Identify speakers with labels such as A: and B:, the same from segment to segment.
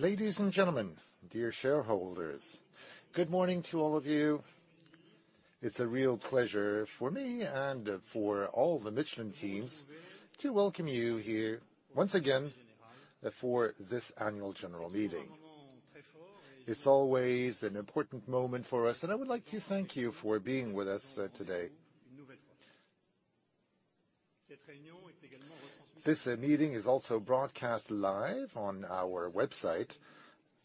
A: Ladies and gentlemen, dear shareholders, good morning to all of you. It's a real pleasure for me and for all the Michelin teams to welcome you here once again for this annual general meeting. It's always an important moment for us, and I would like to thank you for being with us today. This meeting is also broadcast live on our website,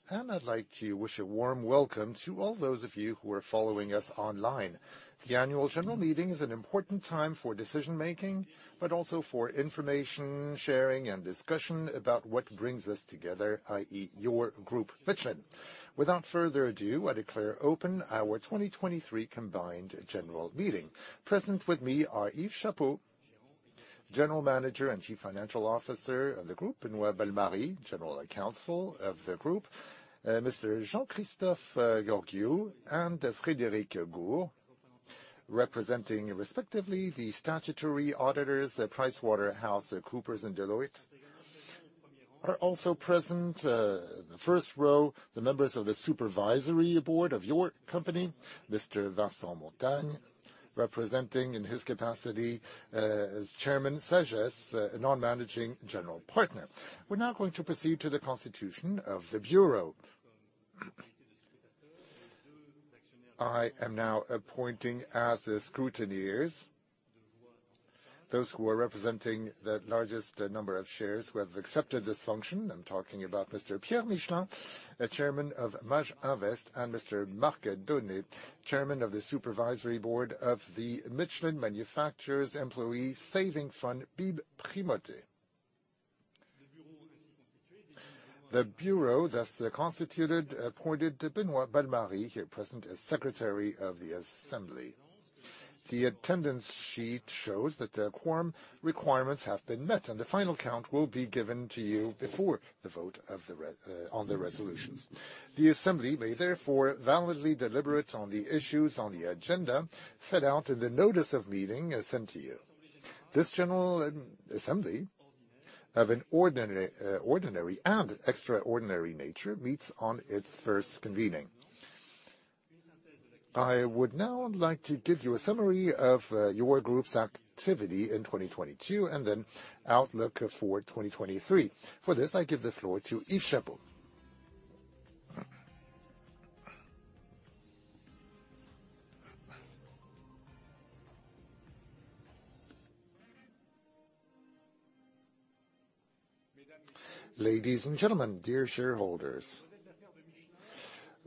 A: and I'd like to wish a warm welcome to all those of you who are following us online. The annual general meeting is an important time for decision-making, but also for information sharing and discussion about what brings us together, i.e., your group, Michelin. Without further ado, I declare open our 2023 combined general meeting. Present with me are Yves Chapot, General Manager and Chief Financial Officer of the group, Benoît Balmary, General Counsel of the group. Jean-Christophe Georghiou, Frédéric Gouët, representing respectively the statutory auditors, PricewaterhouseCoopers and Deloitte. Are also present, the first row, the members of the Supervisory Board of your company, Mr. Vincent Montagne, representing in his capacity as Chairman SAGES, a non-managing general partner. We're now going to proceed to the Constitution of the Bureau. I am now appointing as the scrutineers those who are representing the largest number of shares who have accepted this function. I'm talking about Mr. Pierre Michelin, Chairman of Mage-Invest, and Mr. Marc Donnet, Chairman of the Supervisory Board of the Michelin Manufacturers Employee Savings Fund, BIB Primote. The Bureau thus, the constituted, appointed Benoît Balmary, here present, as Secretary of the Assembly. The attendance sheet shows that the quorum requirements have been met, the final count will be given to you before the vote on the resolutions. The Assembly may therefore validly deliberate on the issues on the agenda set out in the notice of meeting sent to you. This general assembly of an ordinary and extraordinary nature meets on its first convening. I would now like to give you a summary of your Group's activity in 2022 and then outlook for 2023. For this, I give the floor to Yves Chapot.
B: Ladies and gentlemen, dear shareholders.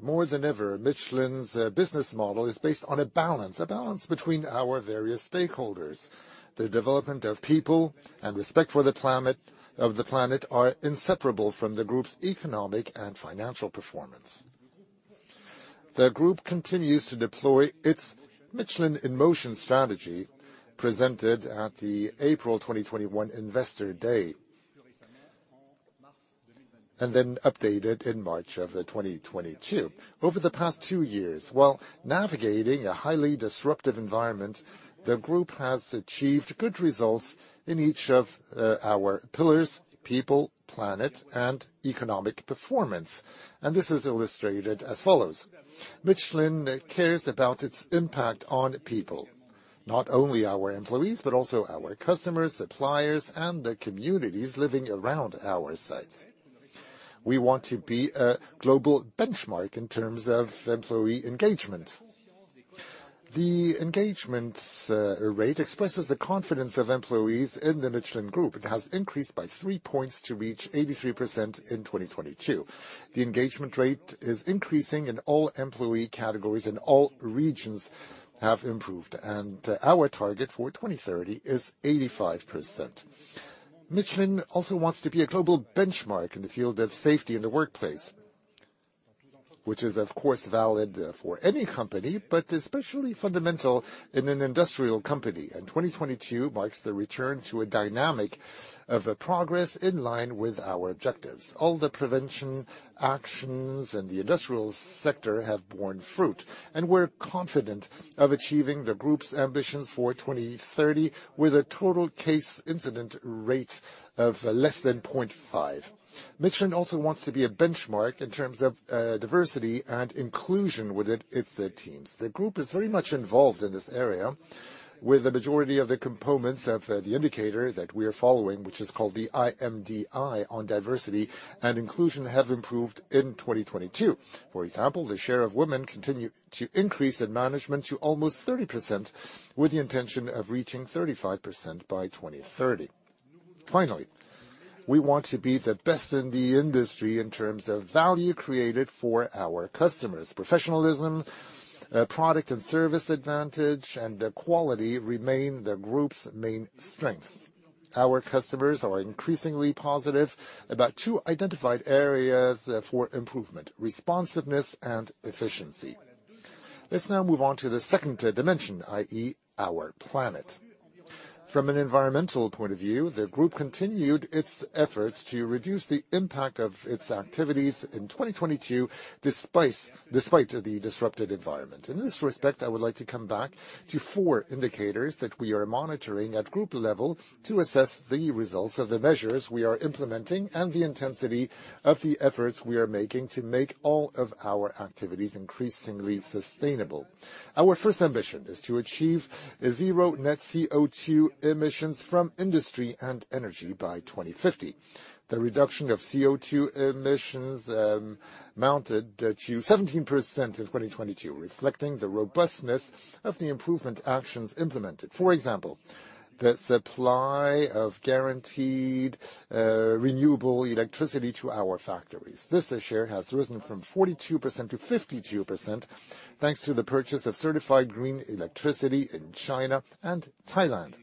B: More than ever, Michelin's business model is based on a balance between our various stakeholders. The development of people and respect for the climate of the planet are inseparable from the Group's economic and financial performance. The Group continues to deploy its Michelin in Motion strategy, presented at the April 2021 Investor Day, and then updated in March of 2022. Over the past 2 years, while navigating a highly disruptive environment, the Group has achieved good results in each of our pillars: people, planet, and economic performance. This is illustrated as follows. Michelin cares about its impact on people, not only our employees, but also our customers, suppliers, and the communities living around our sites. We want to be a global benchmark in terms of employee engagement. The engagement rate expresses the confidence of employees in the Michelin Group. It has increased by 3 points to reach 83% in 2022. The engagement rate is increasing in all employee categories, and all regions have improved. Our target for 2030 is 85%. Michelin also wants to be a global benchmark in the field of safety in the workplace, which is, of course, valid for any company, but especially fundamental in an industrial company. 2022 marks the return to a dynamic of progress in line with our objectives. All the prevention actions in the industrial sector have borne fruit, and we're confident of achieving the Group's ambitions for 2030, with a Total Case Incident Rate of less than 0.5. Michelin also wants to be a benchmark in terms of diversity and inclusion within its teams. The Group is very much involved in this area, with the majority of the components of the indicator that we are following, which is called the IMDI on Diversity and Inclusion, have improved in 2022. For example, the share of women continue to increase in management to almost 30%, with the intention of reaching 35% by 2030. Finally, we want to be the best in the industry in terms of value created for our customers. Professionalism, product and service advantage, the quality remain the Group's main strengths. Our customers are increasingly positive about two identified areas for improvement, responsiveness and efficiency. Let's now move on to the second dimension, i.e., our planet. From an environmental point of view, the Group continued its efforts to reduce the impact of its activities in 2022, despite the disrupted environment. In this respect, I would like to come back to four indicators that we are monitoring at Group level to assess the results of the measures we are implementing and the intensity of the efforts we are making to make all of our activities increasingly sustainable. Our first ambition is to achieve zero net CO2 emissions from industry and energy by 2050. The reduction of CO2 emissions mounted to 17% in 2022, reflecting the robustness of the improvement actions implemented. For example, the supply of guaranteed renewable electricity to our factories. This share has risen from 42% to 52%, thanks to the purchase of certified green electricity in China and Thailand.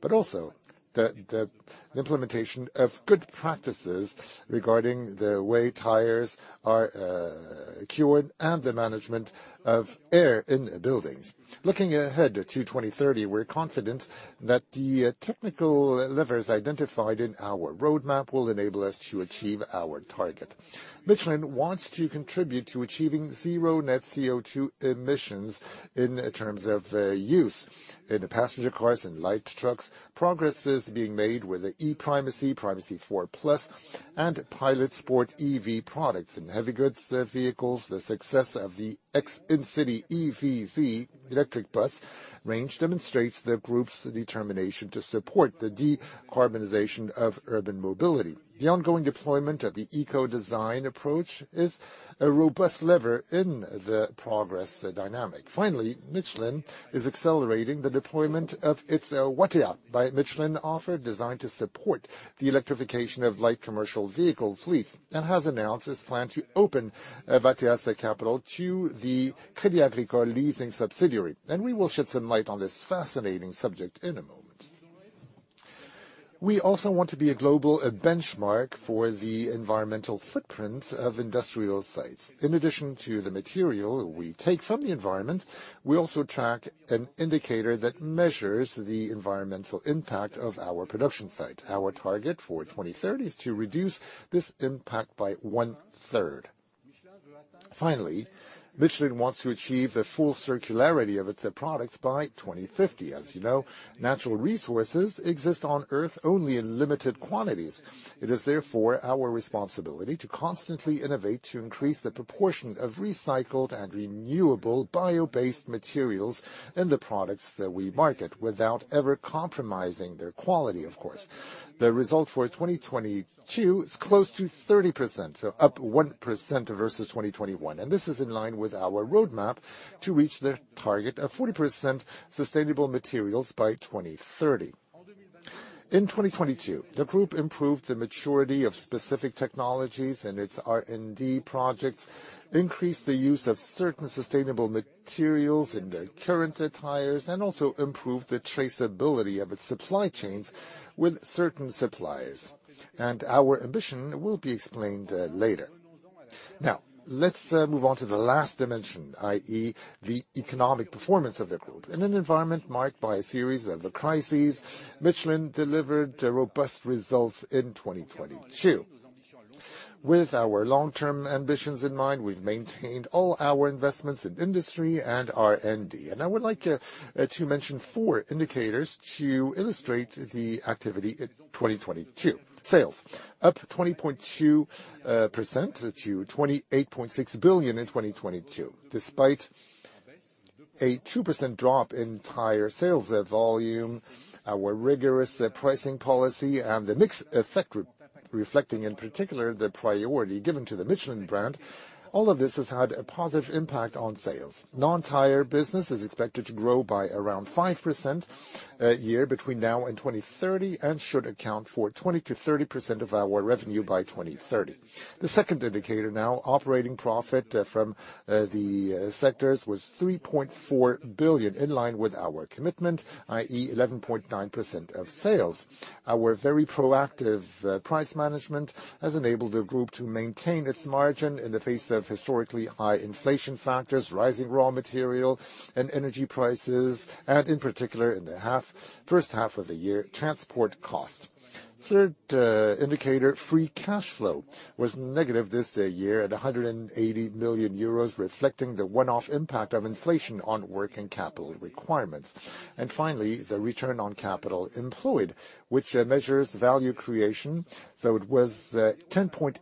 B: But also the implementation of good practices regarding the way tires are cured and the management of air in buildings. Looking ahead to 2030, we're confident that the technical levers identified in our roadmap will enable us to achieve our target. Michelin wants to contribute to achieving zero net CO2 emissions in terms of use. In passenger cars and light trucks, progress is being made with the e.Primacy 4+, and Pilot Sport EV products. In heavy goods vehicles, the success of the X InCity EV Z electric bus range demonstrates the Group's determination to support the decarbonization of urban mobility. The ongoing deployment of the eco-design approach is a robust lever in the progress dynamic. Michelin is accelerating the deployment of its Watèa by Michelin offer designed to support the electrification of light commercial vehicle fleets, and has announced its plan to open Watèa's capital to the Crédit Agricole leasing subsidiary. We will shed some light on this fascinating subject in a moment. We also want to be a global benchmark for the environmental footprint of industrial sites. In addition to the material we take from the environment, we also track an indicator that measures the environmental impact of our production site. Our target for 2030 is to reduce this impact by one-third. Michelin wants to achieve the full circularity of its products by 2050. As you know, natural resources exist on Earth only in limited quantities. It is therefore our responsibility to constantly innovate, to increase the proportion of recycled and renewable bio-based materials in the products that we market without ever compromising their quality, of course. The result for 2022 is close to 30%, up 1% versus 2021. This is in line with our roadmap to reach the target of 40% sustainable materials by 2030. In 2022, the Group improved the maturity of specific technologies in its R&D projects, increased the use of certain sustainable materials in the current tires, and also improved the traceability of its supply chains with certain suppliers. Our ambition will be explained later. Now, let's move on to the last dimension, i.e., the economic performance of the Group. In an environment marked by a series of crises, Michelin delivered robust results in 2022. With our long-term ambitions in mind, we've maintained all our investments in industry and R&D. I would like to mention four indicators to illustrate the activity in 2022. Sales, up to 20.2% to 28.6 billion in 2022. Despite a 2% drop in tire sales volume, our rigorous pricing policy and the mix effect reflecting in particular the priority given to the Michelin brand. All of this has had a positive impact on sales. Non-tire business is expected to grow by around 5% a year between now and 2030, and should account for 20%-30% of our revenue by 2030. The second indicator now, operating profit from the sectors, was 3.4 billion, in line with our commitment, i.e., 11.9% of sales. Our very proactive price management has enabled the Group to maintain its margin in the face of historically high inflation factors, rising raw material and energy prices, and in particular in the first half of the year, transport costs. Third indicator, free cash flow, was negative this year at 180 million euros, reflecting the one-off impact of inflation on working capital requirements. Finally, the return on capital employed, which measures value creation. It was 10.8%,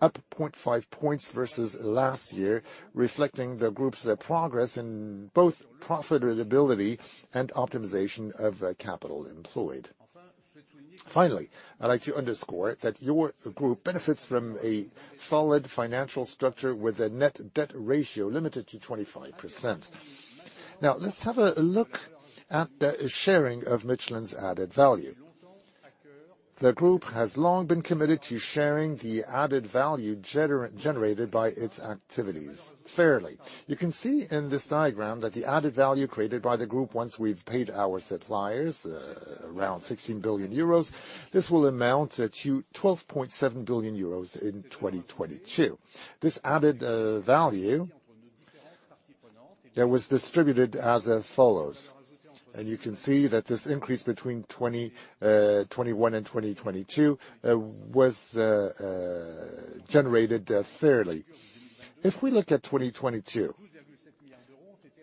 B: up 0.5 points versus last year, reflecting the Group's progress in both profitability and optimization of capital employed. Finally, I'd like to underscore that your Group benefits from a solid financial structure with a net debt ratio limited to 25%. Now, let's have a look at the sharing of Michelin's added value. The Group has long been committed to sharing the added value generated by its activities fairly. You can see in this diagram that the added value created by the Group, once we've paid our suppliers, 16 billion euros, this will amount to 12.7 billion euros in 2022. This added value that was distributed as follows. You can see that this increase between 2021 and 2022 was generated fairly. If we look at 2022,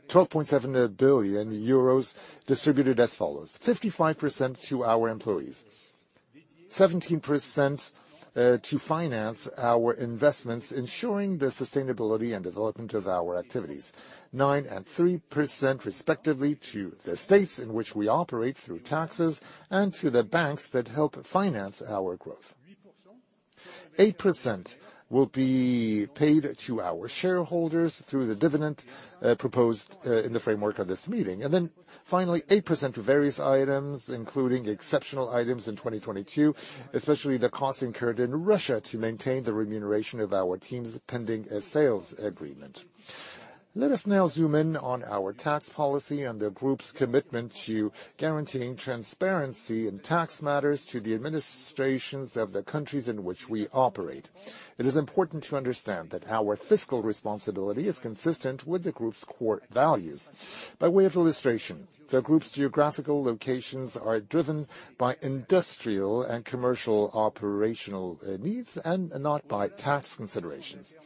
B: 12.7 billion euros distributed as follows: 55% to our employees, 17% to finance our investments ensuring the sustainability and development of our activities, 9% and 3% respectively to the states in which we operate through taxes and to the banks that help finance our growth. 8% will be paid to our shareholders through the dividend proposed in the framework of this meeting. Finally, 8% to various items, including exceptional items in 2022, especially the costs incurred in Russia to maintain the remuneration of our teams pending a sales agreement. Let us now zoom in on our tax policy and the group's commitment to guaranteeing transparency in tax matters to the administrations of the countries in which we operate. It is important to understand that our fiscal responsibility is consistent with the group's core values. By way of illustration, the group's geographical locations are driven by industrial and commercial operational needs and not by tax considerations.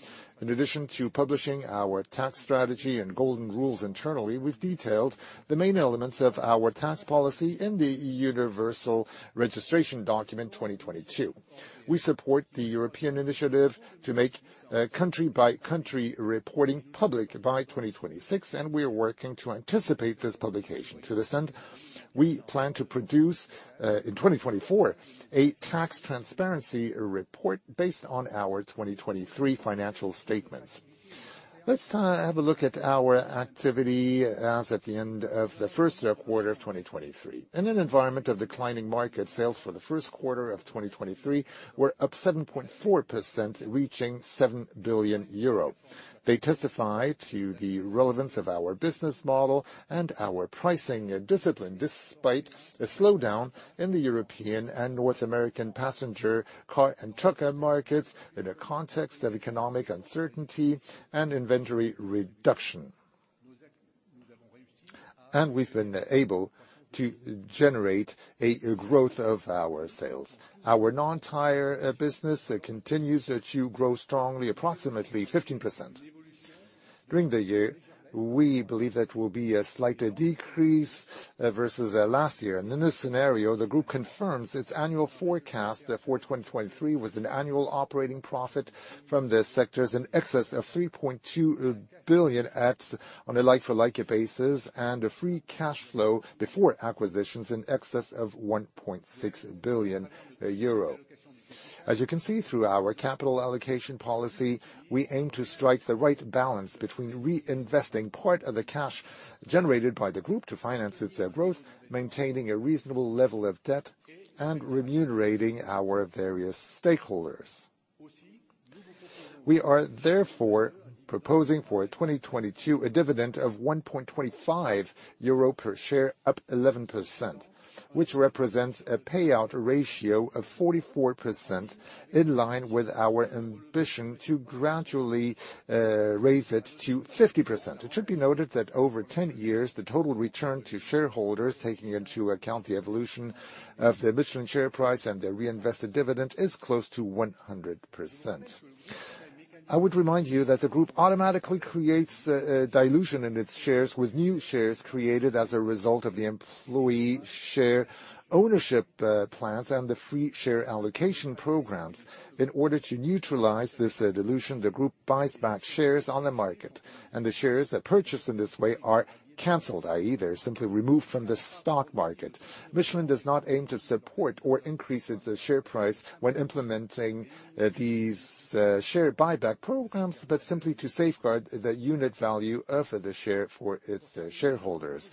B: In addition to publishing our tax strategy and golden rules internally, we've detailed the main elements of our tax policy in the universal registration document 2022. We support the European initiative to make country-by-country reporting public by 2026. We are working to anticipate this publication. To this end, we plan to produce in 2024 a tax transparency report based on our 2023 financial statements. Let's have a look at our activity as at the end of the first quarter of 2023. In an environment of declining market, sales for the first quarter of 2023 were up 7.4%, reaching 7 billion euro. They testify to the relevance of our business model and our pricing discipline, despite a slowdown in the European and North American passenger car and trucker markets in a context of economic uncertainty and inventory reduction. We've been able to generate a growth of our sales. Our non-tire business continues to grow strongly, approximately 15%. During the year, we believe that will be a slight decrease versus last year. In this scenario, the group confirms its annual forecast for 2023 with an annual operating profit from the sectors in excess of 3.2 billion on a like-for-like basis, and a free cash flow before acquisitions in excess of 1.6 billion euro. As you can see through our capital allocation policy, we aim to strike the right balance between reinvesting part of the cash generated by the group to finance its growth, maintaining a reasonable level of debt and remunerating our various stakeholders. We are therefore proposing for 2022 a dividend of 1.25 euro per share, up 11%, which represents a payout ratio of 44% in line with our ambition to gradually raise it to 50%. It should be noted that over 10 years, the total return to shareholders, taking into account the evolution of the Michelin share price and the reinvested dividend, is close to 100%. I would remind you that the group automatically creates dilution in its shares with new shares created as a result of the employee share ownership plans and the free share allocation programs. In order to neutralize this dilution, the group buys back shares on the market, and the shares that purchase in this way are canceled, i.e., they're simply removed from the stock market. Michelin does not aim to support or increase its share price when implementing these share buyback programs, but simply to safeguard the unit value of the share for its shareholders.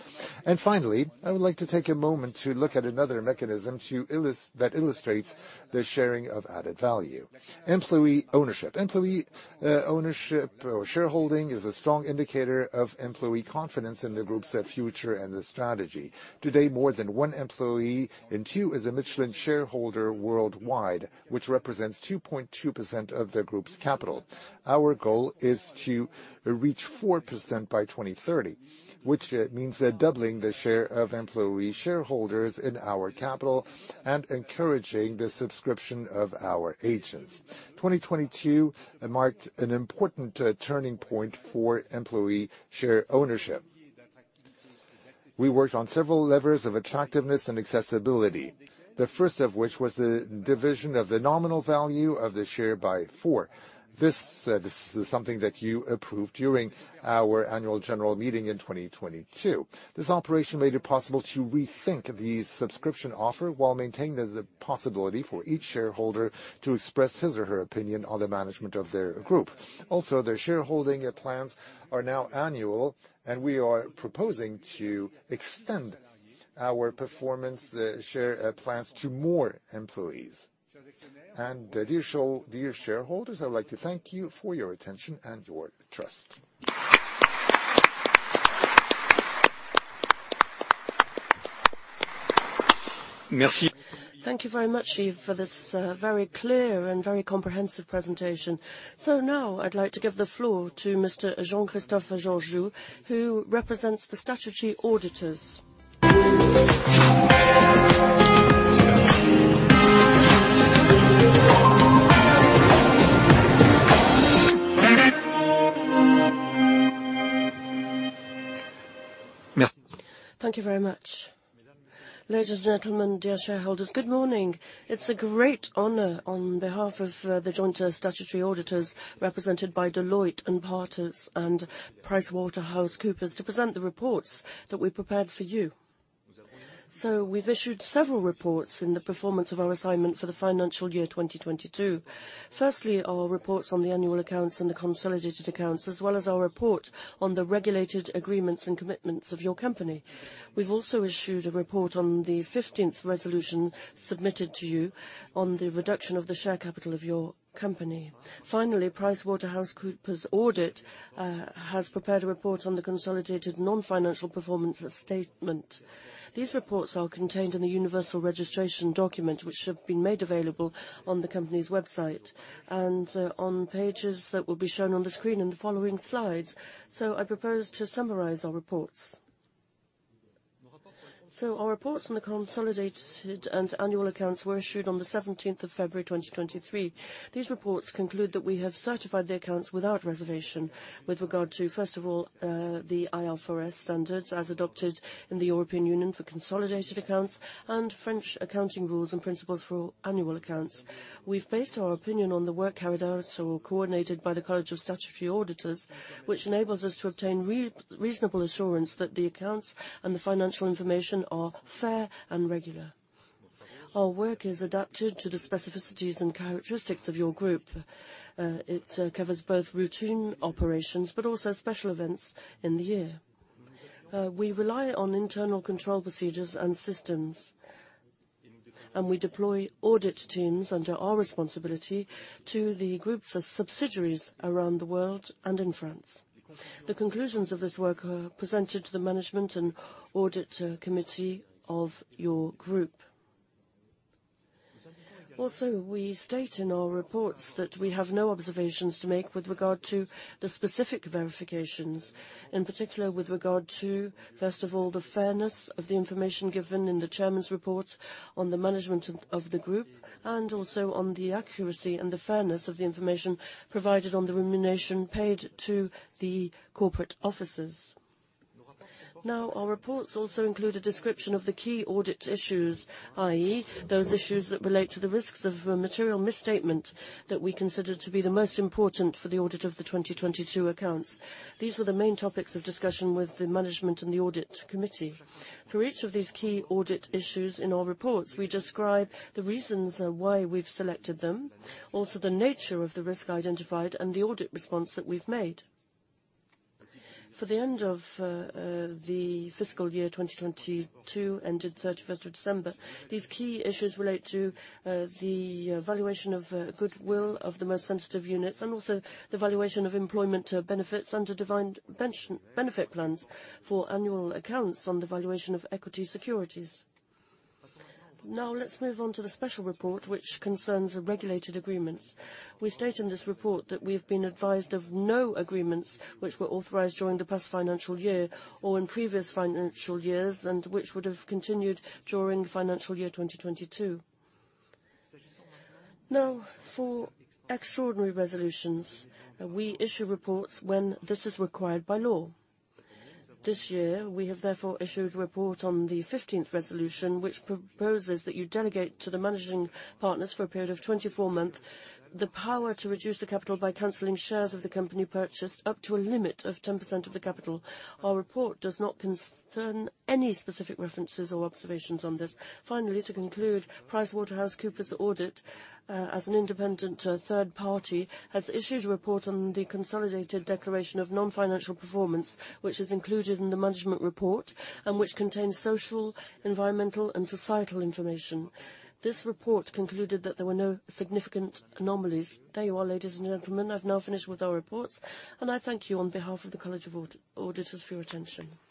B: Finally, I would like to take a moment to look at another mechanism that illustrates the sharing of added value. Employee ownership. Employee ownership or shareholding is a strong indicator of employee confidence in the group's future and the strategy. Today, more than one employee in 2 is a Michelin shareholder worldwide, which represents 2.2% of the group's capital. Our goal is to reach 4% by 2030, which means doubling the share of employee shareholders in our capital and encouraging the subscription of our agents. 2022 marked an important turning point for employee share ownership. We worked on several levers of attractiveness and accessibility, the first of which was the division of the nominal value of the share by 4. This is something that you approved during our annual general meeting in 2022. This operation made it possible to rethink the subscription offer while maintaining the possibility for each shareholder to express his or her opinion on the management of the group. The shareholding plans are now annual, and we are proposing to extend our performance, share, plans to more employees. Dear shareholders, I would like to thank you for your attention and your trust.
C: Thank you very much, Yves, for this very clear and very comprehensive presentation. Now I'd like to give the floor to Mr. Jean-Christophe Georghiou, who represents the statutory auditors.
D: Thank you very much. Ladies and gentlemen, dear shareholders, good morning. It's a great honor on behalf of the joint statutory auditors represented by Deloitte & Touche and PricewaterhouseCoopers to present the reports that we prepared for you. We've issued several reports in the performance of our assignment for the financial year 2022. Firstly, our reports on the annual accounts and the consolidated accounts, as well as our report on the regulated agreements and commitments of your company. We've also issued a report on the 15th resolution submitted to you on the reduction of the share capital of your company. Finally, PricewaterhouseCoopers audit has prepared a report on the consolidated non-financial performance statement. These reports are contained in the universal registration document, which have been made available on the company's website and on pages that will be shown on the screen in the following slides. I propose to summarize our reports. Our reports on the consolidated and annual accounts were issued on the 17th of February, 2023. These reports conclude that we have certified the accounts without reservation with regard to, first of all, the IFRS standard as adopted in the European Union for consolidated accounts and French accounting rules and principles for annual accounts. We've based our opinion on the work carried out or coordinated by the College of Statutory Auditors, which enables us to obtain reasonable assurance that the accounts and the financial information are fair and regular. Our work is adapted to the specificities and characteristics of your group. It covers both routine operations, also special events in the year. We rely on internal control procedures and systems, we deploy audit teams under our responsibility to the group's subsidiaries around the world and in France. The conclusions of this work are presented to the management and Audit Committee of your group. We state in our reports that we have no observations to make with regard to the specific verifications, in particular with regard to, first of all, the fairness of the information given in the chairman's report on the management of the Group, also on the accuracy and the fairness of the information provided on the remuneration paid to the corporate offices. Our reports also include a description of the key audit issues, i.e., those issues that relate to the risks of a material misstatement that we consider to be the most important for the audit of the 2022 accounts. These were the main topics of discussion with the management and the Audit Committee. For each of these key audit issues in our reports, we describe the reasons why we've selected them, also the nature of the risk identified and the audit response that we've made. For the end of the fiscal year 2022 ended 31st of December, these key issues relate to the valuation of goodwill of the most sensitive units and also the valuation of employment benefits under defined benefit plans for annual accounts on the valuation of equity securities. Let's move on to the special report which concerns the regulated agreements. We state in this report that we've been advised of no agreements which were authorized during the past financial year or in previous financial years and which would have continued during financial year 2022. For extraordinary resolutions, we issue reports when this is required by law. This year we have therefore issued a report on the 15th resolution, which proposes that you delegate to the managing partners for a period of 24 months, the power to reduce the capital by canceling shares of the company purchased up to a limit of 10% of the capital. Our report does not concern any specific references or observations on this. Finally, to conclude, PricewaterhouseCoopers Audit, as an independent, third party, has issued a report on the consolidated declaration of non-financial performance, which is included in the management report and which contains social, environmental, and societal information. This report concluded that there were no significant anomalies. There you are, ladies and gentlemen, I've now finished with our reports, and I thank you on behalf of the College of Auditors for your attention. Thank you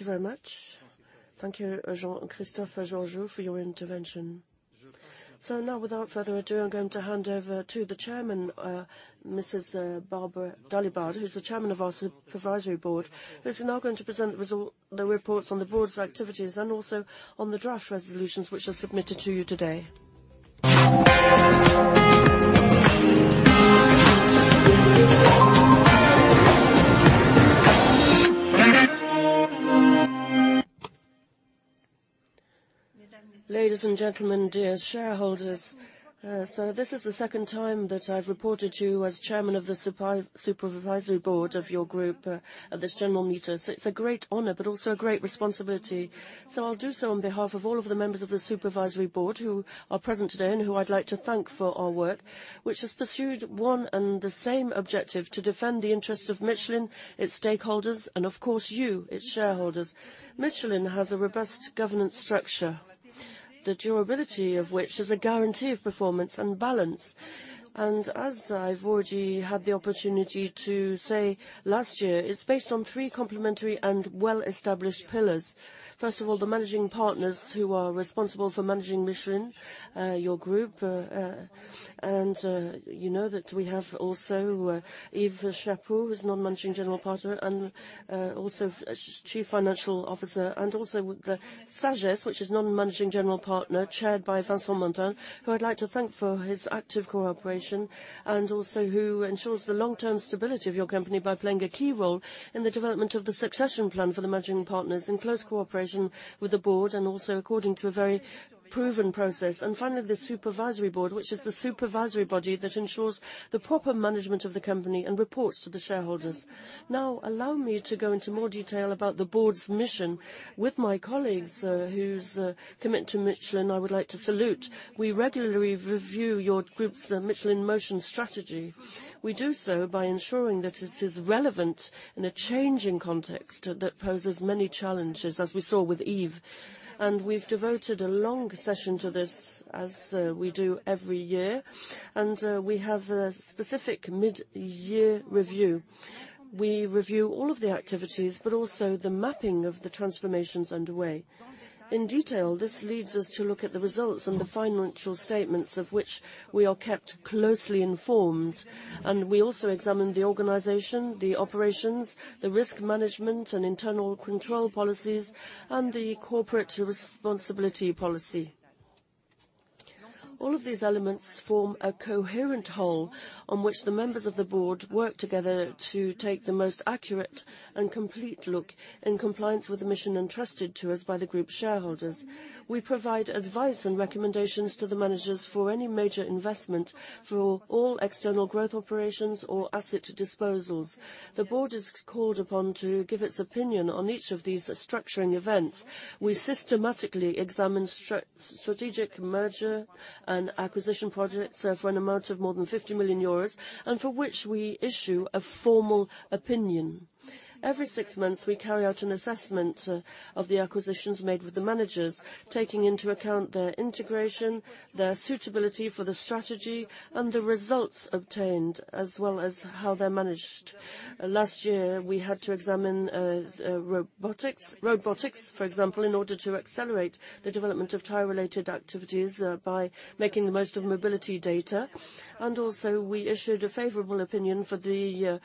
D: very much. Thank you, Jean-Christophe Georghiou, for your intervention. Now without further ado, I'm going to hand over to the Chairwoman, Mrs. Barbara Dalibard, who's the Chairwoman of our Supervisory Board, who's now going to present the reports on the board's activities and also on the draft resolutions which are submitted to you today.
C: Ladies and gentlemen, dear shareholders. This is the second time that I've reported to you as chairman of the supervisory board of your group at this general meeting. It's a great honor, but also a great responsibility. I'll do so on behalf of all of the members of the supervisory board who are present today and who I'd like to thank for our work, which has pursued one and the same objective to defend the interests of Michelin, its stakeholders, and of course you, its shareholders. Michelin has a robust governance structure, the durability of which is a guarantee of performance and balance. As I've already had the opportunity to say last year, it's based on three complementary and well-established pillars. First of all, the managing partners who are responsible for managing Michelin, your group. You know that we have also, Yves Chapot, who's non-managing general partner and also chief financial officer, and also the SAGES, which is non-managing general partner chaired by Vincent Montagne, who I'd like to thank for his active cooperation and also who ensures the long-term stability of your company by playing a key role in the development of the succession plan for the managing partners in close cooperation with the board and also according to a very proven process. Finally, the Supervisory Board, which is the supervisory body that ensures the proper management of the company and reports to the shareholders. Now, allow me to go into more detail about the board's mission with my colleagues, whose commitment to Michelin I would like to salute. We regularly review your group's Michelin in Motion strategy. We do so by ensuring that it is relevant in a changing context that poses many challenges, as we saw with Yves. We've devoted a long session to this, as we do every year, we have a specific mid-year review. We review all of the activities, but also the mapping of the transformations underway. In detail, this leads us to look at the results and the financial statements of which we are kept closely informed. We also examine the organization, the operations, the risk management and internal control policies, and the corporate responsibility policy. All of these elements form a coherent whole on which the members of the board work together to take the most accurate and complete look in compliance with the mission entrusted to us by the group shareholders. We provide advice and recommendations to the managers for any major investment for all external growth operations or asset disposals. The board is called upon to give its opinion on each of these structuring events. We systematically examine strategic merger and acquisition projects for an amount of more than 50 million euros and for which we issue a formal opinion. Every six months, we carry out an assessment of the acquisitions made with the managers, taking into account their integration, their suitability for the strategy, and the results obtained, as well as how they're managed. Last year, we had to examine robotics, for example, in order to accelerate the development of tire-related activities by making the most of mobility data. Also, we issued a favorable opinion for the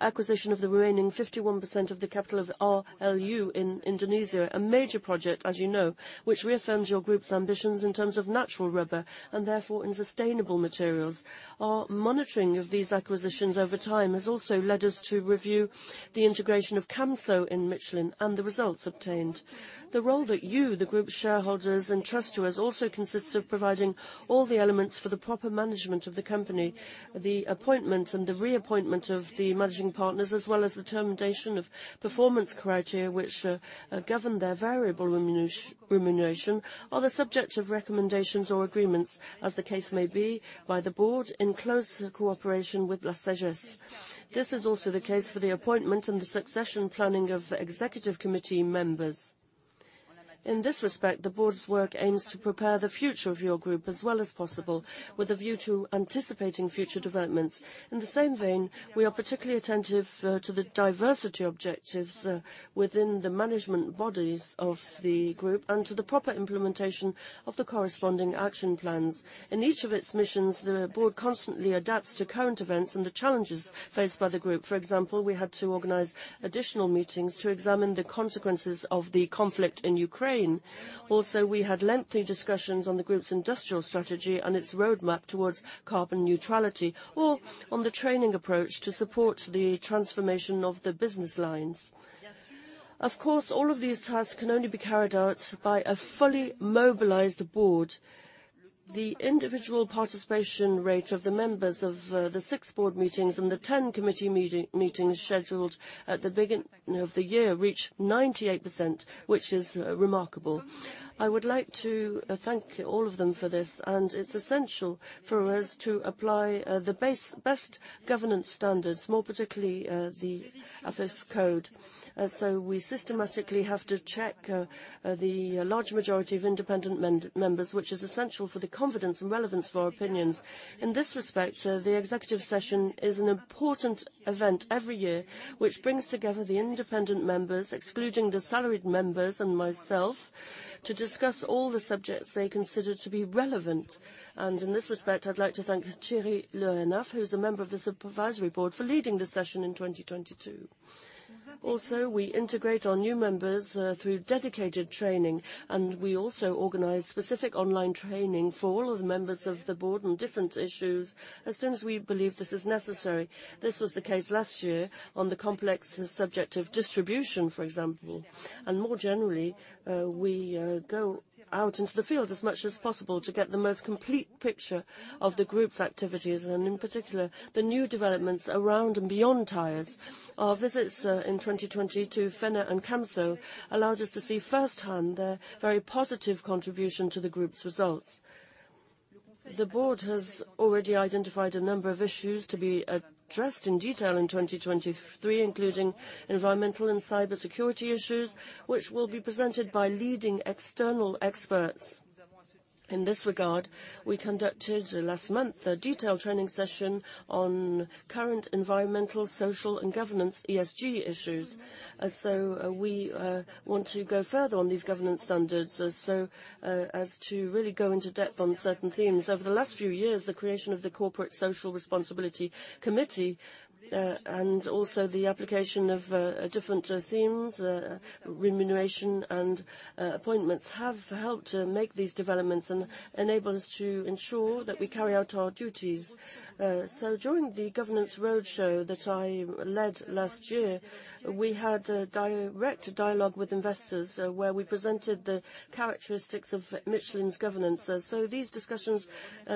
C: acquisition of the remaining 51% of the capital of RLU in Indonesia, a major project, as you know, which reaffirms your group's ambitions in terms of natural rubber and therefore in sustainable materials. Our monitoring of these acquisitions over time has also led us to review the integration of Camso in Michelin and the results obtained. The role that you, the group shareholders, entrust to us also consists of providing all the elements for the proper management of the company. The appointment and the reappointment of the managing partners, as well as the termination of performance criteria which govern their variable remuneration are the subject of recommendations or agreements as the case may be by the board in close cooperation with SAGES. This is also the case for the appointment and the succession planning of executive committee members. In this respect, the board's work aims to prepare the future of your group as well as possible with a view to anticipating future developments. In the same vein, we are particularly attentive to the diversity objectives within the management bodies of the group and to the proper implementation of the corresponding action plans. In each of its missions, the board constantly adapts to current events and the challenges faced by the group. For example, we had to organize additional meetings to examine the consequences of the conflict in Ukraine. We had lengthy discussions on the group's industrial strategy and its roadmap towards carbon neutrality or on the training approach to support the transformation of the business lines. Of course, all of these tasks can only be carried out by a fully mobilized board. The individual participation rate of the members of the 6 board meetings and the 10 committee meetings scheduled at the beginning of the year reached 98%, which is remarkable. I would like to thank all of them for this, and it's essential for us to apply the best governance standards, more particularly, the AFEP-Code. We systematically have to check the large majority of independent members, which is essential for the confidence and relevance of our opinions. In this respect, the executive session is an important event every year, which brings together the independent members, excluding the salaried members and myself, to discuss all the subjects they consider to be relevant. In this respect, I'd like to thank Thierry Le Hénaff, who is a member of the Supervisory Board, for leading this session in 2022. Also, we integrate our new members through dedicated training, and we also organize specific online training for all of the members of the Supervisory Board on different issues as soon as we believe this is necessary. This was the case last year on the complex subject of distribution, for example. More generally, we go out into the field as much as possible to get the most complete picture of the group's activities and in particular, the new developments around and beyond tires. Our visits in 2020 to Fenner and Camso allowed us to see firsthand their very positive contribution to the group's results. The board has already identified a number of issues to be addressed in detail in 2023, including environmental and cybersecurity issues, which will be presented by leading external experts. In this regard, we conducted, last month, a detailed training session on current environmental, social, and governance ESG issues. We want to go further on these governance standards, as to really go into depth on certain themes. Over the last few years, the creation of the Corporate Social Responsibility Committee, and also the application of different themes, remuneration and appointments, have helped to make these developments and enable us to ensure that we carry out our duties. During the governance roadshow that I led last year, we had a direct dialogue with investors, where we presented the characteristics of Michelin's governance. These discussions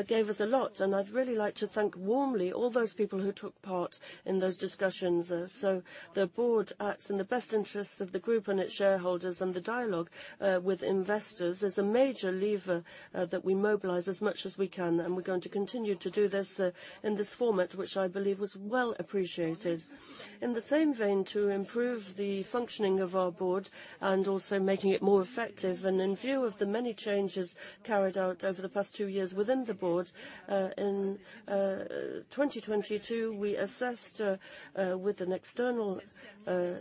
C: gave us a lot, and I'd really like to thank warmly all those people who took part in those discussions. The board acts in the best interests of the group and its shareholders, and the dialogue with investors is a major lever that we mobilize as much as we can. We're going to continue to do this in this format, which I believe was well appreciated. In the same vein, to improve the functioning of our board and also making it more effective, and in view of the many changes carried out over the past two years within the board, in 2022, we assessed with an external firm,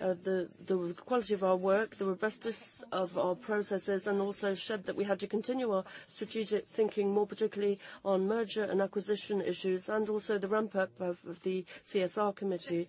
C: the quality of our work, the robustness of our processes, and also showed that we had to continue our strategic thinking, more particularly on merger and acquisition issues, and also the ramp-up of the CSR committee.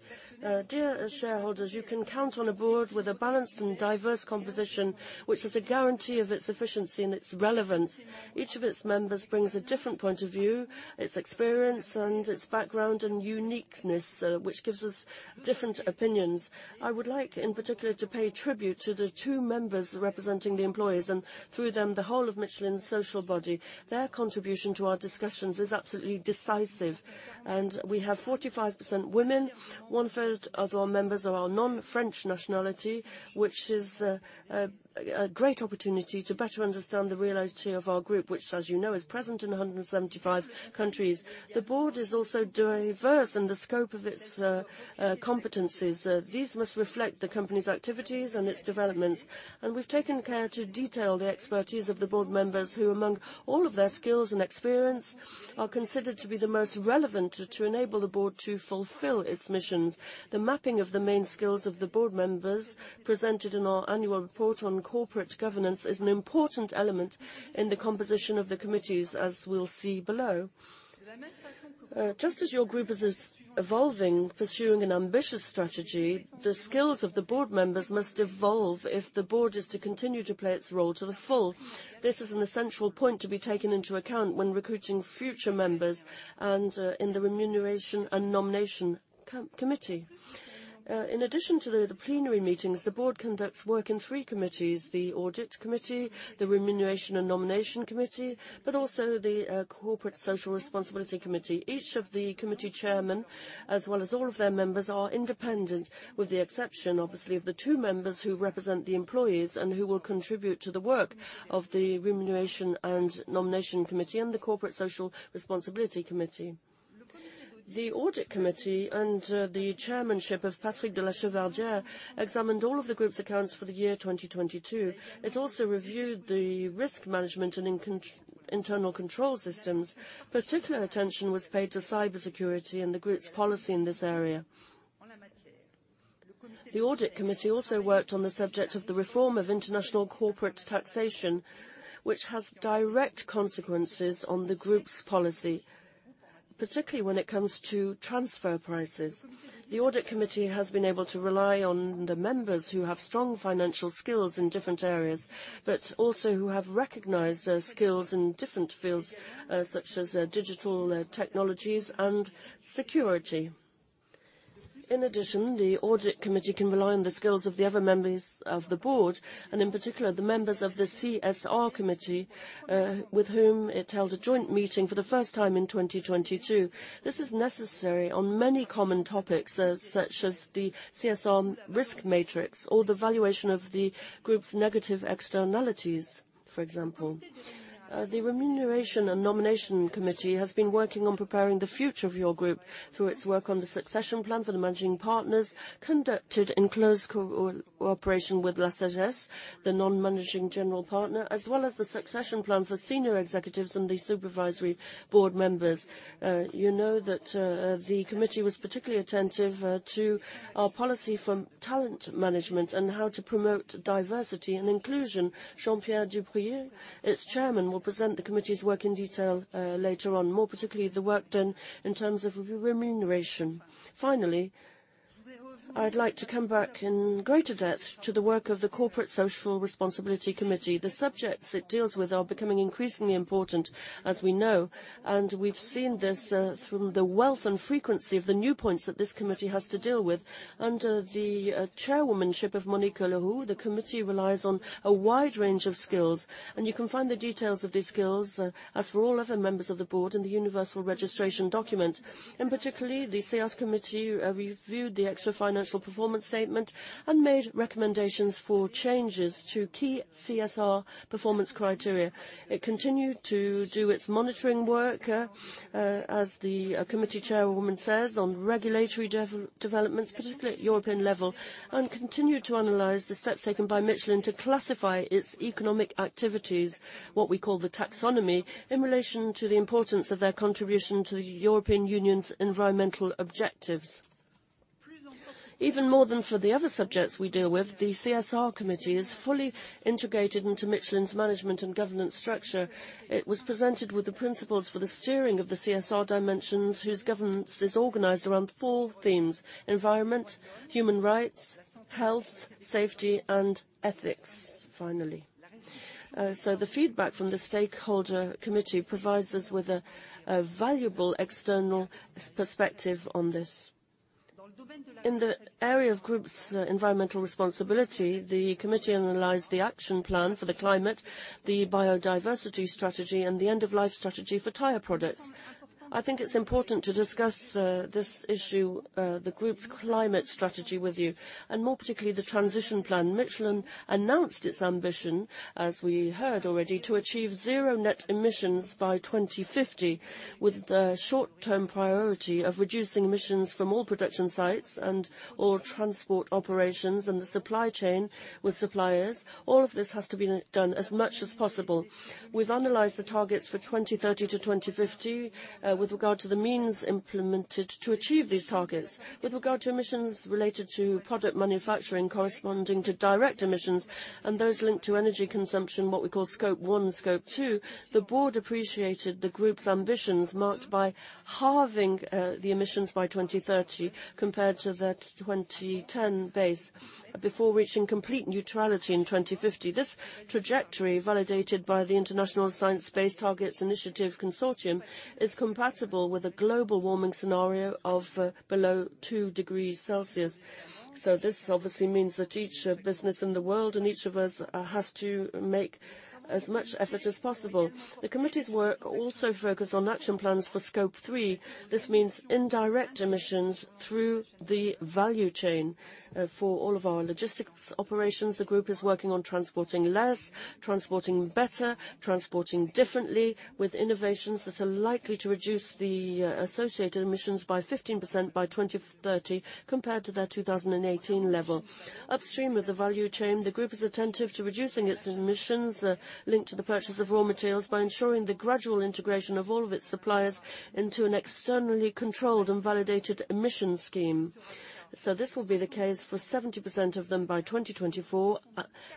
C: Dear shareholders, you can count on a board with a balanced and diverse composition, which is a guarantee of its efficiency and its relevance. Each of its members brings a different point of view, its experience and its background and uniqueness, which gives us different opinions. I would like, in particular, to pay tribute to the two members representing the employees, and through them, the whole of Michelin's social body. Their contribution to our discussions is absolutely decisive. We have 45% women. One-third of our members are of non-French nationality, which is a great opportunity to better understand the reality of our group, which as you know, is present in 175 countries. The board is also diverse in the scope of its competencies. These must reflect the company's activities and its developments. We've taken care to detail the expertise of the board members who, among all of their skills and experience, are considered to be the most relevant to enable the board to fulfill its missions. The mapping of the main skills of the board members presented in our annual report on corporate governance is an important element in the composition of the committees, as we'll see below. Just as your group is evolving, pursuing an ambitious strategy, the skills of the board members must evolve if the board is to continue to play its role to the full. This is an essential point to be taken into account when recruiting future members and in the Remuneration and Nomination Committee. In addition to the plenary meetings, the board conducts work in three committees, the Audit Committee, the Remuneration and Nomination Committee, but also the Corporate Social Responsibility Committee. Each of the committee chairmen, as well as all of their members, are independent, with the exception, obviously, of the two members who represent the employees and who will contribute to the work of the Compensation and Appointments Committee and the Corporate Social Responsibility Committee. The Audit Committee, under the chairmanship of Patrick de La Chevardière, examined all of the group's accounts for the year 2022. It also reviewed the risk management and internal control systems. Particular attention was paid to cybersecurity and the group's policy in this area. The Audit Committee also worked on the subject of the reform of international corporate taxation, which has direct consequences on the group's policy, particularly when it comes to transfer prices. The Audit Committee has been able to rely on the members who have strong financial skills in different areas, but also who have recognized skills in different fields such as digital technologies and security. In addition, the Audit Committee can rely on the skills of the other members of the board, and in particular, the members of the CSR committee with whom it held a joint meeting for the first time in 2022. This is necessary on many common topics such as the CSR risk matrix or the valuation of the group's negative externalities, for example. The Remuneration and Nomination Committee has been working on preparing the future of your group through its work on the succession plan for the managing partners, conducted in close cooperation with SAGESP, the non-managing general partner, as well as the succession plan for senior executives and the Supervisory Board members. You know that the committee was particularly attentive to our policy from talent management and how to promote diversity and inclusion. Jean-Pierre Duprieu, its chairman, will present the committee's work in detail later on, more particularly the work done in terms of remuneration. Finally, I'd like to come back in greater depth to the work of the Corporate Social Responsibility Committee. The subjects it deals with are becoming increasingly important, as we know, and we've seen this through the wealth and frequency of the new points that this committee has to deal with. Under the chairwomanship of Monique Leroux, the committee relies on a wide range of skills, and you can find the details of these skills, as for all other members of the board, in the universal registration document. In particularly, the CSR committee reviewed the extra-financial performance statement and made recommendations for changes to key CSR performance criteria. It continued to do its monitoring work, as the committee chairwoman says, on regulatory developments, particularly at European level, and continued to analyze the steps taken by Michelin to classify its economic activities, what we call the taxonomy, in relation to the importance of their contribution to the European Union's environmental objectives. Even more than for the other subjects we deal with, the CSR committee is fully integrated into Michelin's management and governance structure. It was presented with the principles for the steering of the CSR dimensions, whose governance is organized around four themes: environment, human rights, health, safety, and ethics, finally. The feedback from the stakeholder committee provides us with a valuable external perspective on this. In the area of Group's environmental responsibility, the committee analyzed the action plan for the climate, the biodiversity strategy, and the end-of-life strategy for tire products. I think it's important to discuss this issue, the Group's climate strategy with you, and more particularly, the transition plan. Michelin announced its ambition, as we heard already, to achieve zero net emissions by 2050, with the short-term priority of reducing emissions from all production sites and all transport operations in the supply chain with suppliers. All of this has to be done as much as possible. We've analyzed the targets for 2030 to 2050 with regard to the means implemented to achieve these targets. With regard to emissions related to product manufacturing corresponding to direct emissions and those linked to energy consumption, what we call Scope 1, Scope 2, the Board appreciated the Group's ambitions marked by halving the emissions by 2030 compared to the 2010 base, before reaching complete neutrality in 2050. This trajectory, validated by the international Science Based Targets initiative consortium, is compatible with a global warming scenario of below 2 degrees Celsius. This obviously means that each business in the world and each of us has to make as much effort as possible. The committee's work also focus on action plans for Scope 3. This means indirect emissions through the value chain. For all of our logistics operations, the Group is working on transporting less, transporting better, transporting differently, with innovations that are likely to reduce the associated emissions by 15% by 2030 compared to their 2018 level. Upstream of the value chain, the Group is attentive to reducing its emissions linked to the purchase of raw materials by ensuring the gradual integration of all of its suppliers into an externally controlled and validated emission scheme. This will be the case for 70% of them by 2024.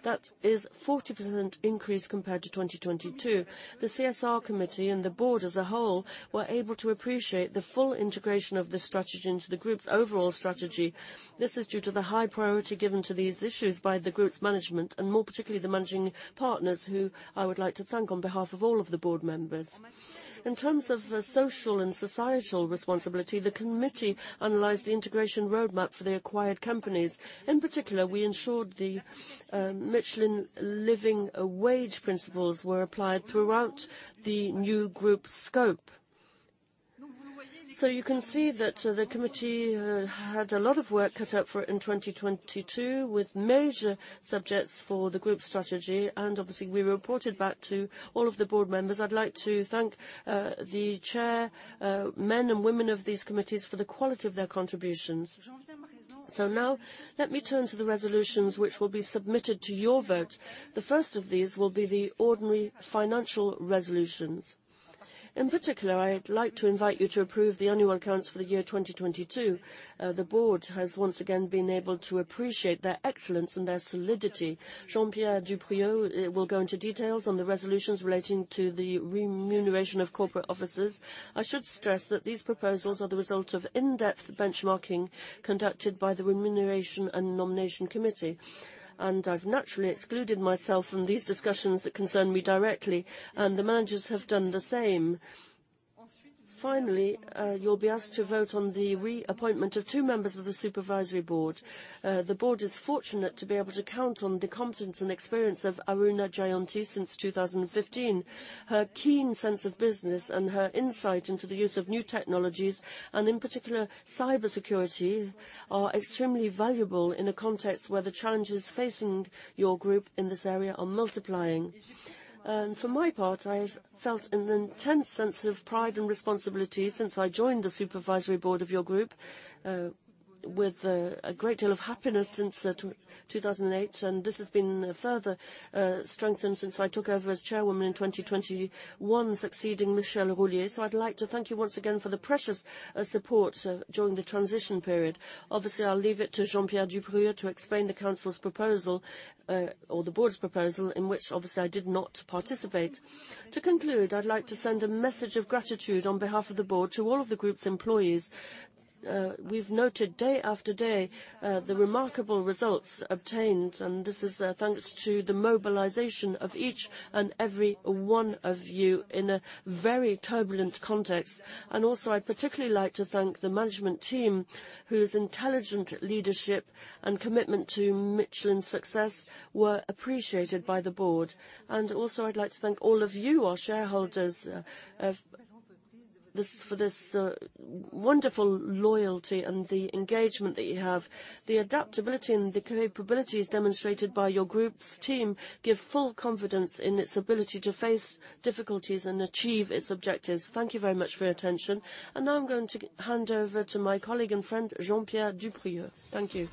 C: That is 40% increase compared to 2022. The CSR Committee and the Board as a whole were able to appreciate the full integration of this strategy into the Group's overall strategy. This is due to the high priority given to these issues by the Group's management, and more particularly the managing partners, who I would like to thank on behalf of all of the board members. In terms of the social and societal responsibility, the committee analyzed the integration roadmap for the acquired companies. In particular, we ensured the Michelin living wage principles were applied throughout the new Group scope. You can see that the committee had a lot of work cut out for in 2022 with major subjects for the Group strategy, and obviously, we reported back to all of the board members. I'd like to thank the chair men and women of these committees for the quality of their contributions. Now let me turn to the resolutions which will be submitted to your vote. The first of these will be the ordinary financial resolutions. In particular, I'd like to invite you to approve the annual accounts for the year 2022. The board has once again been able to appreciate their excellence and their solidity. Jean-Pierre Duprieu will go into details on the resolutions relating to the remuneration of corporate officers. I should stress that these proposals are the result of in-depth benchmarking conducted by the Compensation and Appointments Committee. I've naturally excluded myself from these discussions that concern me directly, and the managers have done the same. Finally, you'll be asked to vote on the reappointment of 2 members of the Supervisory Board. The board is fortunate to be able to count on the competence and experience of Aruna Jayanthi since 2015. Her keen sense of business and her insight into the use of new technologies, and in particular cybersecurity, are extremely valuable in a context where the challenges facing your Group in this area are multiplying. For my part, I've felt an intense sense of pride and responsibility since I joined the Supervisory Board of your Group, with a great deal of happiness since 2008, and this has been further strengthened since I took over as chairwoman in 2021, succeeding Michel Rollier. I'd like to thank you once again for the precious support during the transition period. I'll leave it to Jean-Pierre Duprieu to explain the council's proposal, or the board's proposal, in which obviously I did not participate. To conclude, I'd like to send a message of gratitude on behalf of the board to all of the Group's employees. We've noted day after day, the remarkable results obtained, and this is thanks to the mobilization of each and every one of you in a very turbulent context. I'd particularly like to thank the management team, whose intelligent leadership and commitment to Michelin success were appreciated by the board. I'd like to thank all of you, our shareholders, for this, wonderful loyalty and the engagement that you have. The adaptability and the capabilities demonstrated by your Group's team give full confidence in its ability to face difficulties and achieve its objectives. Thank you very much for your attention. I'm going to hand over to my colleague and friend, Jean-Pierre Duprieu. Thank you.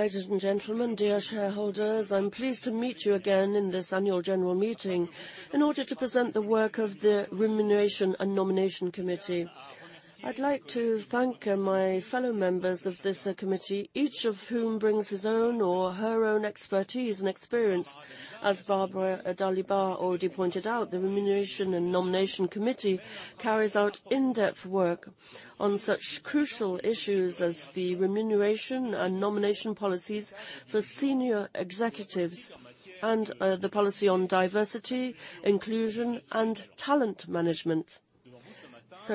E: Ladies and gentlemen, dear shareholders, I'm pleased to meet you again in this annual general meeting in order to present the work of the Remuneration and Nomination Committee. I'd like to thank my fellow members of this committee, each of whom brings his own or her own expertise and experience. As Barbara Dalibard already pointed out, the Remuneration and Nomination Committee carries out in-depth work on such crucial issues as the remuneration and nomination policies for senior executives and the policy on diversity, inclusion, and talent management.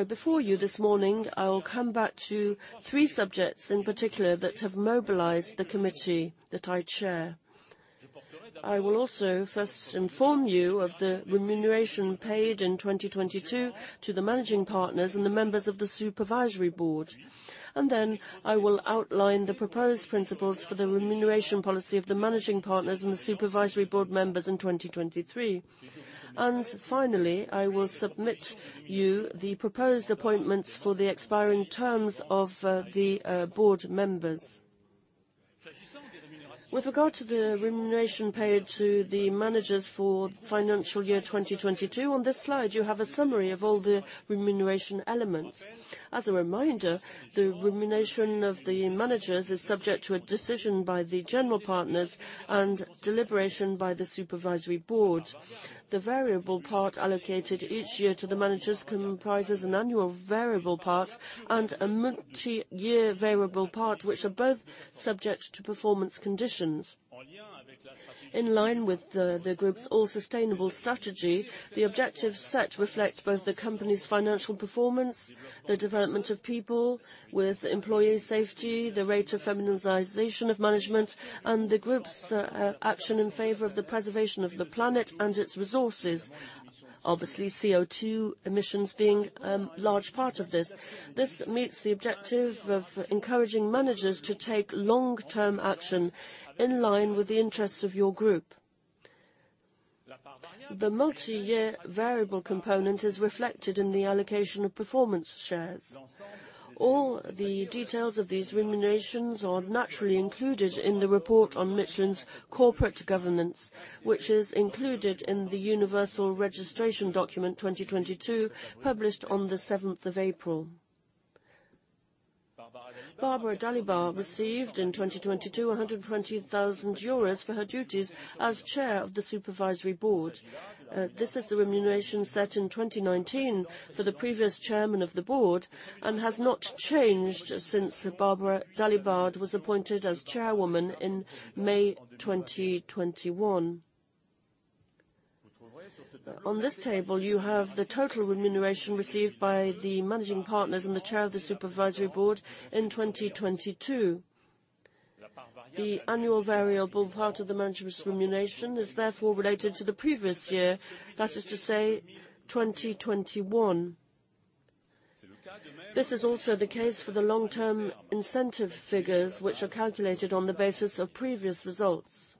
E: Before you this morning, I will come back to three subjects in particular that have mobilized the committee that I chair. I will also first inform you of the remuneration paid in 2022 to the managing partners and the members of the Supervisory Board. I will outline the proposed principles for the remuneration policy of the managing partners and the Supervisory Board members in 2023. Finally, I will submit you the proposed appointments for the expiring terms of the Board members. With regard to the remuneration paid to the managers for financial year 2022, on this slide, you have a summary of all the remuneration elements. As a reminder, the remuneration of the managers is subject to a decision by the General Partners and deliberation by the Supervisory Board. The variable part allocated each year to the managers comprises an annual variable part and a multiyear variable part, which are both subject to performance conditions. In line with the group's All Sustainable strategy, the objectives set reflect both the company's financial performance, the development of people with employee safety, the rate of feminization of management, and the group's action in favor of the preservation of the planet and its resources. Obviously, CO2 emissions being large part of this. This meets the objective of encouraging managers to take long-term action in line with the interests of your group. The multiyear variable component is reflected in the allocation of performance shares. All the details of these remunerations are naturally included in the report on Michelin's corporate governance, which is included in the universal registration document 2022, published on the 7th of April. Barbara Dalibard received in 2022 120,000 euros for her duties as chair of the Supervisory Board. This is the remuneration set in 2019 for the previous chairman of the board and has not changed since Barbara Dalibard was appointed as chairwoman in May 2021. On this table, you have the total remuneration received by the managing partners and the Chair of the Supervisory Board in 2022. The annual variable part of the management's remuneration is therefore related to the previous year, that is to say, 2021. This is also the case for the long-term incentive figures, which are calculated on the basis of previous results.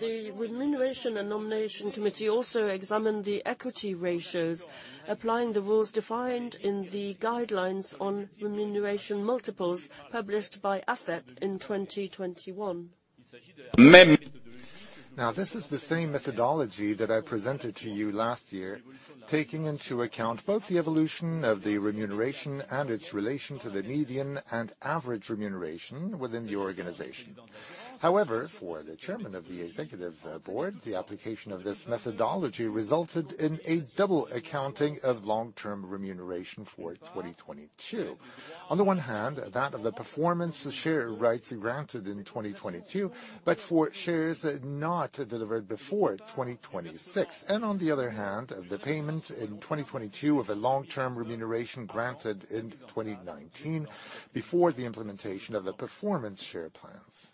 E: The Remuneration and Nomination Committee also examined the equity ratios, applying the rules defined in the guidelines on remuneration multiples published by AFEP in 2021.
A: Now, this is the same methodology that I presented to you last year, taking into account both the evolution of the remuneration and its relation to the median and average remuneration within the organization. However, for the chairman of the executive board, the application of this methodology resulted in a double accounting of long-term remuneration for 2022. On the one hand, that of the performance share rights granted in 2022, but for shares not delivered before 2026. On the other hand, the payment in 2022 of a long-term remuneration granted in 2019 before the implementation of the performance share plans.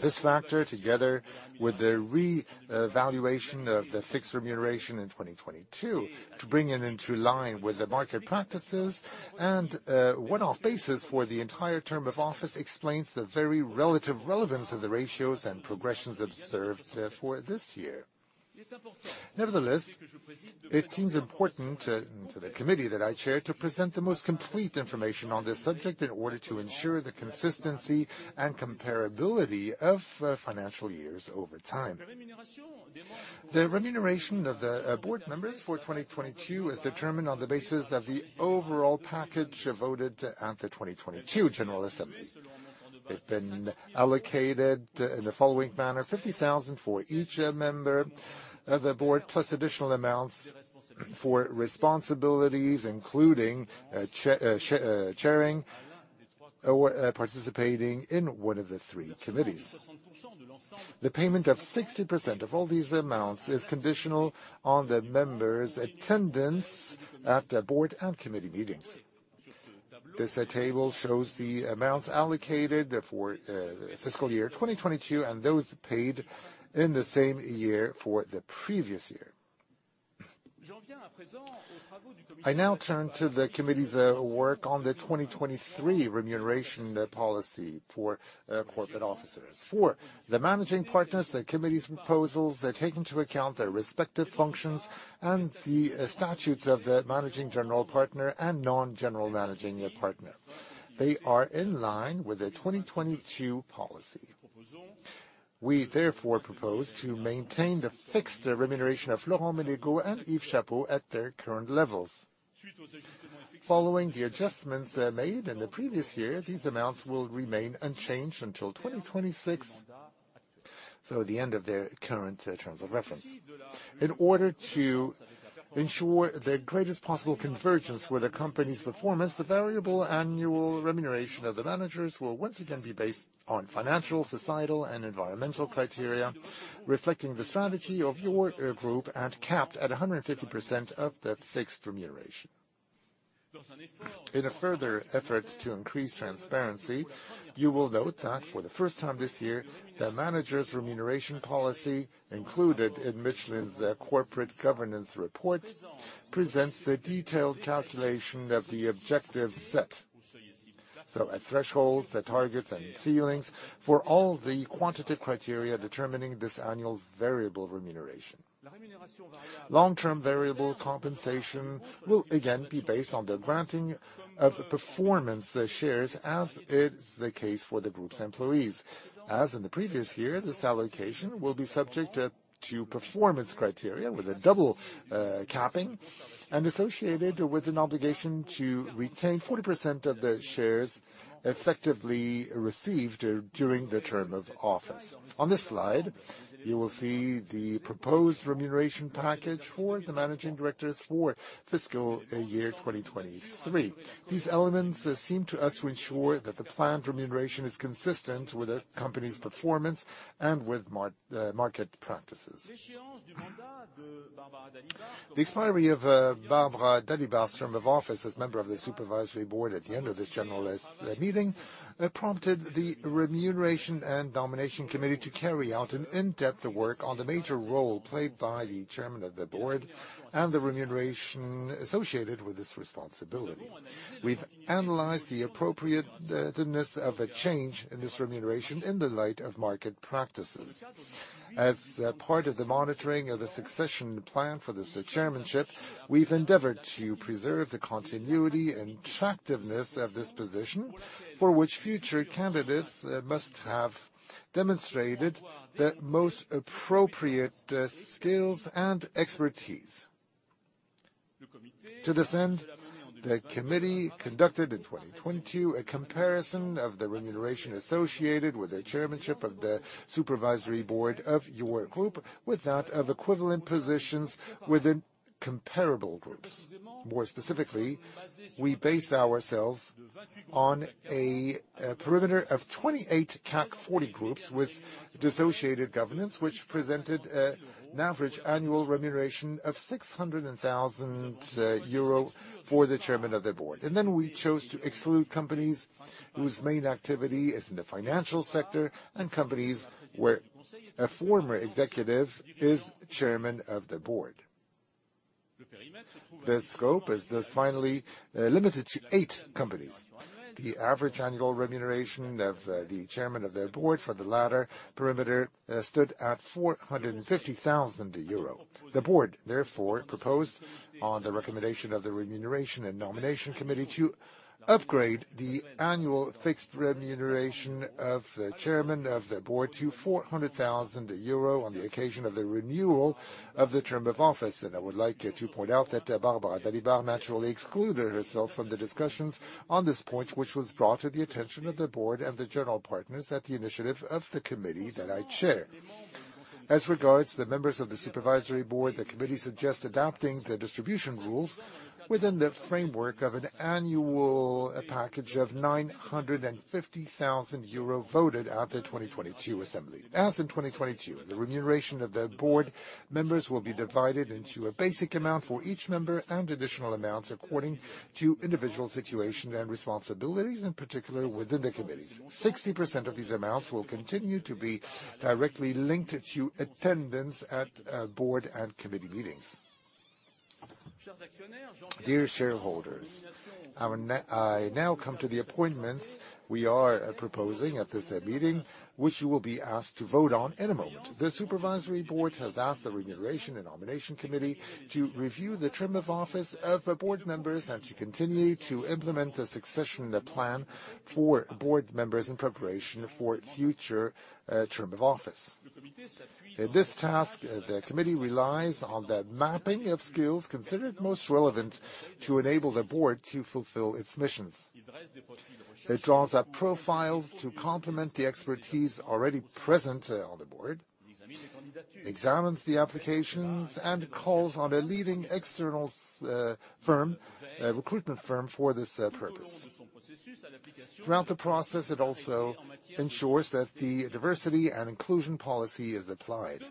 A: This factor, together with the re-evaluation of the fixed remuneration in 2022 to bring it into line with the market practices and one-off basis for the entire term of office, explains the very relative relevance of the ratios and progressions observed for this year. It seems important to the Committee that I chair to present the most complete information on this subject in order to ensure the consistency and comparability of financial years over time. The remuneration of the Board members for 2022 is determined on the basis of the overall package voted at the 2022 general assembly. They've been allocated in the following manner: 50,000 for each member of the Board, plus additional amounts for responsibilities, including chair, chairing or participating in one of the three Committees. The payment of 60% of all these amounts is conditional on the members' attendance at the board and committee meetings. This table shows the amounts allocated for fiscal year 2022 and those paid in the same year for the previous year. I now turn to the committee's work on the 2023 remuneration policy for corporate officers. For the managing partners, the committee's proposals, they take into account their respective functions and the statutes of the managing general partner and non-general managing partner. They are in line with the 2022 policy. We therefore propose to maintain the fixed remuneration of Florent Menegaux and Yves Chapot at their current levels. Following the adjustments made in the previous year, these amounts will remain unchanged until 2026, so the end of their current terms of reference. In order to ensure the greatest possible convergence with the company's performance, the variable annual remuneration of the managers will once again be based on financial, societal, and environmental criteria, reflecting the strategy of your group and capped at 150% of the fixed remuneration. In a further effort to increase transparency, you will note that for the first time this year, the managers' remuneration policy included in Michelin's corporate governance report presents the detailed calculation of the objectives set, at thresholds, the targets, and ceilings for all the quantitative criteria determining this annual variable remuneration. Long-term variable compensation will again be based on the granting of performance shares, as is the case for the group's employees. As in the previous year, this allocation will be subject to performance criteria with a double capping and associated with an obligation to retain 40% of the shares effectively received during the term of office. On this slide, you will see the proposed remuneration package for the managing directors for fiscal year 2023. These elements seem to us to ensure that the planned remuneration is consistent with the company's performance and with market practices. The expiry of Barbara Dalibard term of office as member of the supervisory board at the end of this general meeting prompted the Compensation and Appointments Committee to carry out an in-depth work on the major role played by the chairman of the board and the remuneration associated with this responsibility. We've analyzed the appropriateness of a change in this remuneration in the light of market practices. Part of the monitoring of the succession plan for this chairmanship, we've endeavored to preserve the continuity and attractiveness of this position, for which future candidates must have demonstrated the most appropriate skills and expertise. To this end, the committee conducted in 2022 a comparison of the remuneration associated with the chairmanship of the Supervisory Board of your group with that of equivalent positions within comparable groups. More specifically, we based ourselves on a perimeter of 28 CAC 40 groups with dissociated governance, which presented an average annual remuneration of 600,000 euro for the Chairman of the Board. We chose to exclude companies whose main activity is in the financial sector and companies where a former executive is chairman of the board. The scope is thus finally limited to 8 companies. The average annual remuneration of the chairman of the board for the latter perimeter stood at 450,000 euro. The board therefore proposed on the recommendation of the Compensation and Appointments Committee to upgrade the annual fixed remuneration of the chairman of the board to 400,000 euro on the occasion of the renewal of the term of office. I would like to point out that Barbara Dalibard naturally excluded herself from the discussions on this point, which was brought to the attention of the board and the general partners at the initiative of the committee that I chair. As regards the members of the Supervisory Board, the committee suggests adapting the distribution rules within the framework of an annual package of 950,000 euro voted at the 2022 assembly. As in 2022, the remuneration of the Board members will be divided into a basic amount for each member and additional amounts according to individual situation and responsibilities, in particular within the committees. 60% of these amounts will continue to be directly linked to attendance at Board and committee meetings. Dear shareholders, I now come to the appointments we are proposing at this meeting, which you will be asked to vote on in a moment. The Supervisory Board has asked the Compensation and Appointments Committee to review the term of office of the board members and to continue to implement a succession plan for board members in preparation for future term of office. In this task, the committee relies on the mapping of skills considered most relevant to enable the board to fulfill its missions. It draws up profiles to complement the expertise already present on the board, examines the applications, and calls on a leading external firm, recruitment firm for this purpose. Throughout the process, it also ensures that the diversity and inclusion policy is applied.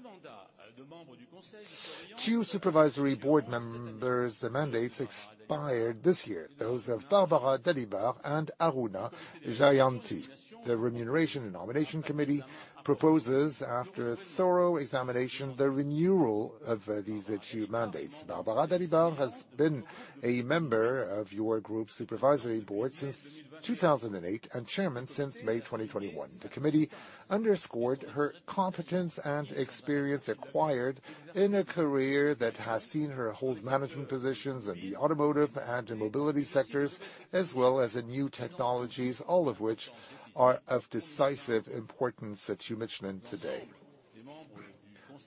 A: Two Supervisory Board members, the mandates expired this year. Those of Barbara Dalibard and Aruna Jayanthi. The Compensation and Appointments Committee proposes, after thorough examination, the renewal of these two mandates. Barbara Dalibard has been a member of your group Supervisory Board since 2008, and Chairman since May 2021. The committee underscored her competence and experience acquired in a career that has seen her hold management positions in the automotive and mobility sectors, as well as in new technologies, all of which are of decisive importance at Michelin today.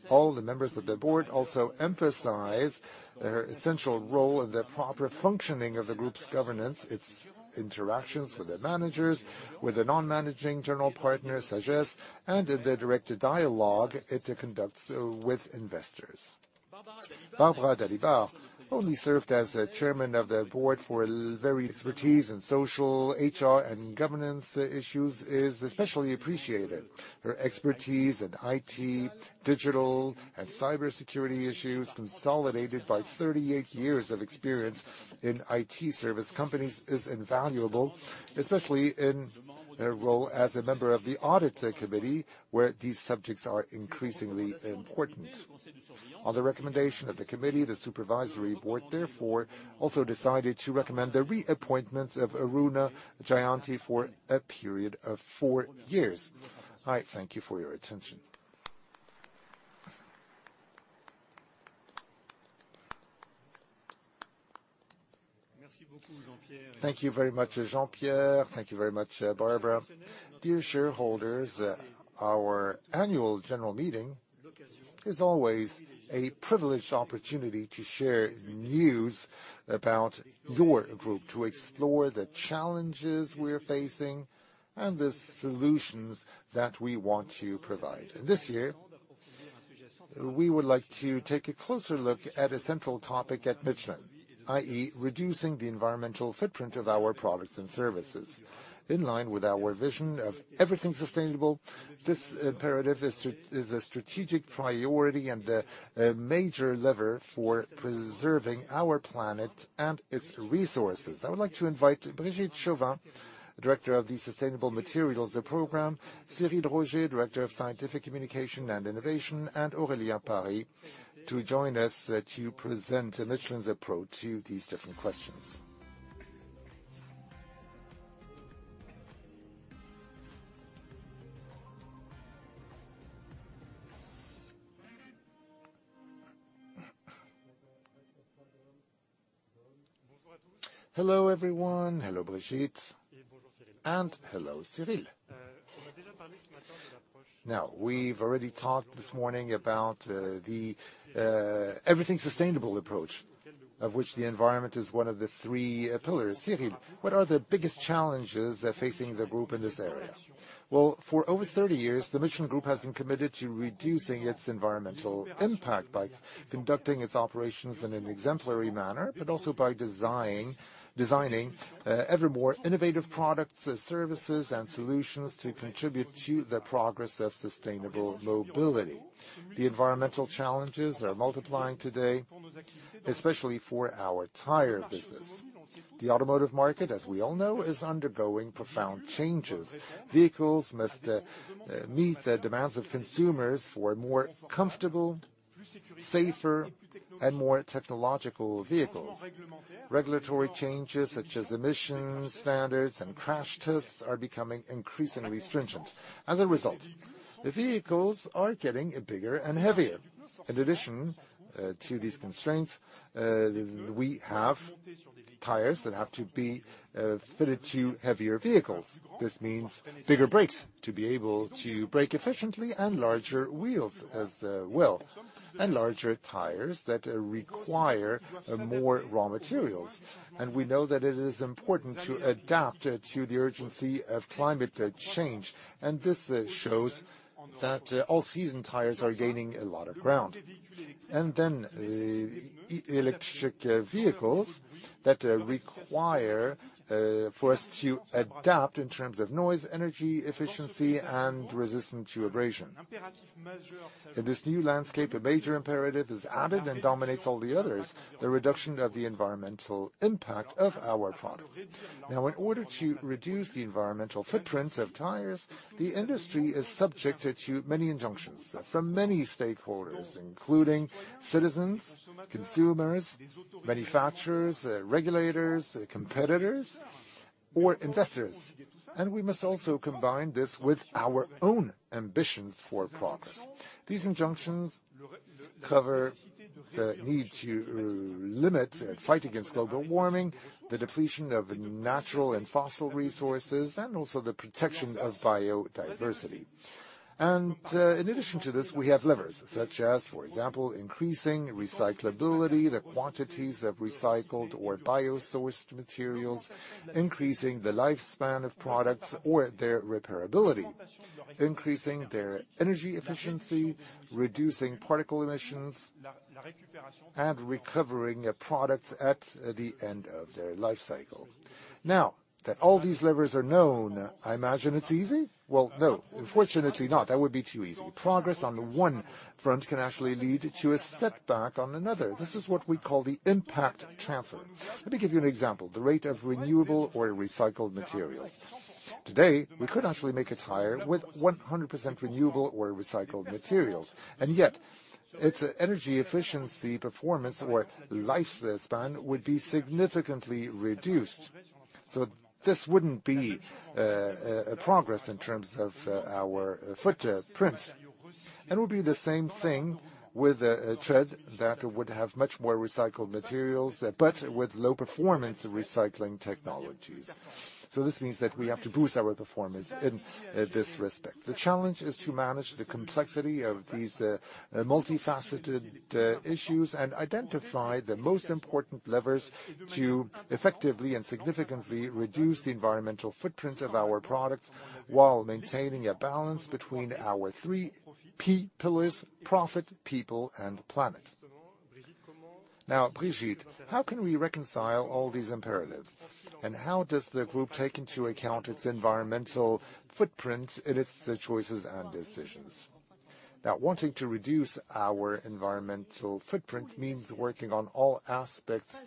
A: All the members of the board also emphasize her essential role in the proper functioning of the group's governance, its interactions with the managers, with the non-managing general partners, SAGES, and in the direct dialogue it conducts with investors. Barbara Dalibard only served as Chairman of the Board for expertise in social, HR, and governance issues is especially appreciated. Her expertise in IT, digital, and cybersecurity issues, consolidated by 38 years of experience in IT service companies, is invaluable, especially in her role as a member of the Audit Committee, where these subjects are increasingly important. On the recommendation of the committee, the Supervisory Board therefore also decided to recommend the reappointment of Aruna Jayanthi for a period of 4 years. I thank you for your attention. Thank you very much, Jean-Pierre. Thank you very much, Barbara. Dear shareholders, our annual general meeting is always a privileged opportunity to share news about your group, to explore the challenges we're facing, and the solutions that we want to provide. This year, we would like to take a closer look at a central topic at Michelin, i.e., reducing the environmental footprint of our products and services. In line with our vision of Everything Sustainable, this imperative is a strategic priority and a major lever for preserving our planet and its resources. I would like to invite Brigitte Chauvin, Director of the Sustainable Materials Program, Cyrille Roget, Director of Scientific Communication and Innovation, and Aurélien Parry to join us to present Michelin's approach to these different questions. Hello, everyone. Hello, Brigitte, and hello, Cyrille. Now, we've already talked this morning about the Everything Sustainable approach, of which the environment is one of the three pillars. Cyrille, what are the biggest challenges facing the group in this area? Well, for over 30 years, the Michelin Group has been committed to reducing its environmental impact by conducting its operations in an exemplary manner, but also by design, designing ever more innovative products, services, and solutions to contribute to the progress of sustainable mobility. The environmental challenges are multiplying today, especially for our tire business. The automotive market, as we all know, is undergoing profound changes. Vehicles must meet the demands of consumers for more comfortable, safer, and more technological vehicles. Regulatory changes such as emission standards and crash tests are becoming increasingly stringent. The vehicles are getting bigger and heavier. In addition, to these constraints, we have tires that have to be fitted to heavier vehicles. This means bigger brakes to be able to brake efficiently, and larger wheels as well, and larger tires that require more raw materials. We know that it is important to adapt to the urgency of climate change, and this shows that all-season tires are gaining a lot of ground. Then, electric vehicles that require for us to adapt in terms of noise, energy efficiency, and resistance to abrasion. In this new landscape, a major imperative is added and dominates all the others, the reduction of the environmental impact of our products. In order to reduce the environmental footprint of tires, the industry is subjected to many injunctions from many stakeholders, including citizens, consumers, manufacturers, regulators, competitors, or investors. We must also combine this with our own ambitions for progress. These injunctions cover the need to limit and fight against global warming, the depletion of natural and fossil resources, and also the protection of biodiversity. In addition to this, we have levers, such as, for example, increasing recyclability, the quantities of recycled or bio-sourced materials, increasing the lifespan of products or their repairability, increasing their energy efficiency, reducing particle emissions, and recovering products at the end of their life cycle. Now that all these levers are known, I imagine it's easy? Well, no. Unfortunately not. That would be too easy. Progress on the one front can actually lead to a setback on another. This is what we call the impact transfer. Let me give you an example. The rate of renewable or recycled materials. Today, we could actually make a tire with 100% renewable or recycled materials, and yet its energy efficiency, performance, or lifespan would be significantly reduced. This wouldn't be a progress in terms of our footprint. It would be the same thing with a tread that would have much more recycled materials, but with low-performance recycling technologies. This means that we have to boost our performance in this respect. The challenge is to manage the complexity of these multifaceted issues and identify the most important levers to effectively and significantly reduce the environmental footprint of our products while maintaining a balance between our three key pillars: profit, People, and Planet. Brigitte, how can we reconcile all these imperatives? How does the Group take into account its environmental footprint in its choices and decisions? Wanting to reduce our environmental footprint means working on all aspects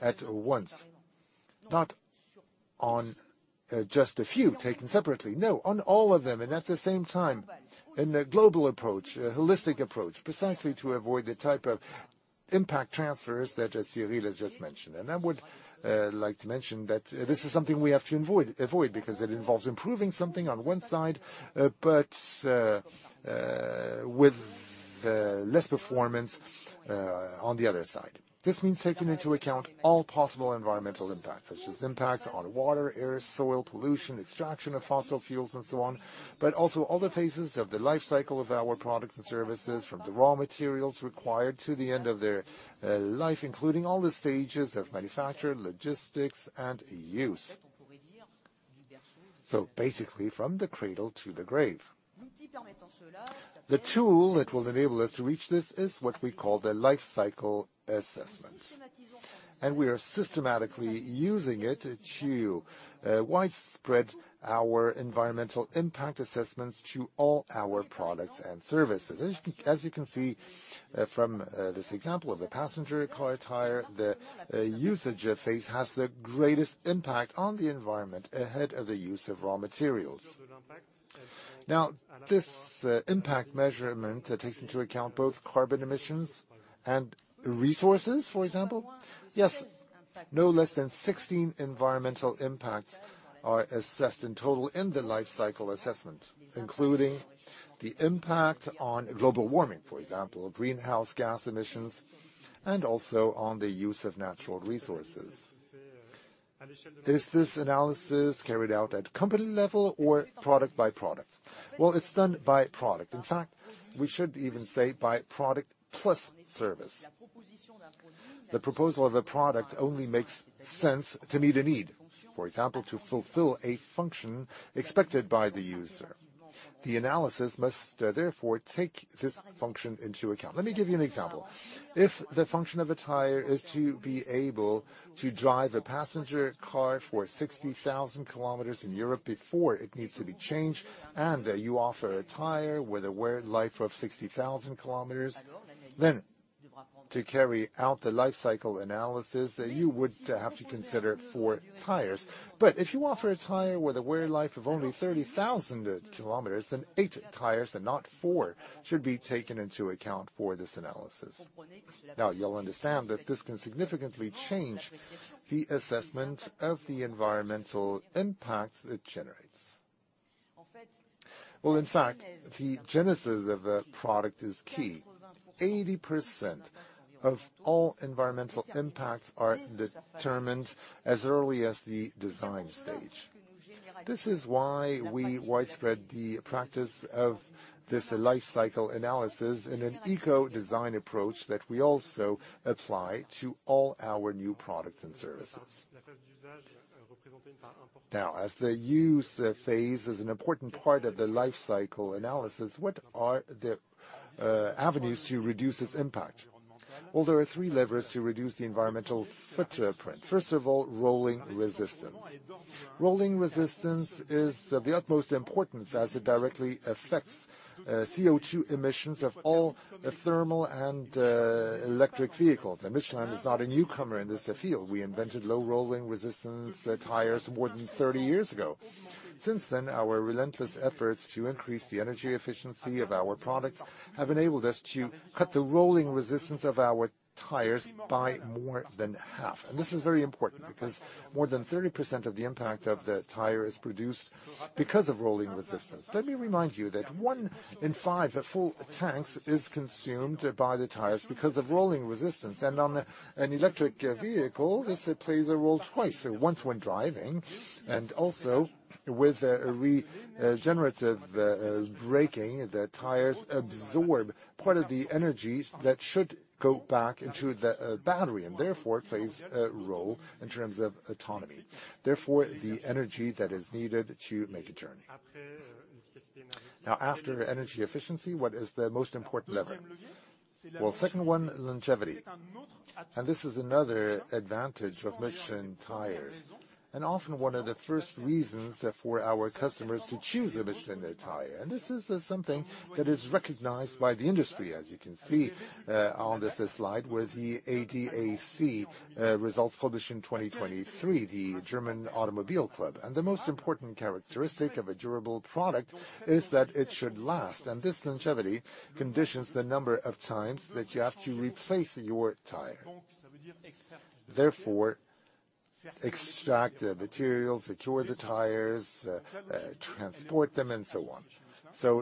A: at once. Not on just a few taken separately. No, on all of them and at the same time in a global approach, a holistic approach, precisely to avoid the type of impact transfers that Cyril has just mentioned. I would like to mention that this is something we have to avoid because it involves improving something on one side, but with less performance on the other side. This means taking into account all possible environmental impacts, such as impacts on water, air, soil pollution, extraction of fossil fuels, and so on. Also all the phases of the life cycle of our products and services, from the raw materials required to the end of their life, including all the stages of manufacture, logistics, and use. Basically, from the cradle to the grave. The tool that will enable us to reach this is what we call the life cycle assessment, and we are systematically using it to widespread our environmental impact assessments to all our products and services. As you can see, from this example of the passenger car tire, the usage phase has the greatest impact on the environment ahead of the use of raw materials. Now this impact measurement takes into account both carbon emissions and resources, for example? Yes. No less than 16 environmental impacts are assessed in total in the life cycle assessment, including the impact on global warming, for example, greenhouse gas emissions, and also on the use of natural resources. Is this analysis carried out at company level or product by product? Well, it's done by product. In fact, we should even say by product plus service. The proposal of a product only makes sense to meet a need. For example, to fulfill a function expected by the user. The analysis must therefore take this function into account. Let me give you an example. If the function of a tire is to be able to drive a passenger car for 60,000 kilometers in Europe before it needs to be changed, and you offer a tire with a wear life of 60,000 kilometers, then to carry out the life cycle analysis, you would have to consider 4 tires. But if you offer a tire with a wear life of only 30,000 kilometers, then 8 tires and not 4 should be taken into account for this analysis. You'll understand that this can significantly change the assessment of the environmental impact it generates. Well, in fact, the genesis of a product is key. 80% of all environmental impacts are determined as early as the design stage. This is why we widespread the practice of this life cycle analysis in an eco-design approach that we also apply to all our new products and services. As the use phase is an important part of the life cycle analysis, what are the avenues to reduce its impact? Well, there are three levers to reduce the environmental footprint. First of all, rolling resistance. Rolling resistance is of the utmost importance as it directly affects CO₂ emissions of all thermal and electric vehicles, and Michelin is not a newcomer in this field. We invented low rolling resistance tires more than 30 years ago. Since then, our relentless efforts to increase the energy efficiency of our products have enabled us to cut the rolling resistance of our tires by more than half. This is very important because more than 30% of the impact of the tire is produced because of rolling resistance. Let me remind you that 1 in 5 full tanks is consumed by the tires because of rolling resistance. On an electric vehicle, this plays a role twice. Once when driving and also with a regenerative braking. The tires absorb part of the energy that should go back into the battery and therefore plays a role in terms of autonomy, therefore the energy that is needed to make a journey. Now after energy efficiency, what is the most important lever? Well, second one, longevity. This is another advantage of Michelin tires, and often one of the first reasons for our customers to choose a Michelin tire. This is something that is recognized by the industry, as you can see, on this slide with the ADAC results published in 2023, the German Automobile Club. The most important characteristic of a durable product is that it should last, and this longevity conditions the number of times that you have to replace your tire, therefore extract the materials, secure the tires, transport them, and so on.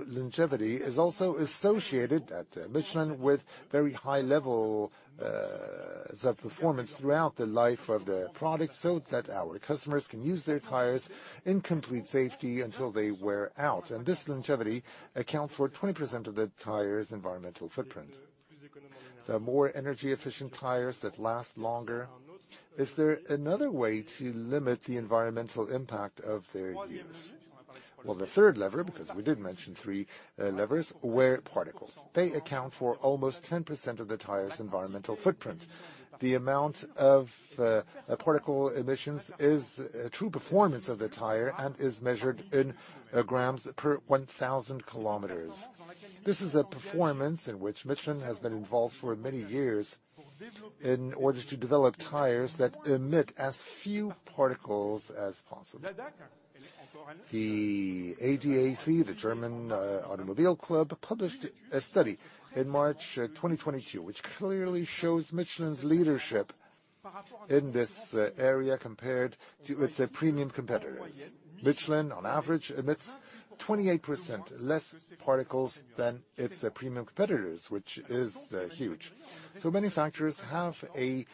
A: Longevity is also associated at Michelin with very high levels of performance throughout the life of the product, so that our customers can use their tires in complete safety until they wear out. This longevity accounts for 20% of the tire's environmental footprint. The more energy-efficient tires that last longer. Is there another way to limit the environmental impact of their use? The third lever, because we did mention three levers, wear particles. They account for almost 10% of the tire's environmental footprint. The amount of particle emissions is a true performance of the tire and is measured in grams per 1,000 kilometers. This is a performance in which Michelin has been involved for many years in order to develop tires that emit as few particles as possible. The ADAC, the German Automobile Club, published a study in March 2022, which clearly shows Michelin's leadership in this area compared to its premium competitors. Michelin, on average, emits 28% less particles than its premium competitors, which is huge. Manufacturers have a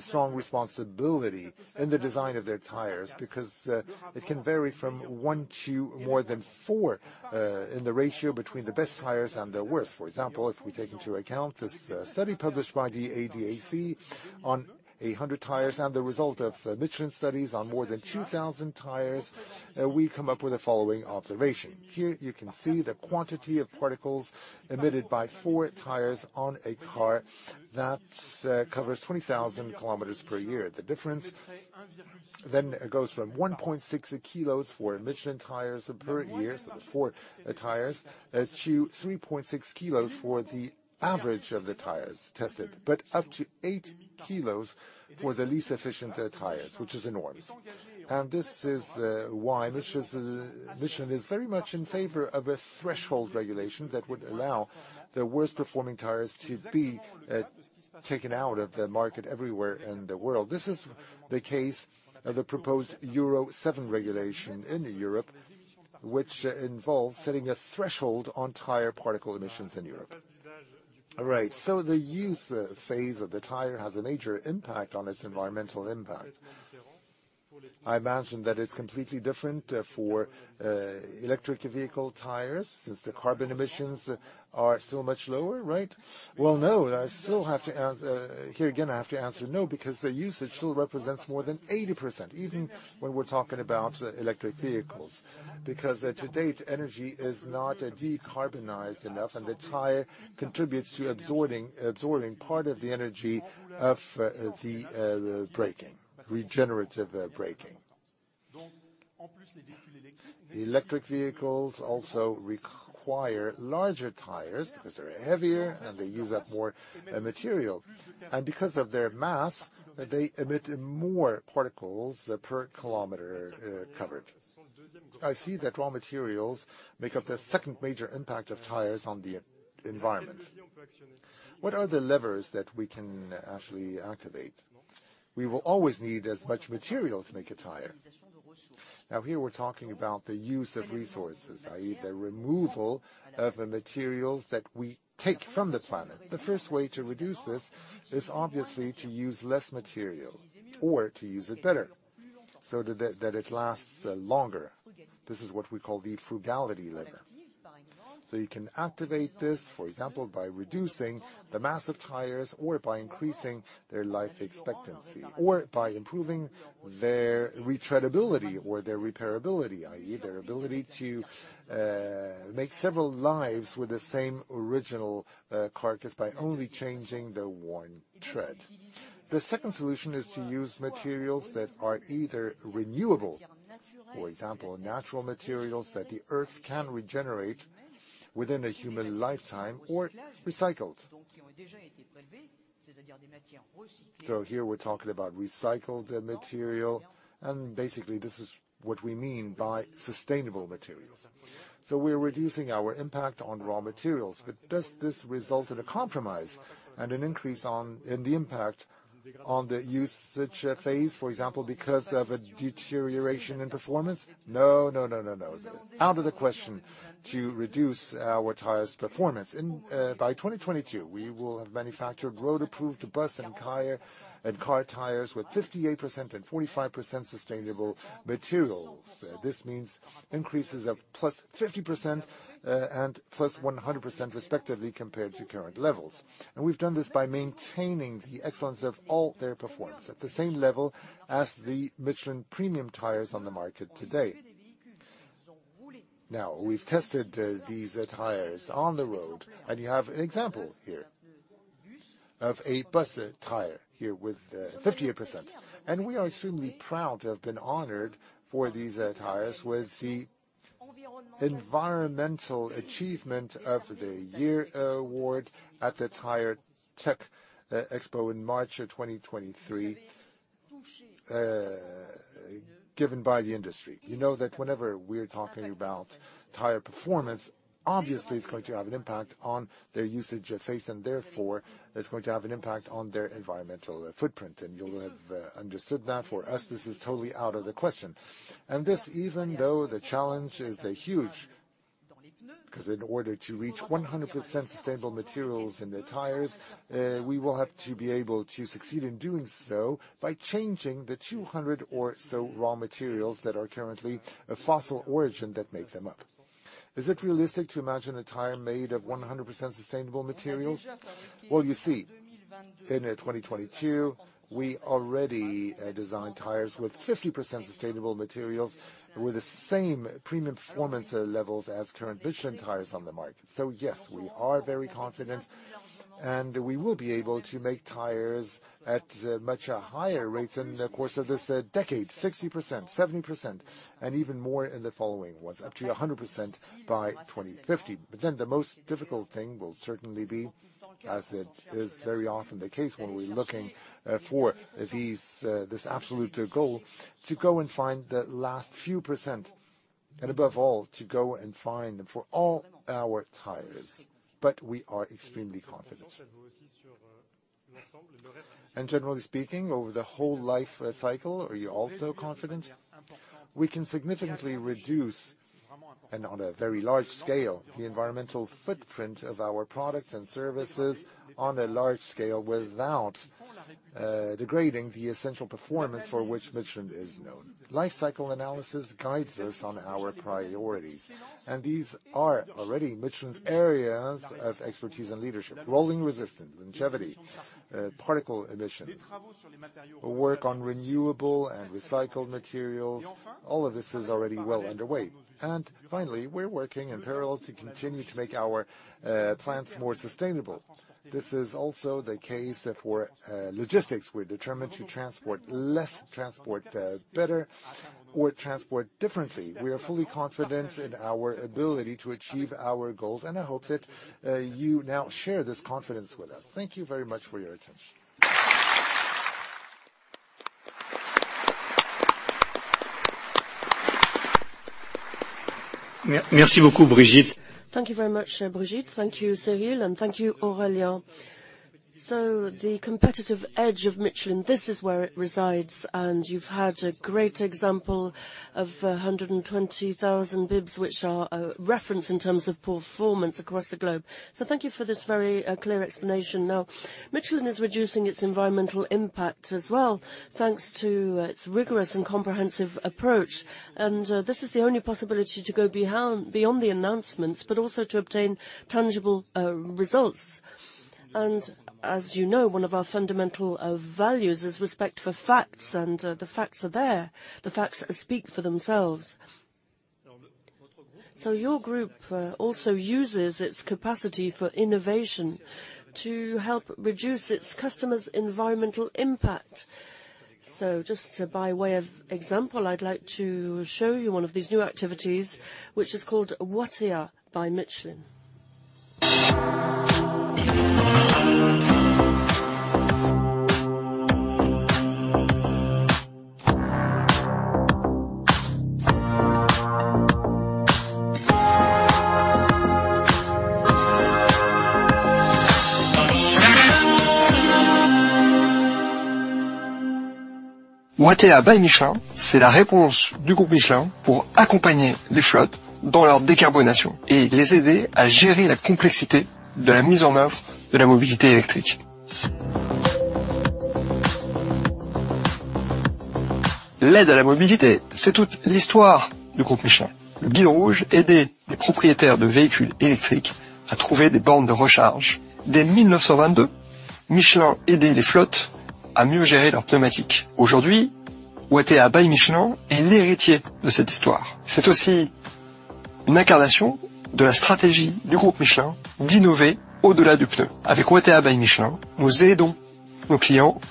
A: strong responsibility in the design of their tires because it can vary from 1 to more than 4 in the ratio between the best tires and the worst. For example, if we take into account this study published by the ADAC on 100 tires and the result of Michelin studies on more than 2,000 tires, we come up with the following observation. Here you can see the quantity of particles emitted by four tires on a car that covers 20,000 km per year. The difference goes from 1.6 kg for Michelin tires per year, so the four tires, to 3.6 kg for the average of the tires tested, but up to 8 kg for the least efficient tires, which is enormous. This is why Michelin's mission is very much in favor of a threshold regulation that would allow the worst-performing tires to be taken out of the market everywhere in the world. This is the case of the proposed Euro 7 regulation in Europe, which involves setting a threshold on tire particle emissions in Europe. All right, the use phase of the tire has a major impact on its environmental impact. I imagine that it's completely different for electric vehicle tires, since the carbon emissions are so much lower, right? Well, no, I still have to answer no, because the usage still represents more than 80%, even when we're talking about electric vehicles. To date, energy is not decarbonized enough, and the tire contributes to absorbing part of the energy of the braking, regenerative braking. Electric vehicles also require larger tires because they're heavier and they use up more material. Because of their mass, they emit more particles per kilometer covered. I see that raw materials make up the second major impact of tires on the environment. What are the levers that we can actually activate? We will always need as much material to make a tire. Here we're talking about the use of resources, i.e. the removal of the materials that we take from the planet. The first way to reduce this is obviously to use less material or to use it better so that it lasts longer. This is what we call the frugality lever. You can activate this, for example, by reducing the mass of tires or by increasing their life expectancy, or by improving their retreadability or their repairability, i.e. their ability to make several lives with the same original carcass by only changing the worn tread. The second solution is to use materials that are either renewable, for example, natural materials that the Earth can regenerate within a human lifetime, or recycled. Here we're talking about recycled material, and basically, this is what we mean by sustainable materials. We're reducing our impact on raw materials. Does this result in a compromise and an increase in the impact on the usage phase, for example, because of a deterioration in performance? No, no, no. Out of the question to reduce our tires' performance. By 2022, we will have manufactured road-approved bus and car tires with 58% and 45% sustainable materials. This means increases of +50% and +100% respectively compared to current levels. We've done this by maintaining the excellence of all their performance at the same level as the Michelin premium tires on the market today. Now, we've tested these tires on the road, and you have an example here of a bus tire here with 58%. We are extremely proud to have been honored for these tires with the Environmental Achievement of the Year Award at the Tire Technology Expo in March of 2023, given by the industry. You know that whenever we're talking about tire performance, obviously, it's going to have an impact on their usage phase, and therefore, it's going to have an impact on their environmental footprint. You'll have understood that for us, this is totally out of the question. This, even though the challenge is huge, 'cause in order to reach 100% sustainable materials in the tires, we will have to be able to succeed in doing so by changing the 200 or so raw materials that are currently of fossil origin that make them up. Is it realistic to imagine a tire made of 100% sustainable materials? Well, you see, in 2022, we already designed tires with 50% sustainable materials with the same premium performance levels as current Michelin tires on the market. Yes, we are very confident, and we will be able to make tires at much higher rates in the course of this decade, 60%, 70%, and even more in the following ones, up to 100% by 2050. The most difficult thing will certainly be, as it is very often the case when we're looking for these, this absolute goal, to go and find the last few %, and above all, to go and find them for all our tires. We are extremely confident. Generally speaking, over the whole life cycle, are you also confident? We can significantly reduce, and on a very large scale, the environmental footprint of our products and services on a large scale without degrading the essential performance for which Michelin is known. Life cycle analysis guides us on our priorities, and these are already Michelin's areas of expertise and leadership. Rolling resistance, longevity, particle emissions, work on renewable and recycled materials, all of this is already well underway. Finally, we're working in parallel to continue to make our plants more sustainable. This is also the case for logistics. We're determined to transport less, transport better, or transport differently. We are fully confident in our ability to achieve our goals. I hope that you now share this confidence with us. Thank you very much for your attention. Merci beaucoup, Brigitte.
C: Thank you very much, Brigitte. Thank you, Cyrille, and thank you, Aurélien. The competitive edge of Michelin, this is where it resides, and you've had a great example of 120,000 bibs, which are a reference in terms of performance across the globe. Thank you for this very clear explanation. Now, Michelin is reducing its environmental impact as well, thanks to its rigorous and comprehensive approach, and this is the only possibility to go beyond the announcements, but also to obtain tangible results. As you know, one of our fundamental values is respect for facts, and the facts are there. The facts speak for themselves. Your group also uses its capacity for innovation to help reduce its customers' environmental impact. Just by way of example, I'd like to show you one of these new activities, which is called Watèa by Michelin.
F: Watèa by Michelin is the Michelin Group's response to helping fleets decarbonize and helping them manage the complexity of implementing electric mobility. Helping mobility is the story of the Michelin Group. The MICHELIN Guide helped electric vehicle owners find charging stations. Since 1922, Michelin has helped fleets better manage their tires. Today, Watèa by Michelin is the heir to this story. It is also an incarnation of the Michelin Group's strategy to innovate beyond the tire. With Watèa by Michelin, we help our clients,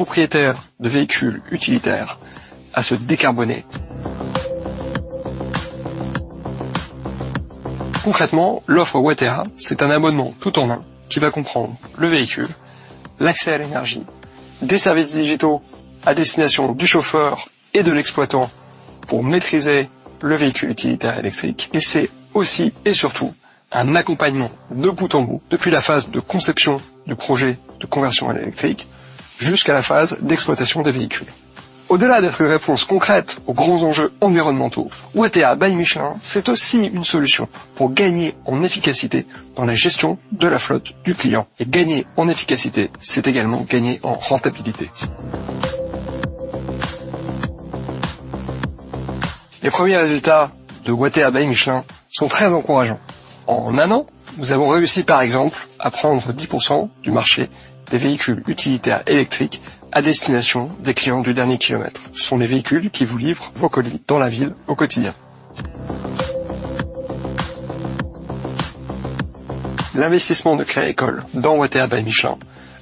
F: owners of utility vehicles, to decarbonize. Concretely, the Watèa offering is an all-in-one subscription that includes the vehicle, access to energy, digital services for the driver and the operator to master the electric utility vehicle, and it is also, above all, end-to-end support from the design phase of the electric conversion project to the operation phase of the vehicles. Beyond being a concrete response to major environmental issues, Watèa by Michelin is also a solution to gain efficiency in managing the customer's fleet, gaining efficiency is also gaining profitability. The first results of Watèa by Michelin are very encouraging. L'investissement de Crédit Agricole dans Watèa by Michelin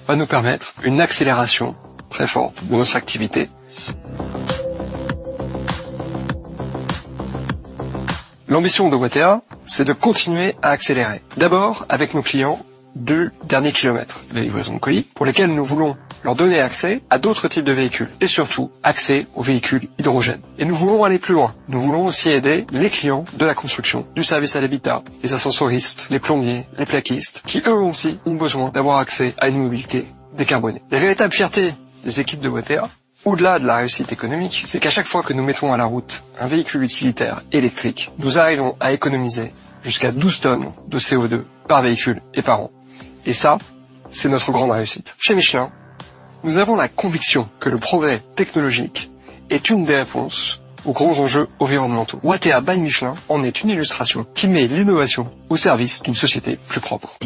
F: va nous permettre une accélération très forte de notre activité. L'ambition de Watèa, c'est de continuer à accélérer. D'abord avec nos clients du dernier kilomètre, la livraison de colis, pour lesquels nous voulons leur donner accès à d'autres types de véhicules et surtout accès aux véhicules hydrogène. Nous voulons aller plus loin. Nous voulons aussi aider les clients de la construction, du service à l'habitat, les ascensoristes, les plombiers, les plaquistes, qui eux aussi ont besoin d'avoir accès à une mobilité décarbonée. La véritable fierté des équipes de Watèa, au-delà de la réussite économique, c'est qu'à chaque fois que nous mettons à la route un véhicule utilitaire électrique, nous arrivons à économiser jusqu'à 12 tons de CO₂ par véhicule et par an. Ça, c'est notre grande réussite. Chez Michelin, nous avons la conviction que le progrès technologique est une des réponses aux grands enjeux environnementaux. Watèa by Michelin en est une illustration qui met l'innovation au service d'une société plus propre.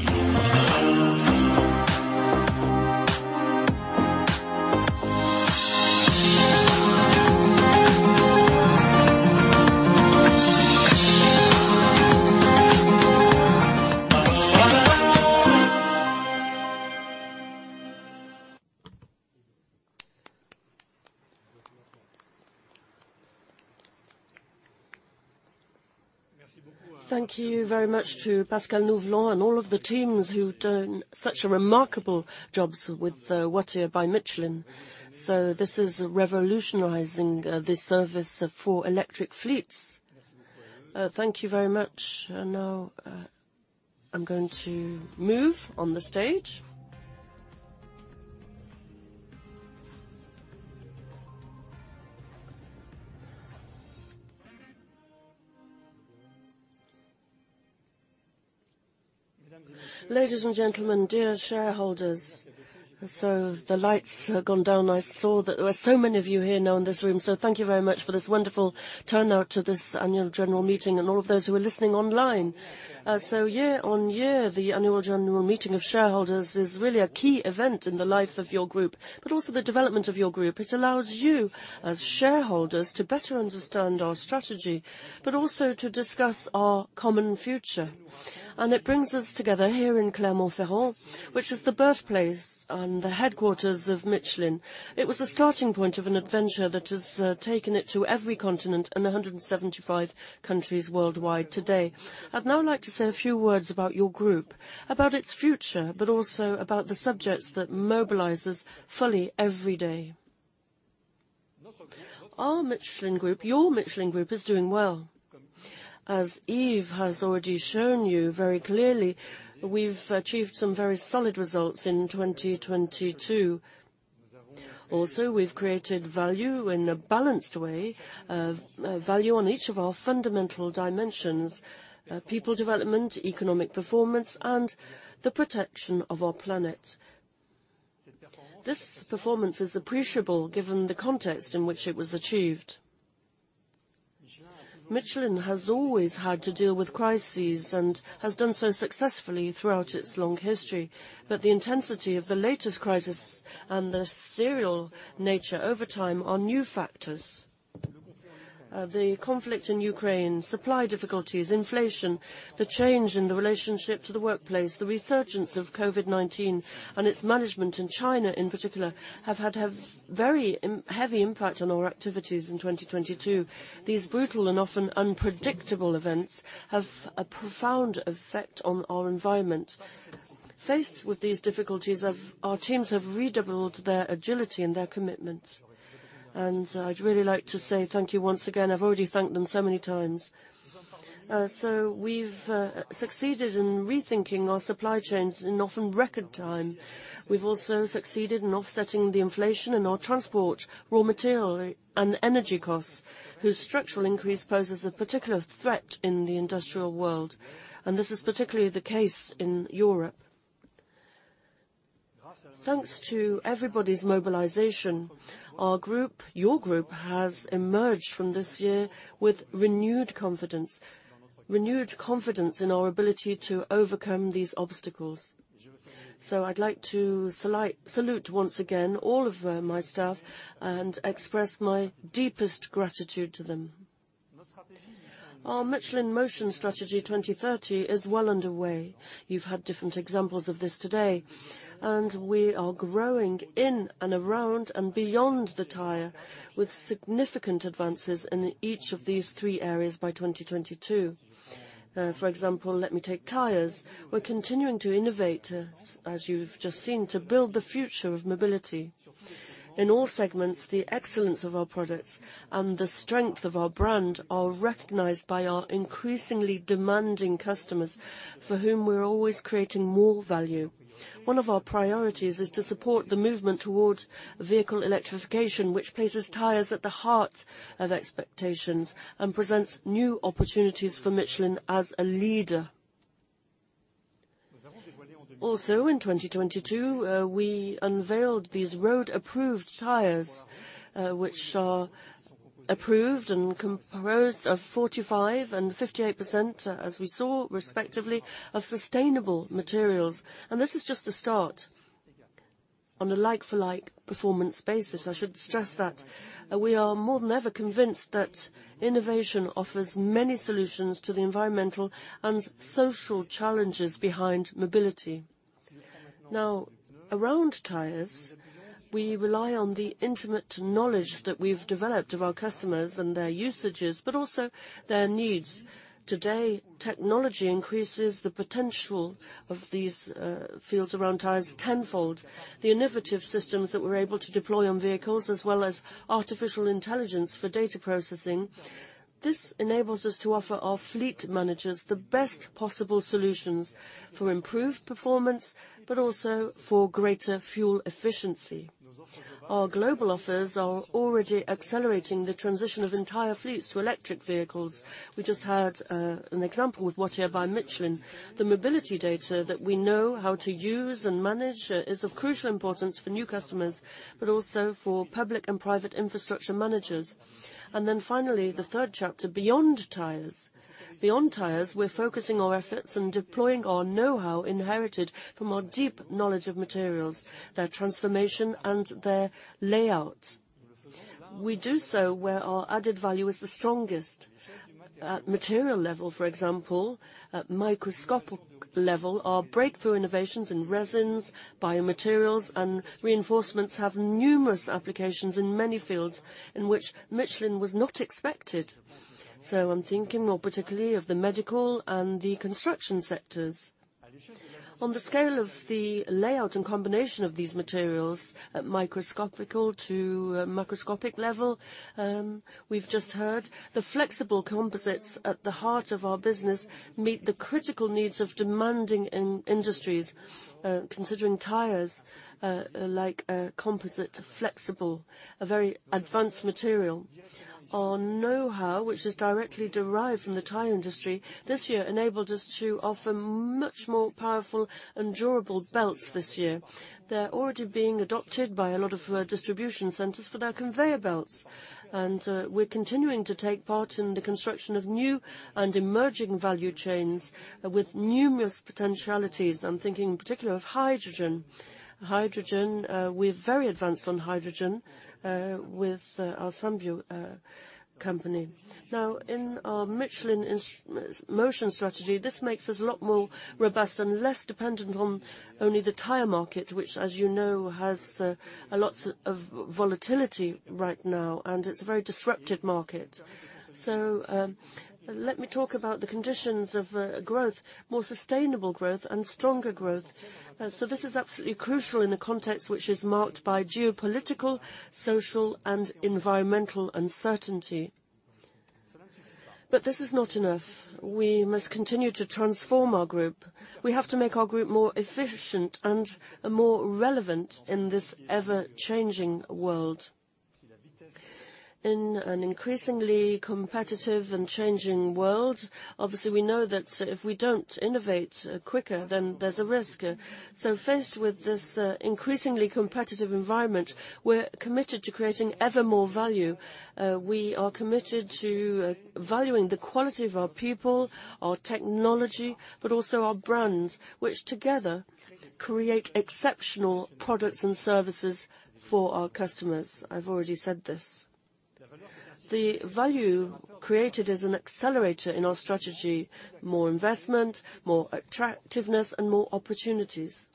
C: Thank you very much to Pascal Nouvelot and all of the teams who done such a remarkable jobs with Watèa by Michelin. This is revolutionizing the service for electric fleets. Thank you very much. Now, I'm going to move on the stage. Ladies and gentlemen, dear shareholders. The lights have gone down. I saw that there were so many of you here now in this room. Thank you very much for this wonderful turnout to this annual general meeting and all of those who are listening online. Year-over-year, the annual general meeting of shareholders is really a key event in the life of your group, but also the development of your group. It allows you, as shareholders, to better understand our strategy, but also to discuss our common future. It brings us together here in Clermont-Ferrand, which is the birthplace and the headquarters of Michelin. It was the starting point of an adventure that has taken it to every continent and 175 countries worldwide today. I'd now like to say a few words about your group, about its future, but also about the subjects that mobilize us fully every day. Our Michelin Group, your Michelin Group, is doing well. As Yves has already shown you very clearly, we've achieved some very solid results in 2022. We've created value in a balanced way, value on each of our fundamental dimensions, people development, economic performance, and the protection of our planet. This performance is appreciable given the context in which it was achieved. Michelin has always had to deal with crises and has done so successfully throughout its long history. The intensity of the latest crisis and the serial nature over time are new factors. The conflict in Ukraine, supply difficulties, inflation, the change in the relationship to the workplace, the resurgence of COVID-19 and its management in China, in particular, have had to have very heavy impact on our activities in 2022. These brutal and often unpredictable events have a profound effect on our environment. Faced with these difficulties, our teams have redoubled their agility and their commitment. I'd really like to say thank you once again. I've already thanked them so many times. We've succeeded in rethinking our supply chains in often record time. We've also succeeded in offsetting the inflation in our transport, raw material, and energy costs, whose structural increase poses a particular threat in the industrial world. This is particularly the case in Europe. Thanks to everybody's mobilization, our group, your group, has emerged from this year with renewed confidence, renewed confidence in our ability to overcome these obstacles. I'd like to salute once again all of my staff and express my deepest gratitude to them. Our Michelin in Motion Strategy 2030 is well underway. You've had different examples of this today, and we are growing in and around and beyond the tire with significant advances in each of these three areas by 2022. For example, let me take tires. We're continuing to innovate, as you've just seen, to build the future of mobility. In all segments, the excellence of our products and the strength of our brand are recognized by our increasingly demanding customers for whom we're always creating more value. One of our priorities is to support the movement towards vehicle electrification, which places tires at the heart of expectations and presents new opportunities for Michelin as a leader. In 2022, we unveiled these road approved tires, which are approved and composed of 45% and 58%, as we saw respectively, of sustainable materials. This is just the start. On a like-for-like performance basis, I should stress that, we are more than ever convinced that innovation offers many solutions to the environmental and social challenges behind mobility. Around tires, we rely on the intimate knowledge that we've developed of our customers and their usages, but also their needs. Today, technology increases the potential of these fields around tires tenfold. The innovative systems that we're able to deploy on vehicles, as well as artificial intelligence for data processing, this enables us to offer our fleet managers the best possible solutions for improved performance, but also for greater fuel efficiency. Our global offers are already accelerating the transition of entire fleets to electric vehicles. We just heard an example with Watèa by Michelin. The mobility data that we know how to use and manage is of crucial importance for new customers, but also for public and private infrastructure managers. Finally, the third chapter, beyond tires. Beyond tires, we're focusing our efforts and deploying our knowhow inherited from our deep knowledge of materials, their transformation and their layout. We do so where our added value is the strongest. At material level, for example, at microscopic level, our breakthrough innovations in resins, biomaterials, and reinforcements have numerous applications in many fields in which Michelin was not expected. I'm thinking more particularly of the medical and the construction sectors. On the scale of the layout and combination of these materials at microscopical to macroscopic level, we've just heard the flexible composites at the heart of our business meet the critical needs of demanding industries, considering tires like a composite flexible, a very advanced material. Our knowhow, which is directly derived from the tire industry this year enabled us to offer much more powerful and durable belts this year. They're already being adopted by a lot of distribution centers for their conveyor belts. We're continuing to take part in the construction of new and emerging value chains with numerous potentialities. I'm thinking in particular of hydrogen. Hydrogen, we're very advanced on hydrogen with our Sunview company. In our Michelin in Motion strategy, this makes us a lot more robust and less dependent on only the tire market, which as you know, has lots of volatility right now, and it's a very disruptive market. Let me talk about the conditions of growth, more sustainable growth and stronger growth. This is absolutely crucial in a context which is marked by geopolitical, social, and environmental uncertainty. This is not enough. We must continue to transform our group. We have to make our group more efficient and more relevant in this ever-changing world. In an increasingly competitive and changing world, obviously, we know that if we don't innovate quicker, then there's a risk. Faced with this increasingly competitive environment, we're committed to creating evermore value. We are committed to valuing the quality of our people, our technology, but also our brands, which together create exceptional products and services for our customers. I've already said this. The value created is an accelerator in our strategy, more investment, more attractiveness and more opportunities.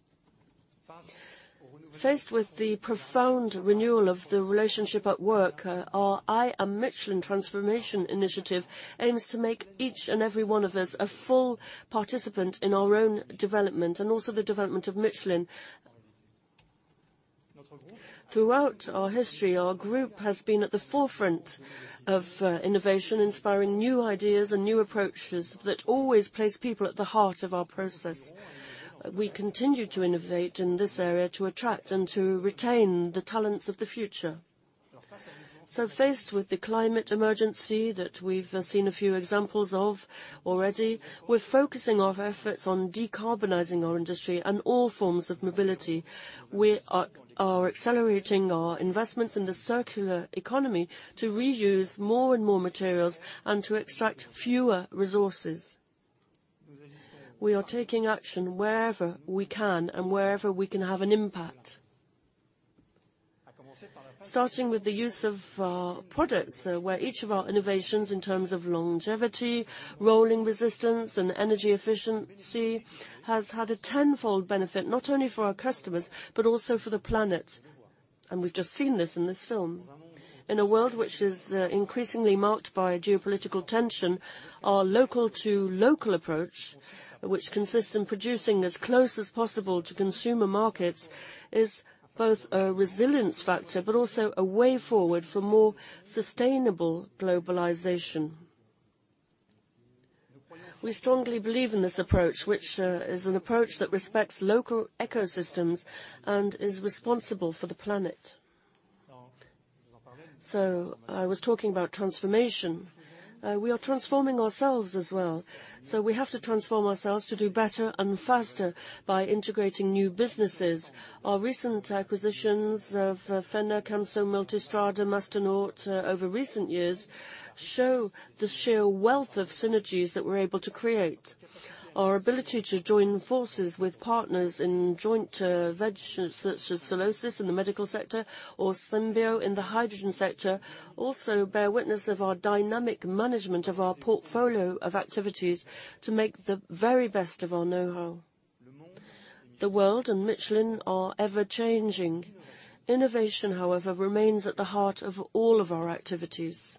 C: Faced with the profound renewal of the relationship at work, our I Am Michelin transformation initiative aims to make each and every one of us a full participant in our own development and also the development of Michelin. Throughout our history, our group has been at the forefront of innovation, inspiring new ideas and new approaches that always place people at the heart of our process. We continue to innovate in this area to attract and to retain the talents of the future. Faced with the climate emergency that we've seen a few examples of already, we're focusing our efforts on decarbonizing our industry and all forms of mobility. We are accelerating our investments in the circular economy to reuse more and more materials and to extract fewer resources. We are taking action wherever we can and wherever we can have an impact. Starting with the use of our products, where each of our innovations in terms of longevity, rolling resistance, and energy efficiency has had a tenfold benefit, not only for our customers but also for the planet. We've just seen this in this film. In a world which is increasingly marked by geopolitical tension, our local-to-local approach, which consists in producing as close as possible to consumer markets, is both a resilience factor, but also a way forward for more sustainable globalization. We strongly believe in this approach, which is an approach that respects local ecosystems and is responsible for the planet. I was talking about transformation. We are transforming ourselves as well. We have to transform ourselves to do better and faster by integrating new businesses. Our recent acquisitions of Fenner, Camso, Multistrada, Masternaut over recent years show the sheer wealth of synergies that we're able to create. Our ability to join forces with partners in joint ventures such as Solesis in the medical sector or Symbio in the hydrogen sector also bear witness of our dynamic management of our portfolio of activities to make the very best of our know-how. The world and Michelin are ever-changing. Innovation, however, remains at the heart of all of our activities.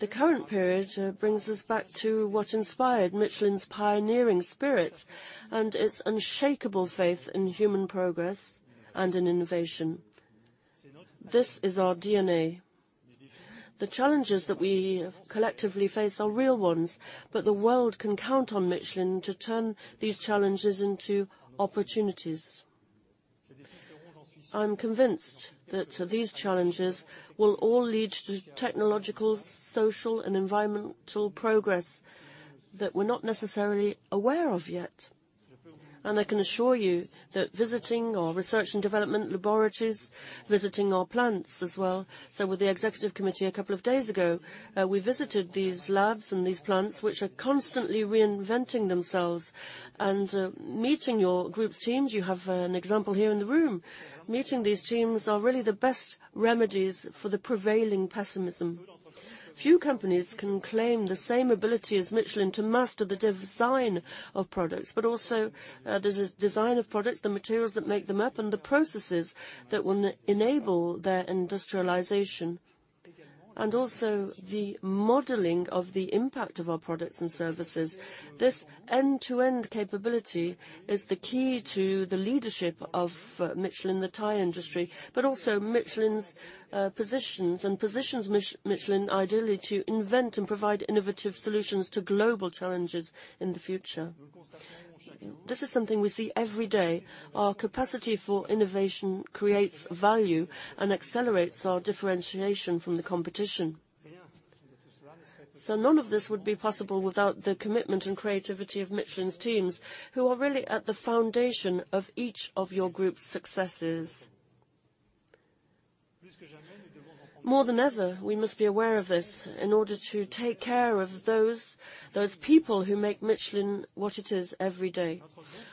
C: The current period brings us back to what inspired Michelin's pioneering spirit and its unshakable faith in human progress and in innovation. This is our DNA. The challenges that we collectively face are real ones, but the world can count on Michelin to turn these challenges into opportunities. I'm convinced that these challenges will all lead to technological, social, and environmental progress that we're not necessarily aware of yet. I can assure you that visiting our research and development laboratories, visiting our plants as well. With the Executive Committee a couple of days ago, we visited these labs and these plants, which are constantly reinventing themselves. Meeting your group's teams, you have an example here in the room. Meeting these teams are really the best remedies for the prevailing pessimism. Few companies can claim the same ability as Michelin to master the design of products, but also the design of products, the materials that make them up, and the processes that will enable their industrialization, and also the modeling of the impact of our products and services. This end-to-end capability is the key to the leadership of Michelin, the tire industry, but also Michelin's positions, and positions Michelin ideally to invent and provide innovative solutions to global challenges in the future. This is something we see every day. Our capacity for innovation creates value and accelerates our differentiation from the competition. None of this would be possible without the commitment and creativity of Michelin's teams, who are really at the foundation of each of your group's successes. More than ever, we must be aware of this in order to take care of those people who make Michelin what it is every day.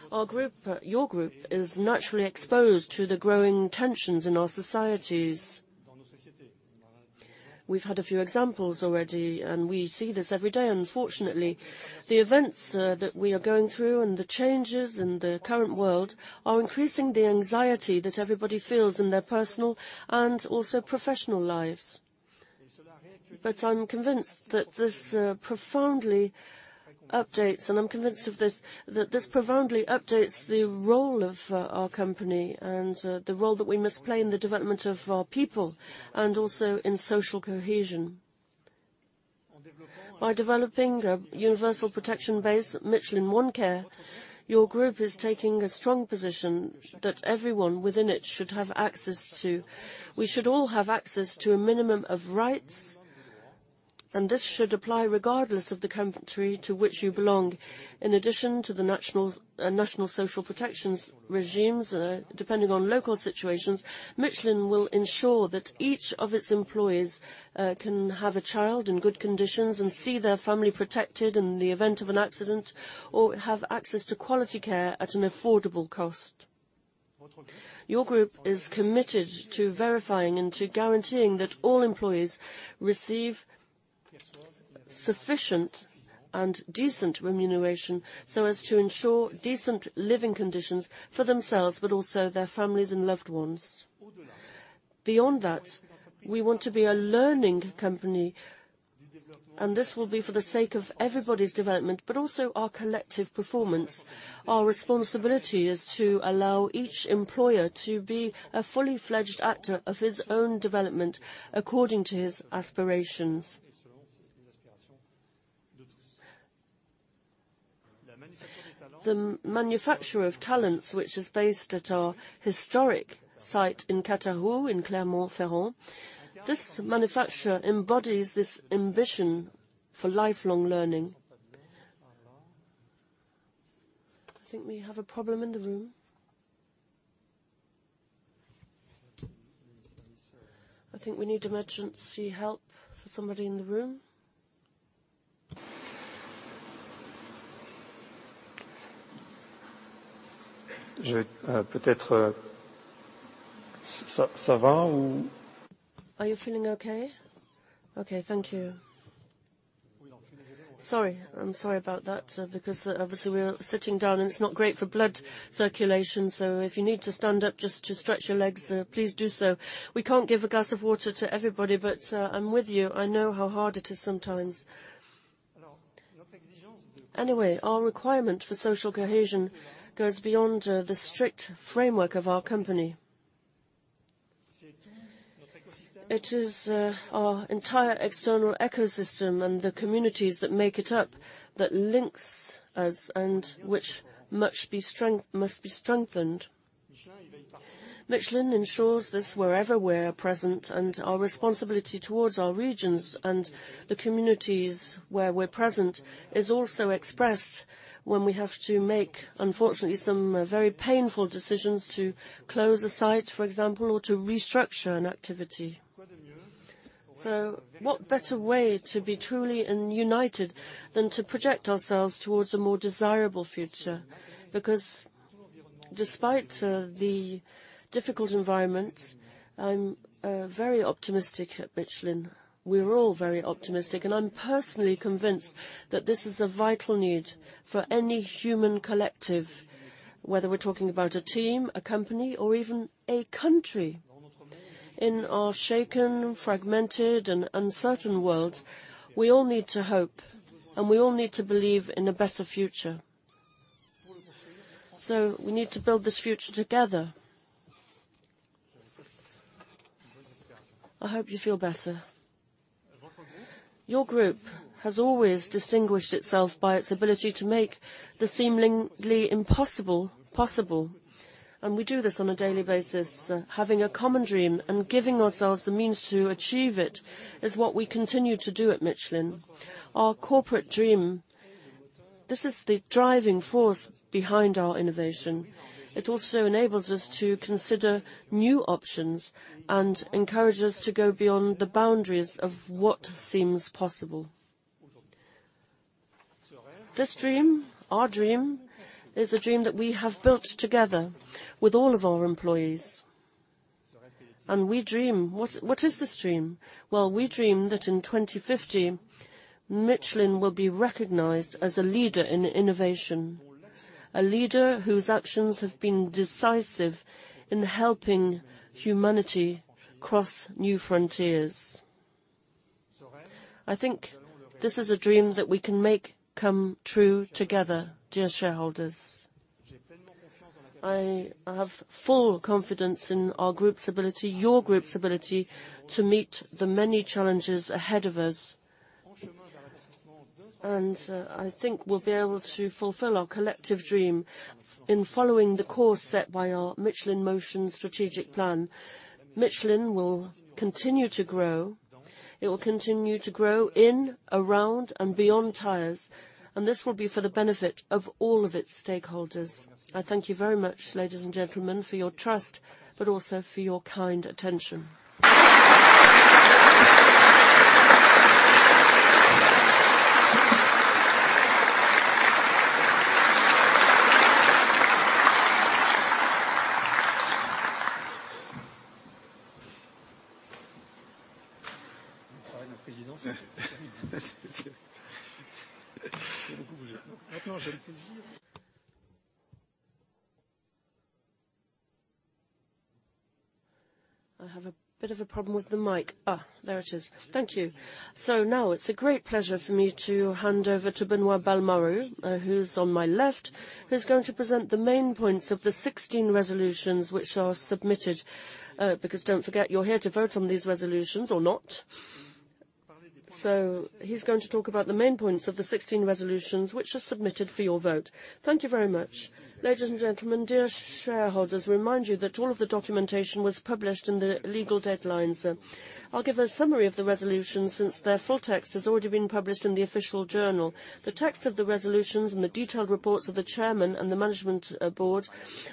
C: Our group, your group, is naturally exposed to the growing tensions in our societies. We've had a few examples already, and we see this every day, unfortunately. The events that we are going through and the changes in the current world are increasing the anxiety that everybody feels in their personal and also professional lives. I'm convinced that this profoundly updates, and I'm convinced of this, that this profoundly updates the role of our company and the role that we must play in the development of our people and also in social cohesion. By developing a universal protection base, Michelin One Care, your group is taking a strong position that everyone within it should have access to. We should all have access to a minimum of rights. This should apply regardless of the country to which you belong. In addition to the national social protections regimes, depending on local situations, Michelin will ensure that each of its employees can have a child in good conditions and see their family protected in the event of an accident or have access to quality care at an affordable cost. Your group is committed to verifying and to guaranteeing that all employees receive sufficient and decent remuneration so as to ensure decent living conditions for themselves, but also their families and loved ones. Beyond that, we want to be a learning company. This will be for the sake of everybody's development, but also our collective performance. Our responsibility is to allow each employer to be a fully fledged actor of his own development according to his aspirations. The manufacturer of talents, which is based at our historic site in Cataroux, in Clermont-Ferrand, this manufacturer embodies this ambition for lifelong learning. I think we have a problem in the room. I think we need emergency help for somebody in the room. Are you feeling okay? Okay, thank you. I'm sorry about that, because obviously we're sitting down and it's not great for blood circulation, so if you need to stand up just to stretch your legs, please do so. We can't give a glass of water to everybody, but I'm with you. I know how hard it is sometimes. Our requirement for social cohesion goes beyond the strict framework of our company. It is our entire external ecosystem and the communities that make it up, that links us and which must be strengthened. Michelin ensures this wherever we're present, and our responsibility towards our regions and the communities where we're present is also expressed when we have to make, unfortunately, some very painful decisions to close a site, for example, or to restructure an activity. What better way to be truly and united than to project ourselves towards a more desirable future? Despite the difficult environment, I'm very optimistic at Michelin. We're all very optimistic, and I'm personally convinced that this is a vital need for any human collective, whether we're talking about a team, a company, or even a country. In our shaken, fragmented, and uncertain world, we all need to hope, and we all need to believe in a better future. We need to build this future together. I hope you feel better. Your group has always distinguished itself by its ability to make the seemingly impossible possible, and we do this on a daily basis. Having a common dream and giving ourselves the means to achieve it is what we continue to do at Michelin. Our corporate dream, this is the driving force behind our innovation. It also enables us to consider new options and encourages us to go beyond the boundaries of what seems possible. This dream, our dream, is a dream that we have built together with all of our employees, and we dream. What is this dream? Well, we dream that in 2050, Michelin will be recognized as a leader in innovation, a leader whose actions have been decisive in helping humanity cross new frontiers. I think this is a dream that we can make come true together, dear shareholders. I have full confidence in our group's ability, your group's ability, to meet the many challenges ahead of us. I think we'll be able to fulfill our collective dream. In following the course set by our Michelin in Motion strategic plan, Michelin will continue to grow. It will continue to grow in, around, and beyond tires, and this will be for the benefit of all of its stakeholders. I thank you very much, ladies and gentlemen, for your trust, but also for your kind attention. I have a bit of a problem with the mic. There it is. Thank you. Now it's a great pleasure for me to hand over to Benoît Balmary, who's on my left, who's going to present the main points of the 16 resolutions which are submitted. Don't forget, you're here to vote on these resolutions or not. He's going to talk about the main points of the 16 resolutions which are submitted for your vote. Thank you very much. Ladies and gentlemen, dear shareholders, we remind you that all of the documentation was published in the legal deadlines. I'll give a summary of the resolutions since their full text has already been published in the official journal. The text of the resolutions and the detailed reports of the chairman and the management board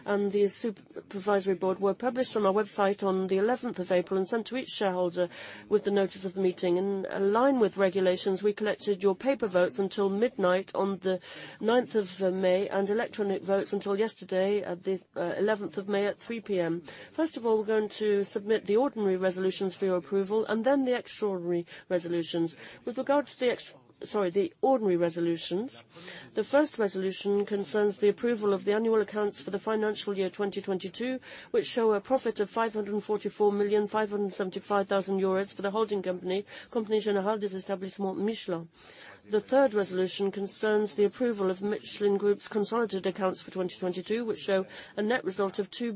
C: and the supervisory board were published on our website on the eleventh of April and sent to each shareholder with the notice of the meeting. In line with regulations, we collected your paper votes until midnight on the ninth of May and electronic votes until yesterday at the eleventh of May at 3:00 P.M. First, we're going to submit the ordinary resolutions for your approval and then the extraordinary resolutions. With regard to the ordinary resolutions, the first resolution concerns the approval of the annual accounts for the financial year 2022, which show a profit of 544,575,000 euros for the holding company, Compagnie Générale des Établissements Michelin. The third resolution concerns the approval of Michelin Group's consolidated accounts for 2022, which show a net result of EUR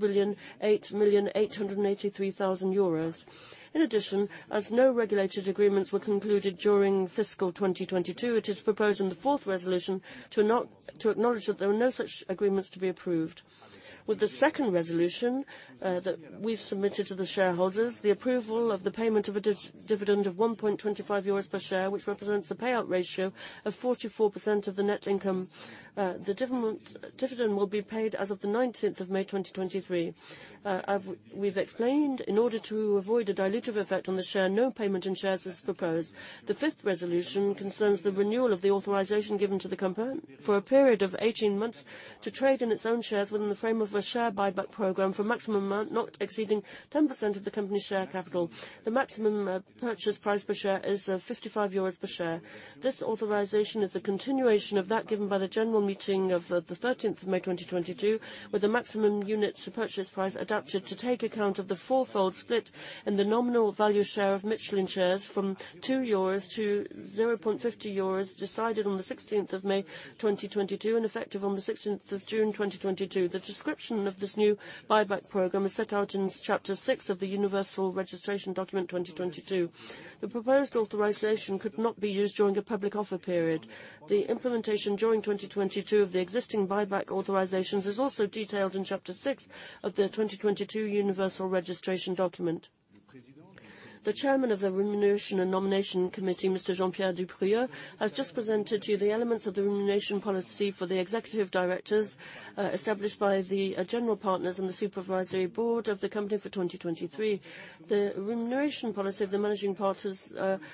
C: 2,008,883,000. As no regulated agreements were concluded during fiscal 2022, it is proposed in the fourth resolution to acknowledge that there were no such agreements to be approved. The second resolution that we've submitted to the shareholders, the approval of the payment of a dividend of 1.25 euros per share, which represents the payout ratio of 44% of the net income. The dividend will be paid as of the 19th of May 2023. We've explained, in order to avoid a dilutive effect on the share, no payment in shares is proposed. The fifth resolution concerns the renewal of the authorization given to the company for a period of 18 months to trade in its own shares within the frame of a share buyback program for maximum amount not exceeding 10% of the company's share capital. The maximum purchase price per share is 55 euros per share. This authorization is a continuation of that given by the general meeting of the 13th of May 2022, with the maximum units to purchase price adapted to take account of the four-fold split in the nominal value share of Michelin shares from 2 euros to 0.50 euros, decided on the 16th of May 2022 and effective on the 16th of June 2022. The description of this new buyback program is set out in chapter 6 of the universal registration document 2022. The proposed authorization could not be used during a public offer period. The implementation during 2022 of the existing buyback authorizations is also detailed in chapter 6 of the 2022 universal registration document. The Chairman of the Remuneration and Nomination Committee. Jean-Pierre Duprieu has just presented to you the elements of the remuneration policy for the executive directors established by the general partners and the Supervisory Board of the company for 2023. The remuneration policy of the managing partners and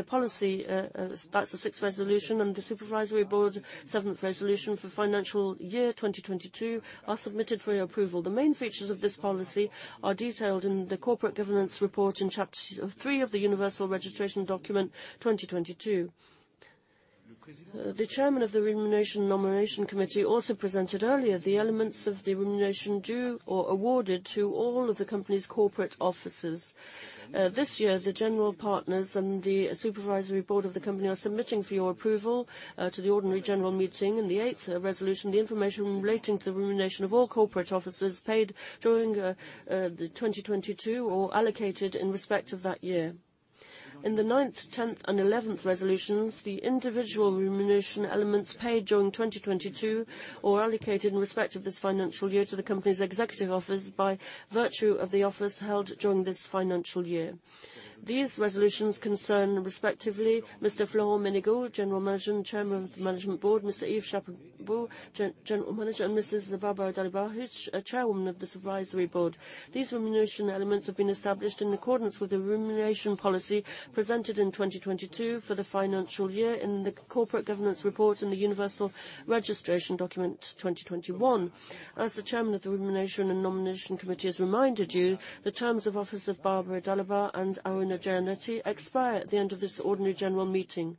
C: the policy, that's the 6th resolution, and the Supervisory Board 7th resolution for financial year 2022 are submitted for your approval. The main features of this policy are detailed in the Corporate Governance Report in chapter 3 of the universal registration document 2022. The Chairman of the Compensation and Appointments Committee also presented earlier the elements of the remuneration due or awarded to all of the company's corporate officers. This year, the general partners and the Supervisory Board of the company are submitting for your approval to the ordinary general meeting and the eighth resolution, the information relating to the remuneration of all corporate officers paid during 2022 or allocated in respect of that year. In the ninth, 10th, and 11th resolutions, the individual remuneration elements paid during 2022 or allocated in respect of this financial year to the company's executive office by virtue of the office held during this financial year. These resolutions concern respectively Mr. Florent Menegaux, General Manager and Chairman of the Management Board, Mr. Yves Chapot, General Manager, and Mrs. Barbara Dalibard, Chairwoman of the Supervisory Board. These remuneration elements have been established in accordance with the remuneration policy presented in 2022 for the financial year in the Corporate Governance Report in the universal registration document 2021. As the Chairman of the Compensation and Appointments Committee has reminded you, the terms of office of Barbara Dalibard and Aruna Jayanthi expire at the end of this ordinary general meeting.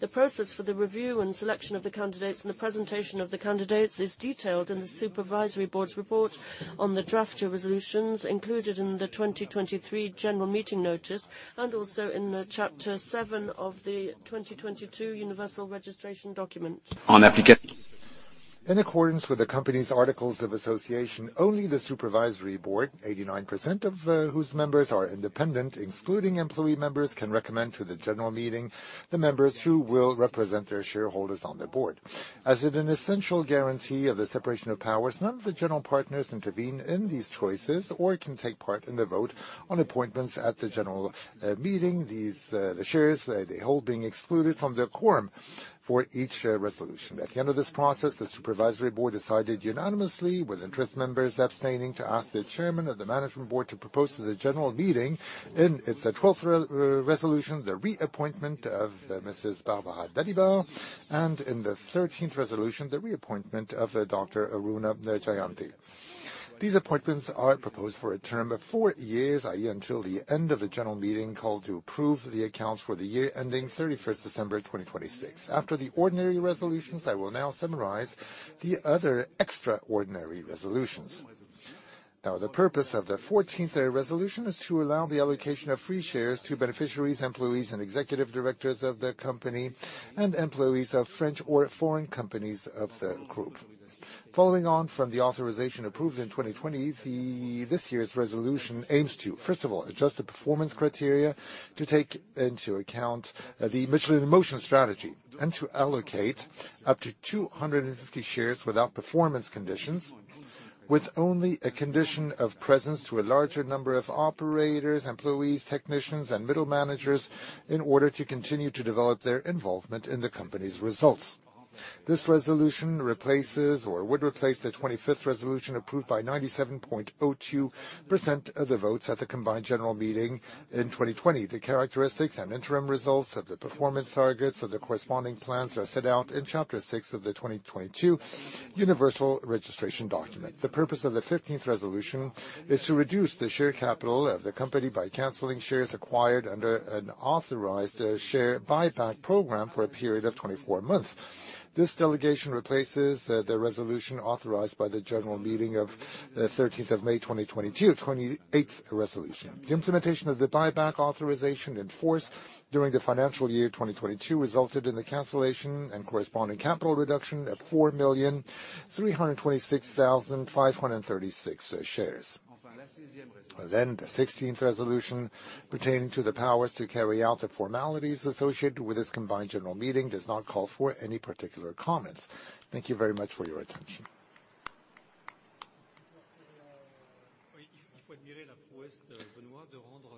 C: The process for the review and selection of the candidates and the presentation of the candidates is detailed in the Supervisory Board's report on the drafter resolutions included in the 2023 general meeting notice, and also in chapter 7 of the 2022 universal registration document.
G: In accordance with the company's articles of association, only the Supervisory Board, 89% of whose members are independent, including employee members, can recommend to the General Meeting the members who will represent their shareholders on the Board. As an essential guarantee of the separation of powers, none of the general partners intervene in these choices or can take part in the vote on appointments at the General Meeting. The shares they hold being excluded from the quorum for each resolution. At the end of this process, the Supervisory Board decided unanimously with interest members abstaining to ask the Chairman of the Management Board to propose to the General Meeting in its 12th resolution, the reappointment of Mrs. Barbara Dalibard, and in the 13th resolution, the reappointment of Dr. Aruna Jayanthi. These appointments are proposed for a term of 4 years, i.e., until the end of the general meeting called to approve the accounts for the year ending 31st December 2026. After the ordinary resolutions, I will now summarize the other extraordinary resolutions. The purpose of the 14th resolution is to allow the allocation of free shares to beneficiaries, employees, and executive directors of the company and employees of French or foreign companies of the group. Following on from the authorization approved in 2020, this year's resolution aims to, first of all, adjust the performance criteria to take into account the Michelin in Motion strategy and to allocate up to 250 shares without performance conditions, with only a condition of presence to a larger number of operators, employees, technicians, and middle managers in order to continue to develop their involvement in the company's results. This resolution replaces or would replace the 25th resolution approved by 97.02% of the votes at the combined general meeting in 2020. The characteristics and interim results of the performance targets of the corresponding plans are set out in chapter 6 of the 2022 universal registration document. The purpose of the 15th resolution is to reduce the share capital of the company by canceling shares acquired under an authorized share buyback program for a period of 24 months. This delegation replaces the resolution authorized by the general meeting of the 13th of May 2022, 28th resolution. The implementation of the buyback authorization in force during the financial year 2022 resulted in the cancellation and corresponding capital reduction of 4,326,536 shares. The 16th resolution pertaining to the powers to carry out the formalities associated with this combined general meeting does not call for any particular comments. Thank you very much for your attention.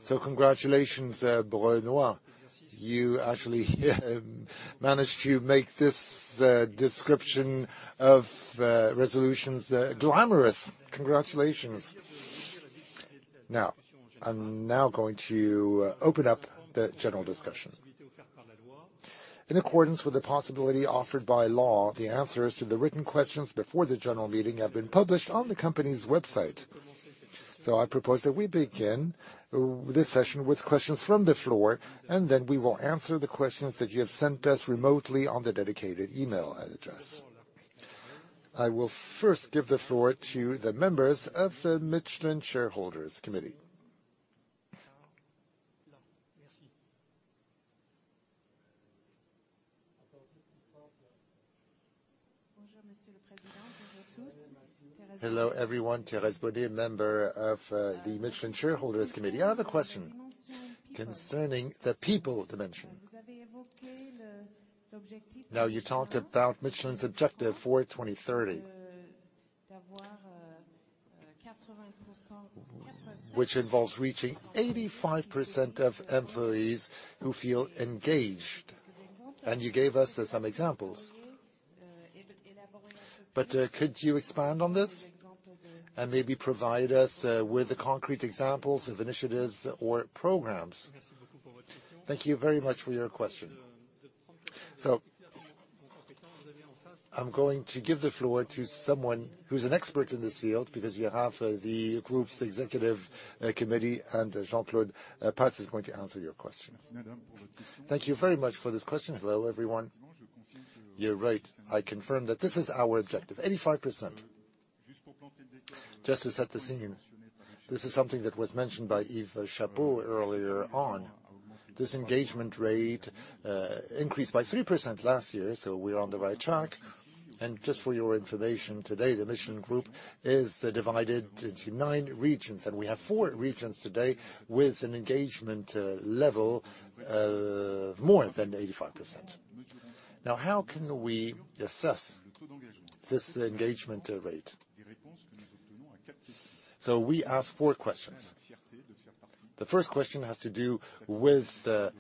A: Congratulations, Benoît. You actually managed to make this description of resolutions glamorous. Congratulations. I'm now going to open up the general discussion. In accordance with the possibility offered by law, the answers to the written questions before the general meeting have been published on the company's website. I propose that we begin this session with questions from the floor, and then we will answer the questions that you have sent us remotely on the dedicated email address. I will first give the floor to the members of the Michelin Shareholders' Committee. Hello, everyone. Therese Bonnet, member of the Michelin Shareholders' Committee. I have a question concerning the people dimension. You talked about Michelin's objective for 2030. Which involves reaching 85% of employees who feel engaged, and you gave us some examples. Could you expand on this and maybe provide us with the concrete examples of initiatives or programs? Thank you very much for your question. I'm going to give the floor to someone who's an expert in this field, because you have the group's executive committee, and Jean-Claude Pats is going to answer your question. Thank you very much for this question. Hello, everyone. You're right, I confirm that this is our objective, 85%. Just to set the scene, this is something that was mentioned by Yves Chapot earlier on. This engagement rate increased by 3% last year, we're on the right track. Just for your information, today the Michelin Group is divided into 9 regions, and we have 4 regions today with an engagement level more than 85%. Now, how can we assess this engagement rate? We ask 4 questions. The first question has to do with the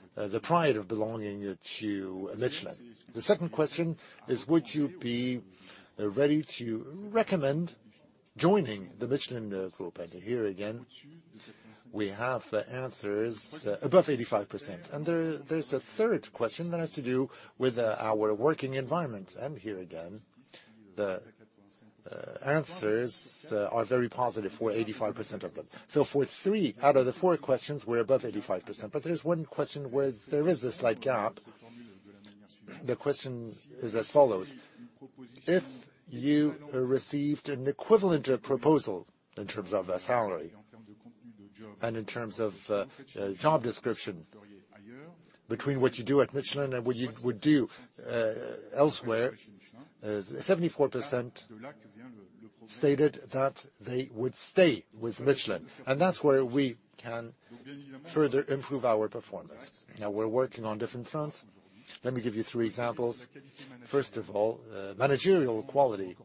A: pride of belonging to Michelin. The second question is, would you be ready to recommend joining the Michelin Group? Here again, we have the answers above 85%. There, there's a third question that has to do with our working environment, and here again, the answers are very positive for 85% of them. For 3 out of the 4 questions, we're above 85%. There's 1 question where there is a slight gap. The question is as follows: If you received an equivalent proposal in terms of salary and in terms of job description between what you do at Michelin and what you would do elsewhere, 74% stated that they would stay with Michelin. That's where we can further improve our performance. Now we're working on different fronts. Let me give you 3 examples. First of all, managerial quality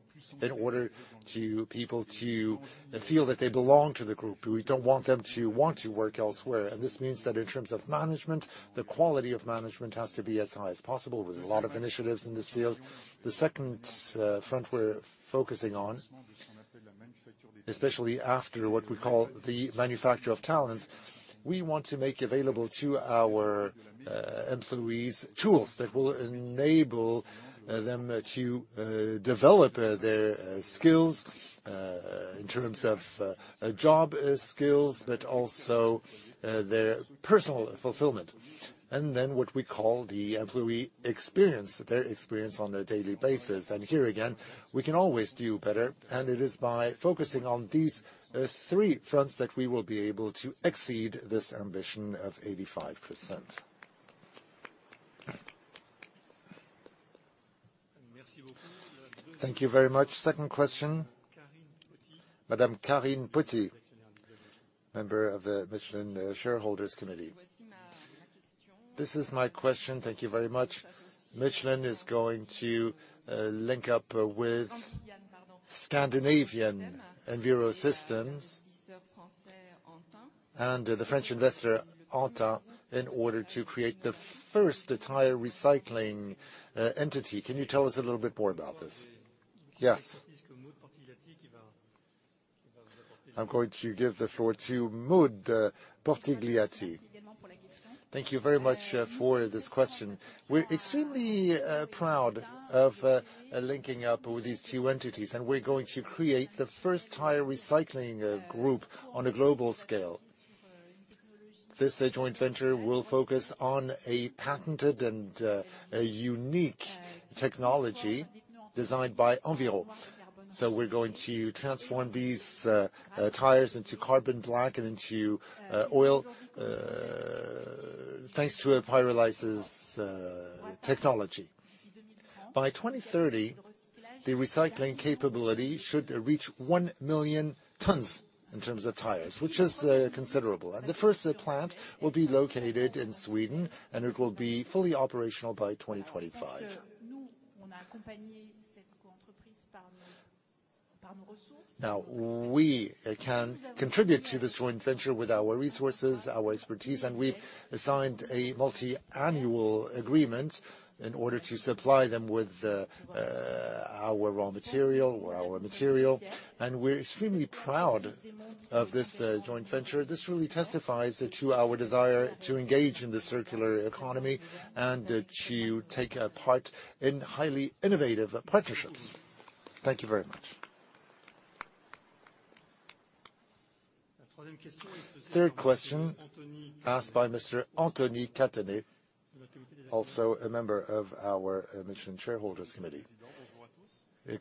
A: in order to people to feel that they belong to the group. We don't want them to want to work elsewhere, and this means that in terms of management, the quality of management has to be as high as possible with a lot of initiatives in this field. The second front we're focusing on, especially after what we call the manufacture of talents, we want to make available to our employees tools that will enable them to develop their skills in terms of job skills, but also their personal fulfillment. What we call the employee experience, their experience on a daily basis. Here again, we can always do better, and it is by focusing on these three fronts that we will be able to exceed this ambition of 85%. Thank you very much. Second question, Madame Karine Poty, Member of the Michelin Shareholders' Committee. This is my question. Thank you very much. Michelin is going to link up with Scandinavian Enviro Systems and the French investor Antin in order to create the first tire recycling entity. Can you tell us a little bit more about this? Yes. I'm going to give the floor to Maude Portigliatti. Thank you very much for this question. We're extremely proud of linking up with these two entities. We're going to create the first tire recycling group on a global scale. This joint venture will focus on a patented and a unique technology designed by Enviro. We're going to transform these tires into carbon black and into oil thanks to a pyrolysis technology. By 2030, the recycling capability should reach 1 million tons in terms of tires, which is considerable. The first plant will be located in Sweden, and it will be fully operational by 2025. We can contribute to this joint venture with our resources, our expertise, we assigned a multi-annual agreement in order to supply them with our raw material or our material. We're extremely proud of this joint venture. This really testifies to our desire to engage in the circular economy and to take a part in highly innovative partnerships. Thank you very much. Third question asked by Mr. Anthony Cattenez, also a member of our Michelin Shareholders' Committee.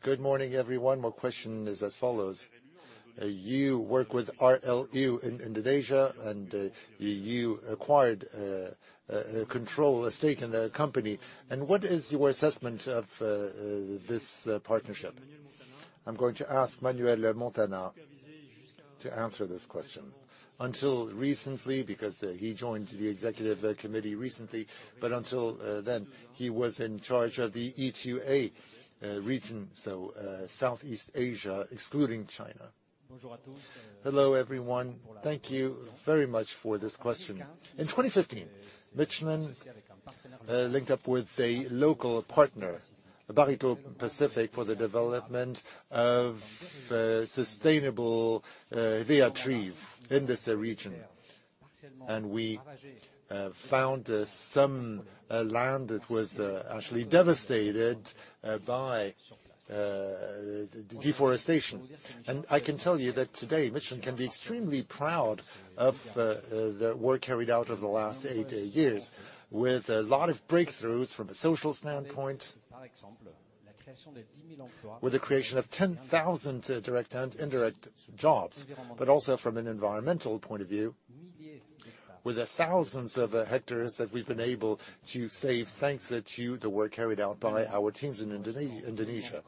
A: Good morning, everyone. My question is as follows: You work with RLU in Indonesia, you acquired control, a stake in the company. What is your assessment of this partnership? I'm going to ask Manuel Montana. To answer this question. Until recently, because he joined the executive committee recently, until then, he was in charge of the E2A region, so Southeast Asia, excluding China. Hello, everyone. Thank you very much for this question. In 2015, Michelin linked up with a local partner, Barito Pacific, for the development of sustainable hevea trees in this region. We found some land that was actually devastated by deforestation. I can tell you that today, Michelin can be extremely proud of the work carried out over the last 8 years, with a lot of breakthroughs from a social standpoint, with the creation of 10,000 direct and indirect jobs, but also from an environmental point of view, with the thousands of hectares that we've been able to save thanks to the work carried out by our teams in Indonesia.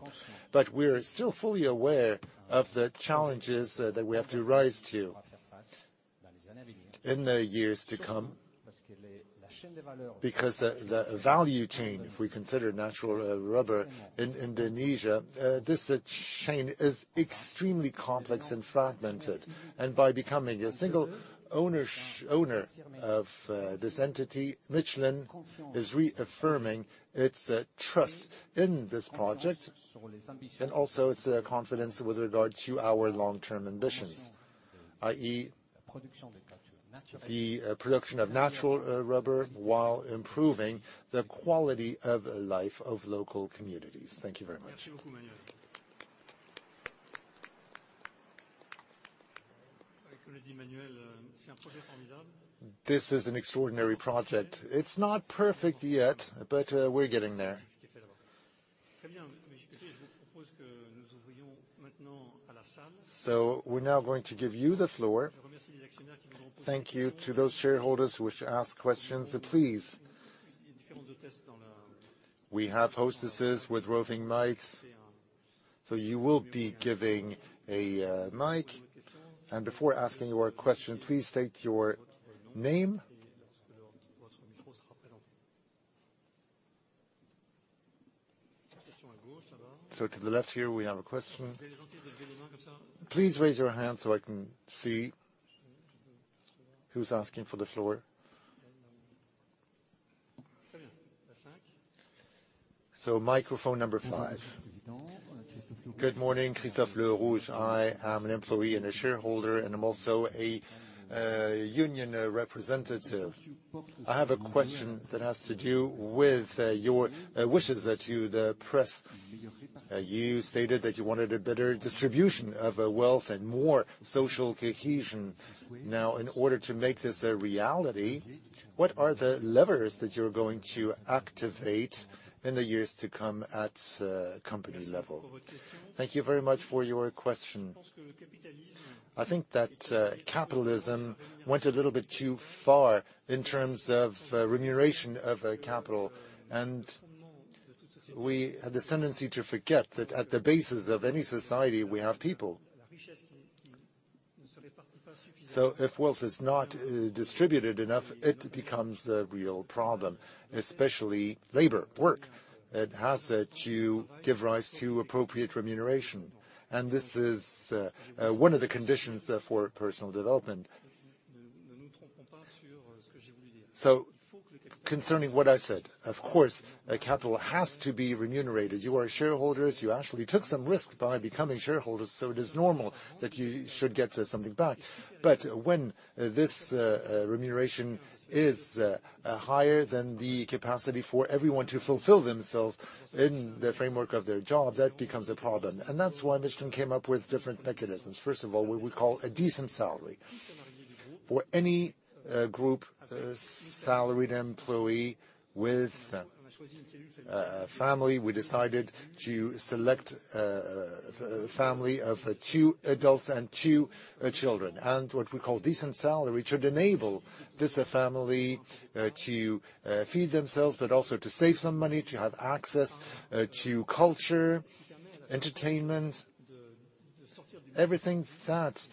A: We're still fully aware of the challenges that we have to rise to in the years to come because the value chain, if we consider natural rubber in Indonesia, this chain is extremely complex and fragmented. By becoming a single owner of this entity, Michelin is reaffirming its trust in this project and also its confidence with regard to our long-term ambitions, i.e., the production of natural rubber while improving the quality of life of local communities. Thank you very much. This is an extraordinary project. It's not perfect yet, but we're getting there. We're now going to give you the floor. Thank you to those shareholders who wish to ask questions. Please. We have hostesses with roving mics, so you will be given a mic. Before asking your question, please state your name. To the left here we have a question. Please raise your hand so I can see who's asking for the floor. Microphone number 5. Good morning. Christophe Lerouge. I am an employee and a shareholder, and I'm also a union representative. I have a question that has to do with your wishes that you stated that you wanted a better distribution of wealth and more social cohesion. In order to make this a reality, what are the levers that you're going to activate in the years to come at company level? Thank you very much for your question. I think that capitalism went a little bit too far in terms of remuneration of capital. We had this tendency to forget that at the basis of any society, we have people. If wealth is not distributed enough, it becomes a real problem, especially labor, work. It has to give rise to appropriate remuneration. This is one of the conditions for personal development. Concerning what I said, of course, capital has to be remunerated. You are shareholders. You actually took some risk by becoming shareholders, it is normal that you should get something back. When this remuneration is higher than the capacity for everyone to fulfill themselves in the framework of their job, that becomes a problem. That's why Michelin came up with different mechanisms. First of all, what we call a decent salary. For any group salaried employee with a family, we decided to select family of 2 adults and 2 children. What we call decent salary should enable this family to feed themselves, but also to save some money, to have access to culture, entertainment, everything that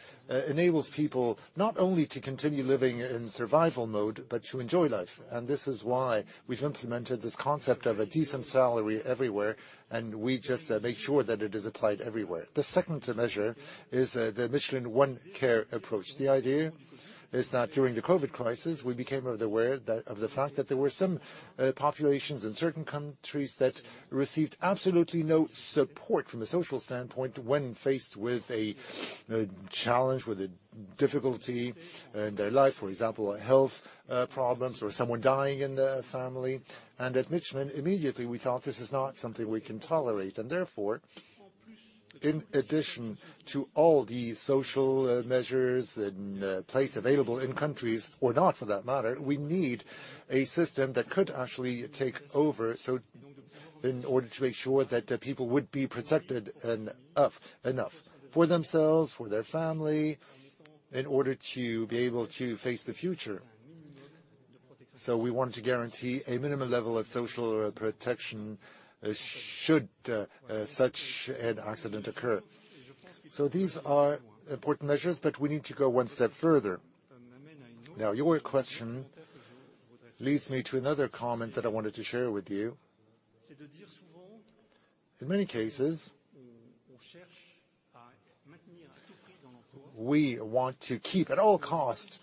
A: enables people not only to continue living in survival mode, but to enjoy life. This is why we've implemented this concept of a decent salary everywhere, and we just make sure that it is applied everywhere. The second measure is the Michelin One Care approach. The idea is that during the COVID crisis, we became aware that, of the fact that there were some populations in certain countries that received absolutely no support from a social standpoint when faced with a challenge, with a difficulty in their life. For example, a health problems or someone dying in their family. At Michelin, immediately we thought, "This is not something we can tolerate." Therefore, in addition to all the social measures in place available in countries, or not for that matter, we need a system that could actually take over so in order to make sure that the people would be protected enough for themselves, for their family, in order to be able to face the future. We want to guarantee a minimum level of social protection should such an accident occur. These are important measures, but we need to go one step further. Now, your question leads me to another comment that I wanted to share with you. In many cases we want to keep, at all cost,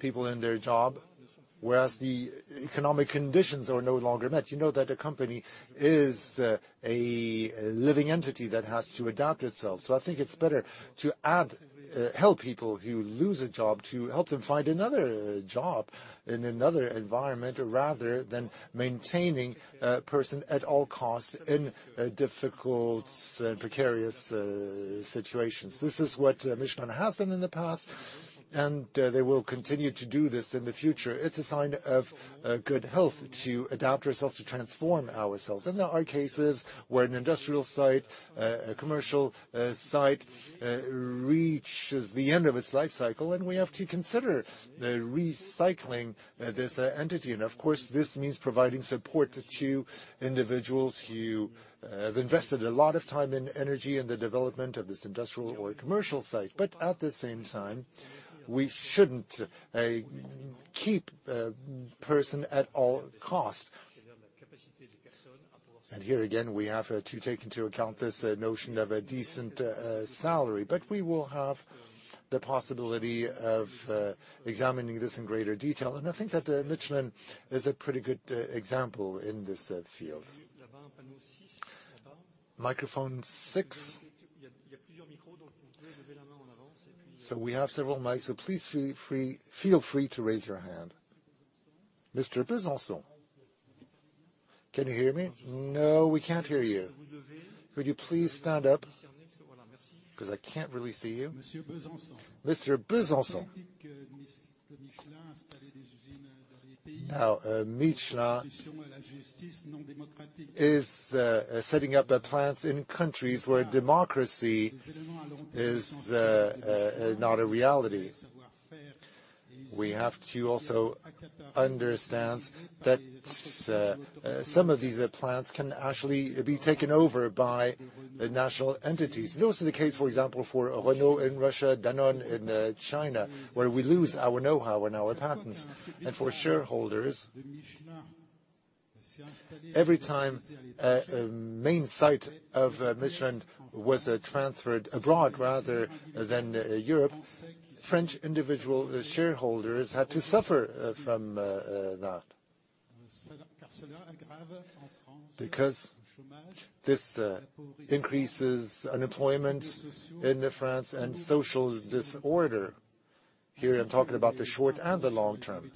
A: people in their job, whereas the economic conditions are no longer met. You know that a company is a living entity that has to adapt itself. I think it's better to help people who lose a job, to help them find another job in another environment rather than maintaining a person at all costs in difficult and precarious situations. This is what Michelin has done in the past, and they will continue to do this in the future. It's a sign of good health to adapt ourselves, to transform ourselves. There are cases where an industrial site, a commercial site reaches the end of its life cycle, and we have to consider the recycling this entity. Of course, this means providing support to individuals who have invested a lot of time and energy in the development of this industrial or commercial site. At the same time, we shouldn't keep a person at all cost. Here again, we have to take into account this notion of a decent salary. We will have the possibility of examining this in greater detail. I think that Michelin is a pretty good example in this field. Microphone 6. We have several mics, so please feel free to raise your hand. Mr. Bezanson. Can you hear me? No, we can't hear you. Could you please stand up? Because I can't really see you. Mr. Bezanson. Michelin is setting up their plants in countries where democracy is not a reality. We have to also understand that some of these plants can actually be taken over by the national entities. Those are the case, for example, for Renault in Russia, Danone in China, where we lose our know-how and our patents. For shareholders, every time a main site of Michelin was transferred abroad rather than Europe, French individual shareholders had to suffer from that. Because this increases unemployment in France and social disorder. Here, I'm talking about the short and the long term,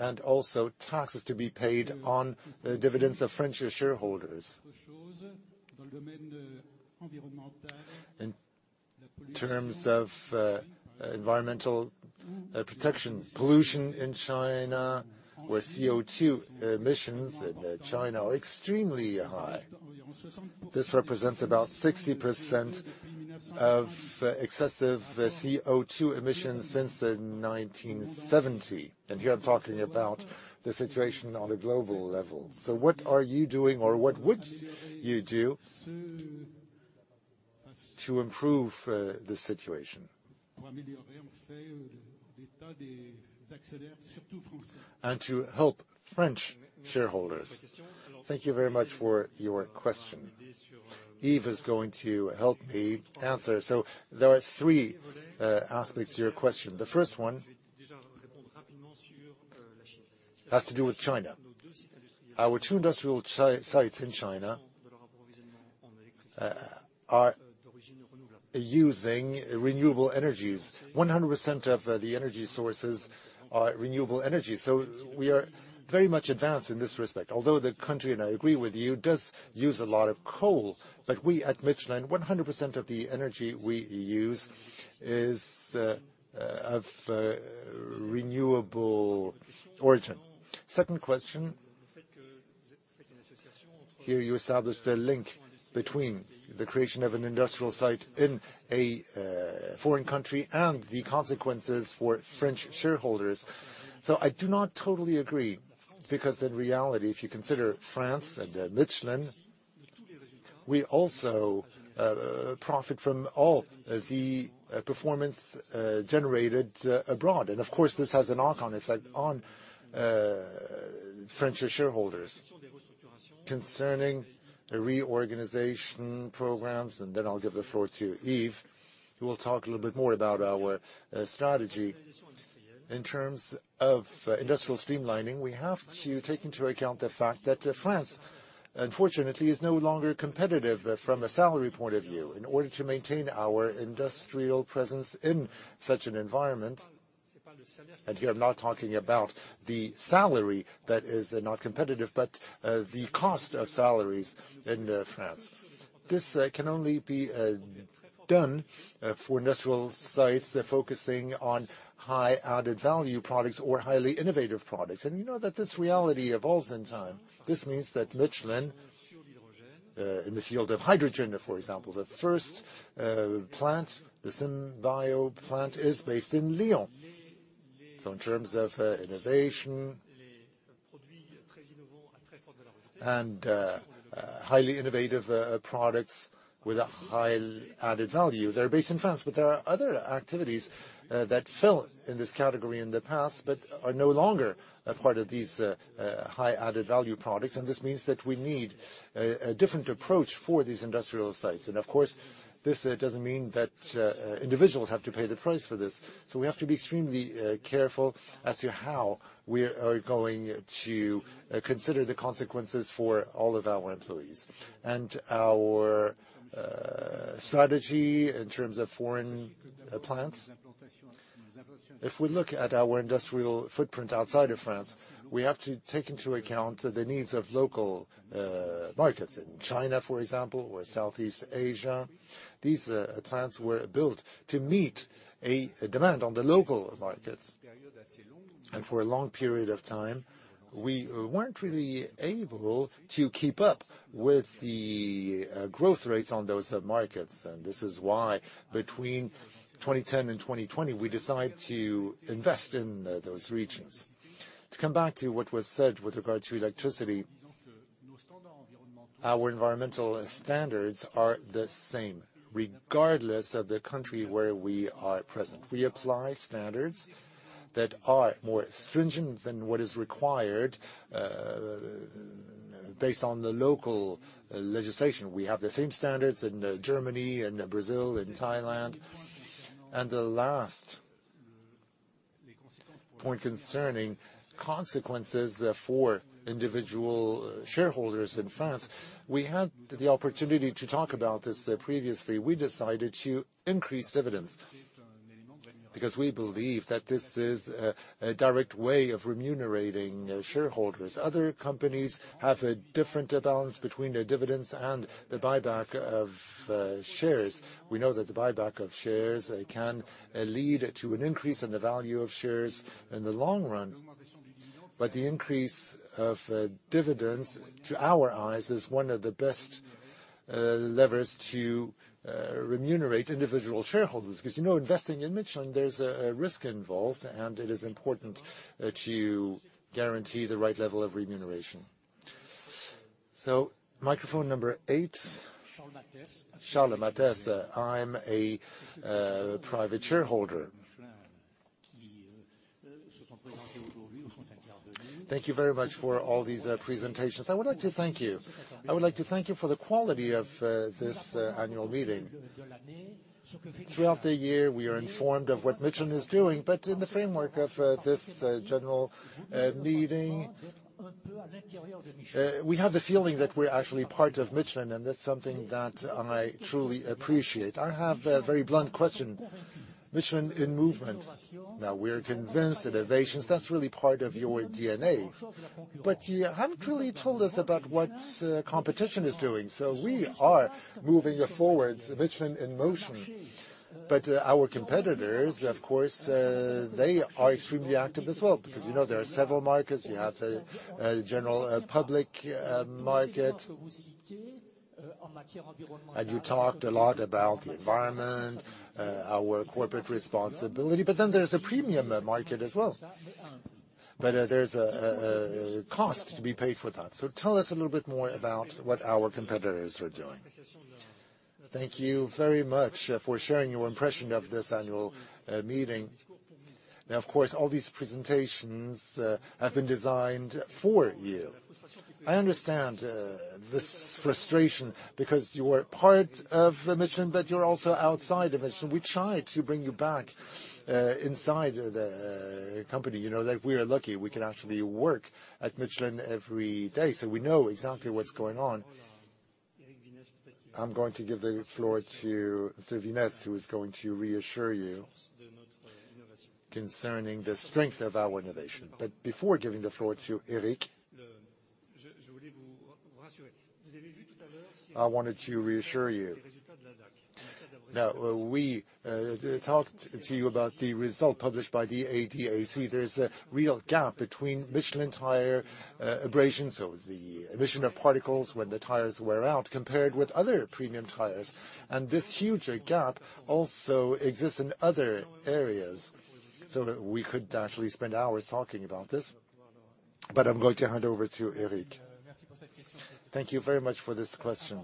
A: and also taxes to be paid on the dividends of French shareholders. In terms of environmental protection, pollution in China, where CO₂ emissions in China are extremely high. This represents about 60% of excessive CO₂ emissions since the 1970. Here I'm talking about the situation on a global level. What are you doing or what would you do to improve the situation and to help French shareholders? Thank you very much for your question. Yves is going to help me answer. There are 3 aspects to your question. The first one has to do with China. Our 2 industrial sites in China are using renewable energies. 100% of the energy sources are renewable energy. We are very much advanced in this respect, although the country, and I agree with you, does use a lot of coal. We at Michelin, 100% of the energy we use is of renewable origin. 2nd question, here you established a link between the creation of an industrial site in a foreign country and the consequences for French shareholders. I do not totally agree, because in reality if you consider France and Michelin, we also profit from all the performance generated abroad. Of course, this has a knock-on effect on French shareholders. Concerning reorganization programs, then I'll give the floor to Yves, who will talk a little bit more about our strategy. In terms of industrial streamlining, we have to take into account the fact that France, unfortunately, is no longer competitive from a salary point of view in order to maintain our industrial presence in such an environment. Here I'm not talking about the salary that is not competitive, but the cost of salaries in France. This can only be done for industrial sites that are focusing on high added value products or highly innovative products. You know that this reality evolves in time. This means that Michelin, in the field of hydrogen, for example, the first plant, the Symbio plant, is based in Lyon. In terms of innovation and highly innovative products with a high added value, they're based in France. There are other activities that fell in this category in the past, but are no longer a part of these high added value products, and this means that we need a different approach for these industrial sites. Of course, this doesn't mean that individuals have to pay the price for this. We have to be extremely careful as to how we are going to consider the consequences for all of our employees. Our strategy in terms of foreign plants, if we look at our industrial footprint outside of France, we have to take into account the needs of local markets. In China, for example, or Southeast Asia, these plants were built to meet a demand on the local markets. For a long period of time, we weren't really able to keep up with the growth rates on those markets, and this is why between 2010 and 2020, we decide to invest in those regions. To come back to what was said with regard to electricity, our environmental standards are the same, regardless of the country where we are present. We apply standards that are more stringent than what is required based on the local legislation. We have the same standards in Germany, in Brazil, in Thailand. The last point concerning consequences for individual shareholders in France, we had the opportunity to talk about this previously. We decided to increase dividends, because we believe that this is a direct way of remunerating shareholders. Other companies have a different balance between their dividends and the buyback of shares. We know that the buyback of shares, they can lead to an increase in the value of shares in the long run. The increase of dividends to our eyes is one of the best levers to remunerate individual shareholders. Because you know, investing in Michelin, there's a risk involved, and it is important to guarantee the right level of remuneration. Microphone number 8. Charles Mathey. Charles Mathey. I'm a private shareholder. Thank you very much for all these presentations. I would like to thank you. I would like to thank you for the quality of this annual meeting. Throughout the year, we are informed of what Michelin is doing, in the framework of this general meeting, we have the feeling that we're actually part of Michelin and that's something that I truly appreciate. I have a very blunt question. Michelin in Motion. Now, we're convinced innovations, that's really part of your DNA. You haven't really told us about what competition is doing. We are moving it forward, Michelin in Motion. Our competitors, of course, they are extremely active as well. Because, you know, there are several markets. You have a general public market. You talked a lot about the environment, our corporate responsibility, but then there's a premium market as well. There's a cost to be paid for that. Tell us a little bit more about what our competitors are doing. Thank you very much for sharing your impression of this annual meeting. Of course, all these presentations have been designed for you. I understand this frustration because you are part of Michelin, but you're also outside of Michelin. We try to bring you back inside the company. You know, like we are lucky. We can actually work at Michelin every day, so we know exactly what's going on. I'm going to give the floor to Mr. Vinesse, who is going to reassure you concerning the strength of our innovation. Before giving the floor to Eric, I wanted to reassure you. We talked to you about the result published by the ADAC. There's a real gap between Michelin tire, abrasion, so the emission of particles when the tires wear out, compared with other premium tires, and this huge gap also exists in other areas. We could actually spend hours talking about this, but I'm going to hand over to Eric.
H: Thank you very much for this question.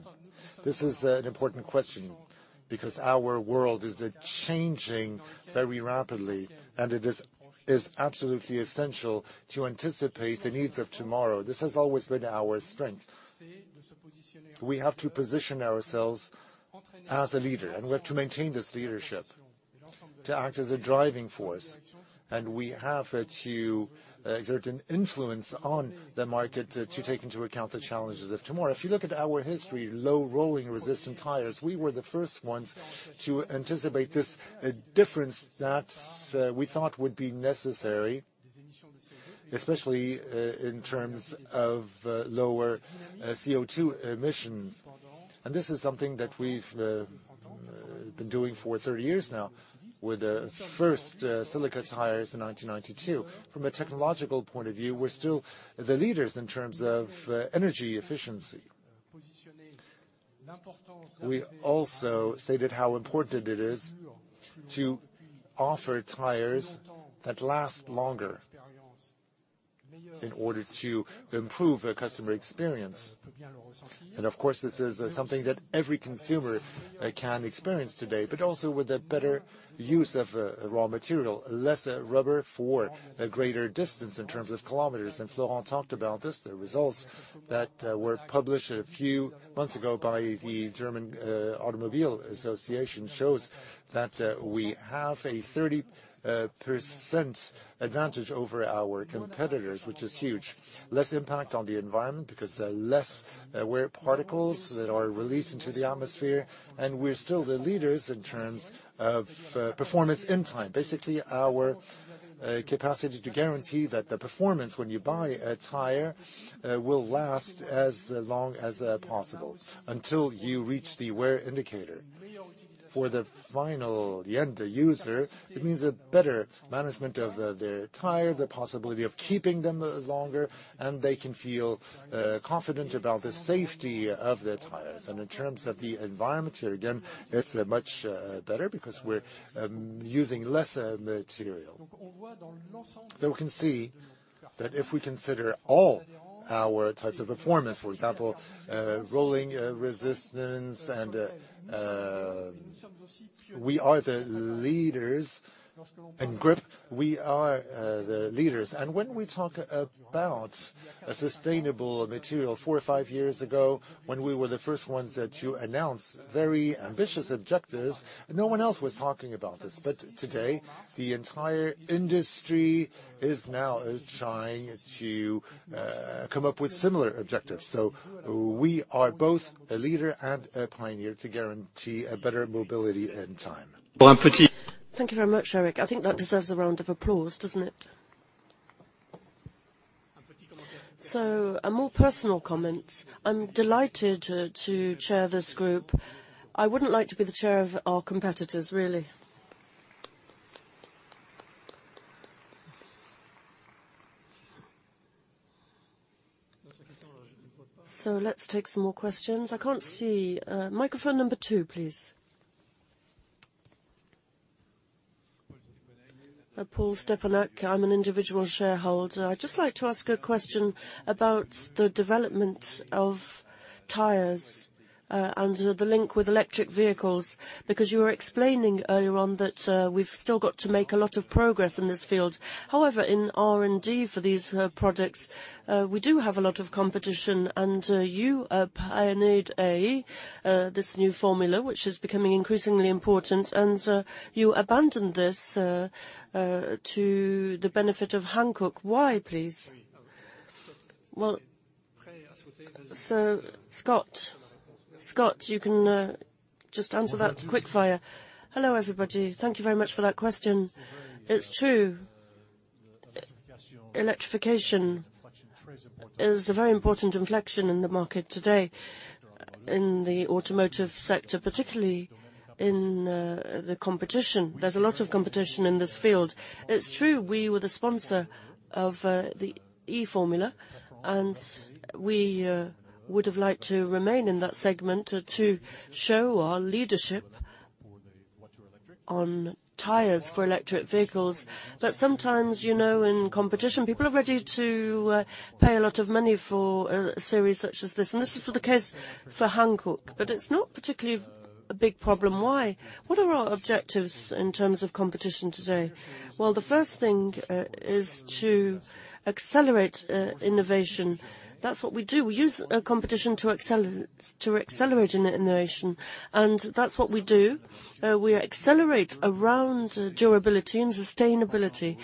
H: This is an important question because our world is changing very rapidly and it is absolutely essential to anticipate the needs of tomorrow. This has always been our strength. We have to position ourselves as a leader, and we have to maintain this leadership to act as a driving force. We have to exert an influence on the market to take into account the challenges of tomorrow. If you look at our history, low rolling resistant tires, we were the first ones to anticipate this difference that we thought would be necessary, especially in terms of lower CO2 emissions. This is something that We've been doing for 30 years now, with the first silica tires in 1992. From a technological point of view, we're still the leaders in terms of energy efficiency. We also stated how important it is to offer tires that last longer in order to improve the customer experience. Of course, this is something that every consumer can experience today, but also with the better use of raw material, less rubber for a greater distance in terms of kilometers. Florent talked about this. The results that were published a few months ago by the German Automobile Association shows that we have a 30% advantage over our competitors, which is huge. Less impact on the environment because there are less wear particles that are released into the atmosphere, we're still the leaders in terms of performance and time. Basically, our capacity to guarantee that the performance when you buy a tire will last as long as possible until you reach the wear indicator. For the final, the end user, it means a better management of the tire, the possibility of keeping them longer, they can feel confident about the safety of their tires. In terms of the environment, again, it's much better because we're using less material. We can see that if we consider all our types of performance, for example, rolling resistance and we are the leaders in grip. We are the leaders. When we talk about a sustainable material, four or five years ago, when we were the first ones to announce very ambitious objectives, no one else was talking about this. Today, the entire industry is now trying to come up with similar objectives. We are both a leader and a pioneer to guarantee a better mobility and time.
C: Thank you very much, Eric. I think that deserves a round of applause, doesn't it? A more personal comment. I'm delighted to chair this group. I wouldn't like to be the chair of our competitors, really. Let's take some more questions. I can't see. Microphone number two, please. Paul Stepanek. I'm an individual shareholder. I'd just like to ask a question about the development of tires and the link with electric vehicles. You were explaining earlier on that we've still got to make a lot of progress in this field. However, in R&D for these products, we do have a lot of competition, and you pioneered this new formula, which is becoming increasingly important, and you abandoned this to the benefit of Hankook. Why, please? Well, Scott. Scott, you can just answer that quick fire. Hello, everybody. Thank you very much for that question. It's true, electrification is a very important inflection in the market today in the automotive sector, particularly in the competition. There's a lot of competition in this field. It's true, we were the sponsor of Formula E, and we would have liked to remain in that segment to show our leadership on tires for electric vehicles. But sometimes, you know, in competition, people are ready to pay a lot of money for a series such as this, and this is for the case for Hankook. But it's not particularly a big problem. Why? What are our objectives in terms of competition today? Well, the first thing is to accelerate innovation. That's what we do. We use a competition to accelerate innovation, and that's what we do. We accelerate around durability and sustainability.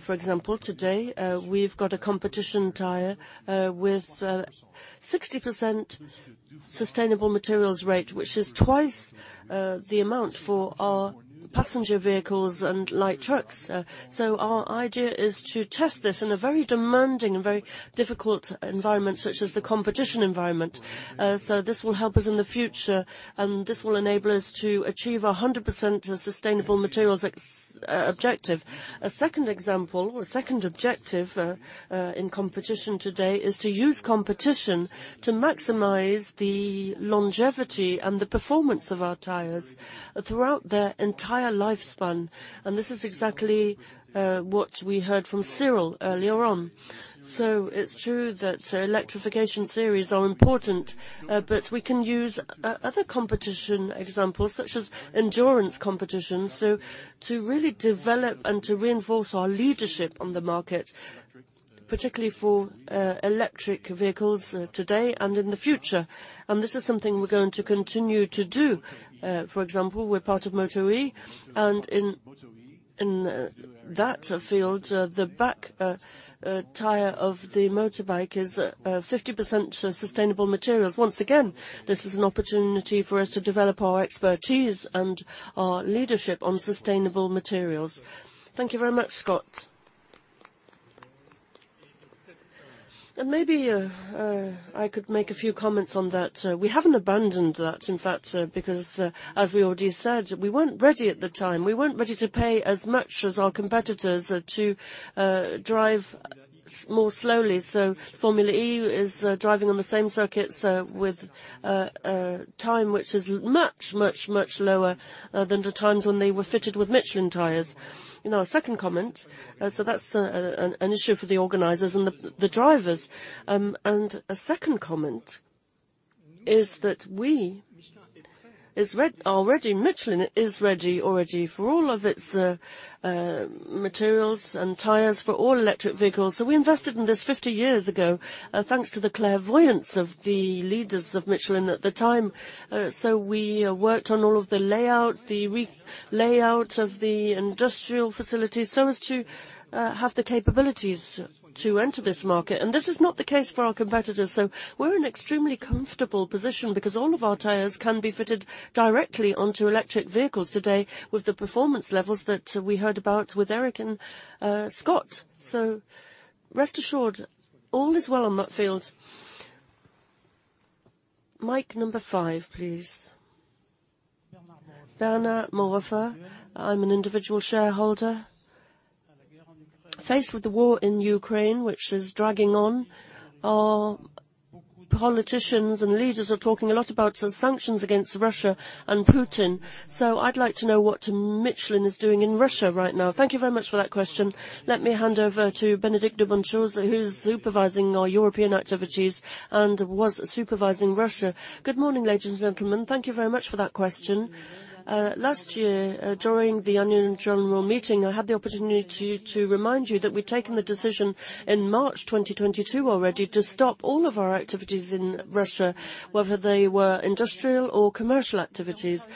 C: For example, today, we've got a competition tire with 60% sustainable materials rate, which is twice the amount for our passenger vehicles and light trucks. So our idea is to test this in a very demanding and very difficult environment such as the competition environment. So this will help us in the future, and this will enable us to achieve a 100% sustainable materials objective. A second example or a second objective in competition today is to use competition to maximize the longevity and the performance of our tires throughout their entire lifespan. And this is exactly what we heard from Cyrille earlier on. It's true that electrification series are important, but we can use other competition examples such as endurance competition, so to really develop and to reinforce our leadership on the market, particularly for electric vehicles today and in the future. This is something we're going to continue to do. For example, we're part of MotoE, and in that field, the back tire of the motorbike is 50% sustainable materials. Once again, this is an opportunity for us to develop our expertise and our leadership on sustainable materials. Thank you very much, Scott. Maybe I could make a few comments on that. We haven't abandoned that, in fact, because as we already said, we weren't ready at the time. We weren't ready to pay as much as our competitors, to drive more slowly. Formula E is driving on the same circuits, with time which is much, much, much lower than the times when they were fitted with Michelin tires. You know, a second comment, that's an issue for the organizers and the drivers. A second comment is that we are ready, Michelin is ready already for all of its materials and tires for all electric vehicles. We invested in this 50 years ago, thanks to the clairvoyance of the leaders of Michelin at the time. We worked on all of the layout, the re-layout of the industrial facilities so as to have the capabilities to enter this market. This is not the case for our competitors, so we're in extremely comfortable position because all of our tires can be fitted directly onto electric vehicles today with the performance levels that we heard about with Eric Vinesse and Scott. Rest assured all is well on that field. Mic number 5, please. Bernard Moriffer. I'm an individual shareholder. Faced with the war in Ukraine, which is dragging on, our politicians and leaders are talking a lot about the sanctions against Russia and Putin. I'd like to know what Michelin is doing in Russia right now. Thank you very much for that question. Let me hand over to Bénédicte de Bonnechose, who's supervising our European activities and was supervising Russia. Good morning, ladies and gentlemen. Thank you very much for that question. Last year, during the annual general meeting, I had the opportunity to remind you that we'd taken the decision in March 2022 already to stop all of our activities in Russia, whether they were industrial or commercial activities.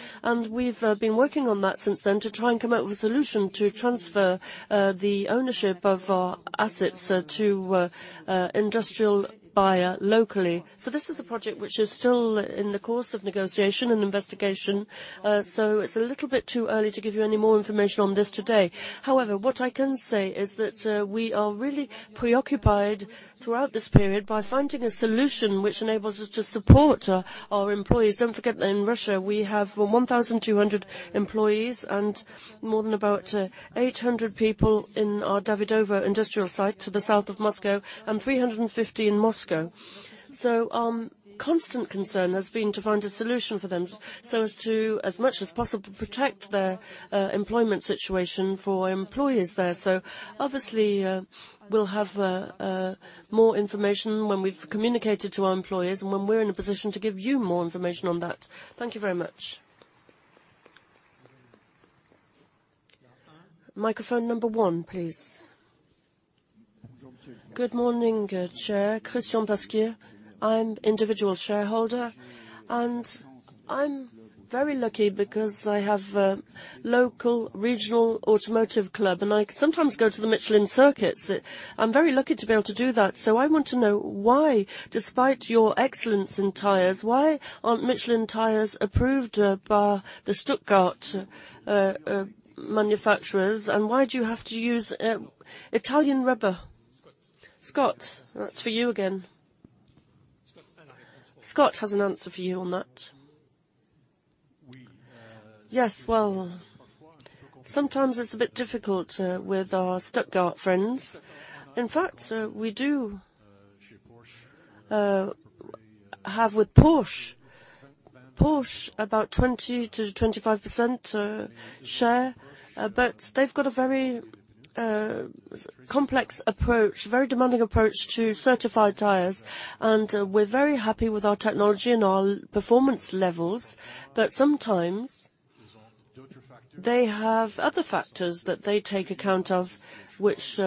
C: We've been working on that since then to try and come up with a solution to transfer the ownership of our assets to an industrial buyer locally. This is a project which is still in the course of negotiation and investigation, so it's a little bit too early to give you any more information on this today. However, what I can say is that we are really preoccupied throughout this period by finding a solution which enables us to support our employees. Don't forget that in Russia we have 1,200 employees and more than about 800 people in our Davydovo industrial site to the south of Moscow, and 350 in Moscow. Our constant concern has been to find a solution for them so as to as much as possible protect their employment situation for employees there. Obviously, we'll have more information when we've communicated to our employees and when we're in a position to give you more information on that. Thank you very much. Microphone number 1, please. Good morning, Chair. Christian Bascu. I'm individual shareholder, and I'm very lucky because I have a local regional automotive club, and I sometimes go to the Michelin circuits. I'm very lucky to be able to do that. I want to know why, despite your excellence in tires, why aren't Michelin tires approved by the Stuttgart manufacturers and why do you have to use Italian rubber? Scott, that's for you again. Scott has an answer for you on that. Well, sometimes it's a bit difficult with our Stuttgart friends. We do have with Porsche about 20%-25% share. They've got a very complex approach, very demanding approach to certified tires, and we're very happy with our technology and our performance levels. Sometimes they have other factors that they take account of, which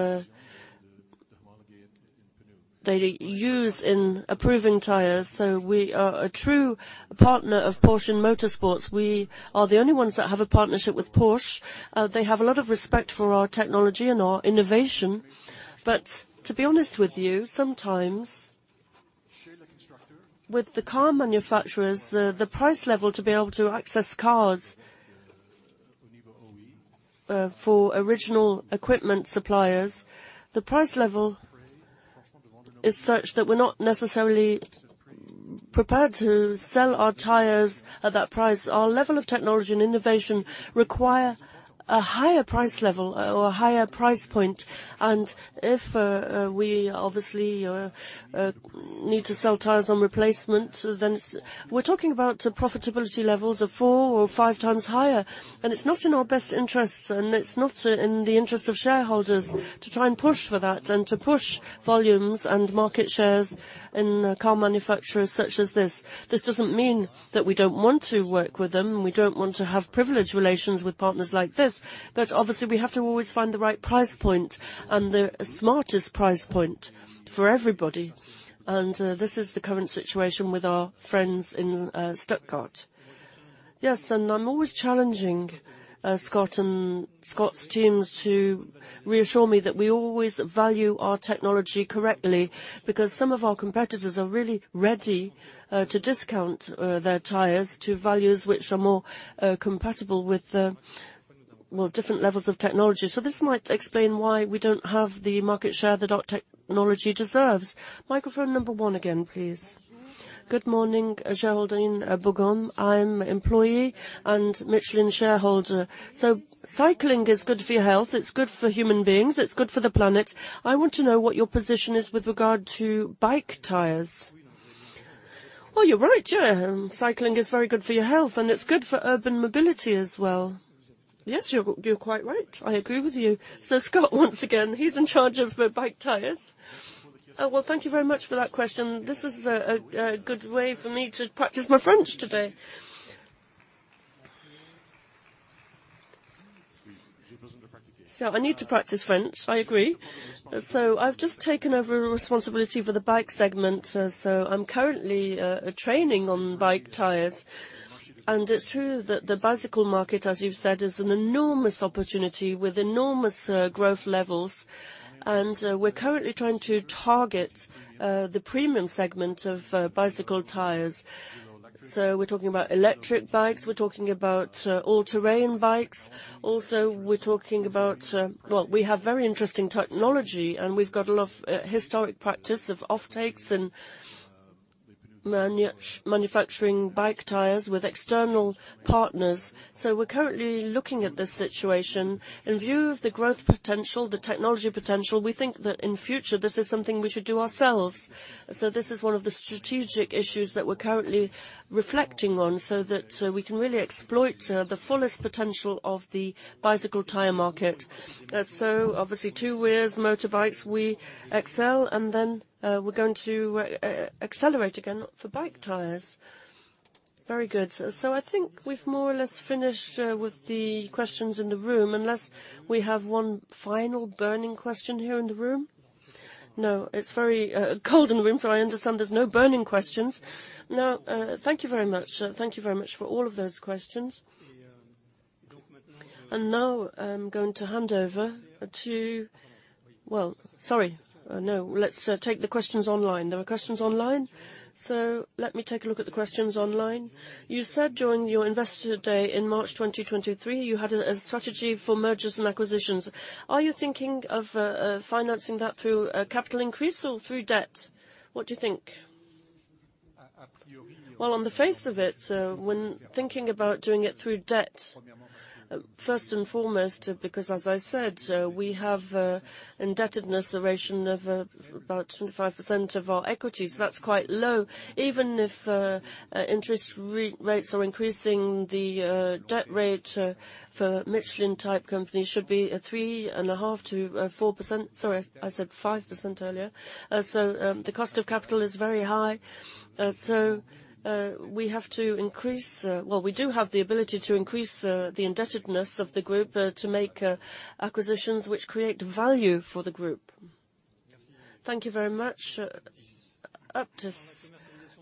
C: they use in approving tires. We are a true partner of Porsche in motorsports. We are the only ones that have a partnership with Porsche. They have a lot of respect for our technology and our innovation. Sometimes with the car manufacturers, the price level to be able to access cars for original equipment suppliers, the price level is such that we're not necessarily prepared to sell our tires at that price. Our level of technology and innovation require a higher price level or a higher price point. If we obviously need to sell tires on replacement, then we're talking about profitability levels of four or five times higher. It's not in our best interest, and it's not in the interest of shareholders to try and push for that and to push volumes and market shares in car manufacturers such as this. This doesn't mean that we don't want to work with them, and we don't want to have privileged relations with partners like this. Obviously we have to always find the right price point and the smartest price point for everybody. This is the current situation with our friends in Stuttgart. I'm always challenging Scott and Scott's teams to reassure me that we always value our technology correctly because some of our competitors are really ready to discount their tires to values which are more compatible with different levels of technology. This might explain why we don't have the market share that our technology deserves. Microphone number 1 again, please. Good morning, Géraldine Bougon. I'm employee and Michelin shareholder. Cycling is good for your health, it's good for human beings, it's good for the planet. I want to know what your position is with regard to bike tires. Well, you're right, yeah. Cycling is very good for your health, and it's good for urban mobility as well. Yes, you're quite right. I agree with you. Scott, once again, he's in charge of the bike tires. Well, thank you very much for that question. This is a good way for me to practice my French today. I need to practice French, I agree. I've just taken over responsibility for the bike segment, so I'm currently training on bike tires. It's true that the bicycle market, as you've said, is an enormous opportunity with enormous growth levels. We're currently trying to target the premium segment of bicycle tires. We're talking about electric bikes, we're talking about all-terrain bikes. Well, we have very interesting technology, and we've got a lot of historic practice of off takes and manufacturing bike tires with external partners. We're currently looking at this situation. In view of the growth potential, the technology potential, we think that in future, this is something we should do ourselves. This is one of the strategic issues that we're currently reflecting on so that we can really exploit the fullest potential of the bicycle tire market. Obviously two wheels, motorbikes we excel, and then we're going to accelerate again for bike tires. Very good. I think we've more or less finished with the questions in the room, unless we have one final burning question here in the room. No. It's very cold in the room, I understand there's no burning questions. Thank you very much. Thank you very much for all of those questions. I'm going to hand over to... sorry. No. Let's take the questions online. There are questions online, let me take a look at the questions online. You said during your Investor Day in March 2023, you had a strategy for mergers and acquisitions. Are you thinking of financing that through a capital increase or through debt? What do you think? On the face of it, when thinking about doing it through debt, first and foremost, because as I said, we have indebtedness, a ration of about 25% of our equity, that's quite low. Even if interest re-rates are increasing the debt rate for Michelin type companies should be a 3.5-4%. Sorry, I said 5% earlier. The cost of capital is very high. Well, we do have the ability to increase the indebtedness of the group to make acquisitions which create value for the group. Thank you very much. Uptis,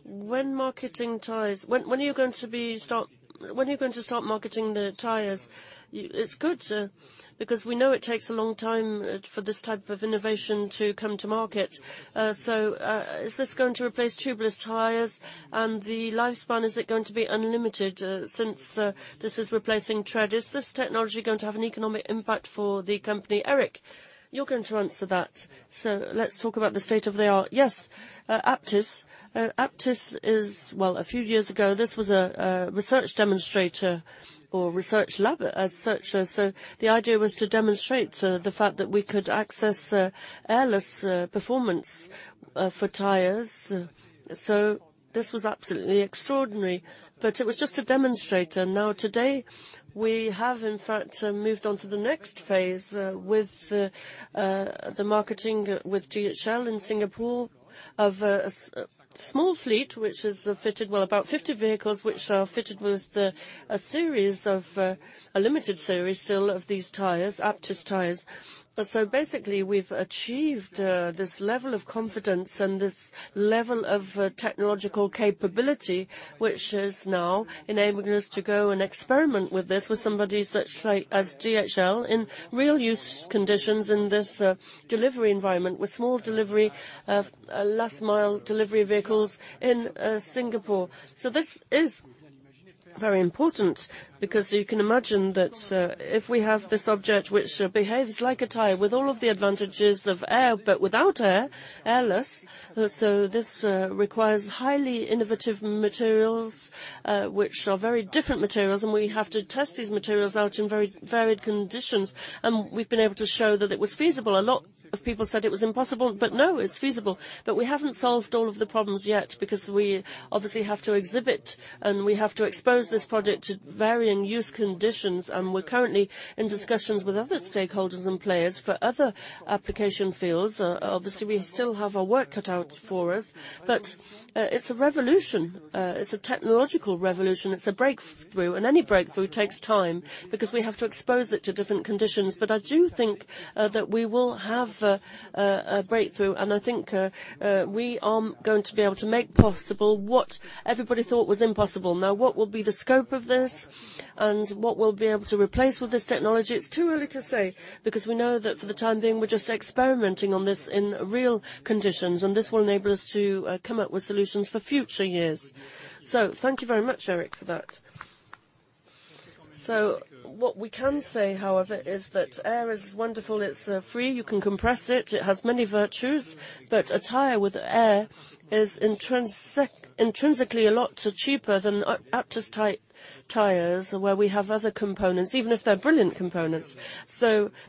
C: when marketing tires, when are you going to start marketing the tires? It's good because we know it takes a long time for this type of innovation to come to market. Is this going to replace tubeless tires? The lifespan, is it going to be unlimited since this is replacing tread? Is this technology going to have an economic impact for the company? Eric, you're going to answer that. Let's talk about the state of the art. Yes, Uptis. Well, a few years ago, this was a research demonstrator or research lab as such, the idea was to demonstrate so the fact that we could access airless performance for tires. This was absolutely extraordinary, but it was just a demonstrator. Now, today, we have in fact moved on to the next phase with the marketing with DHL in Singapore of a small fleet, which is fitted, well, about 50 vehicles, which are fitted with a series of a limited series still of these tires, Uptis tires. Basically, we've achieved this level of confidence and this level of technological capability, which is now enabling us to go and experiment with this with somebody such like as DHL in real use conditions in this delivery environment with small delivery last mile delivery vehicles in Singapore. This is very important because you can imagine that if we have this object which behaves like a tire with all of the advantages of air but without air, airless. This requires highly innovative materials, which are very different materials, and we have to test these materials out in very varied conditions, and we've been able to show that it was feasible. A lot of people said it was impossible, but no, it's feasible. We haven't solved all of the problems yet because we obviously have to exhibit, and we have to expose this product to varying use conditions, and we're currently in discussions with other stakeholders and players for other application fields. Obviously, we still have our work cut out for us, but it's a revolution. It's a technological revolution. It's a breakthrough. Any breakthrough takes time because we have to expose it to different conditions. I do think that we will have a breakthrough, and I think we are going to be able to make possible what everybody thought was impossible. What will be the scope of this and what we'll be able to replace with this technology, it's too early to say, because we know that for the time being, we're just experimenting on this in real conditions, and this will enable us to come up with solutions for future years. Thank you very much, Eric, for that. What we can say, however, is that air is wonderful. It's free, you can compress it has many virtues, but a tire with air is intrinsically a lot cheaper than Uptis type tires where we have other components, even if they're brilliant components.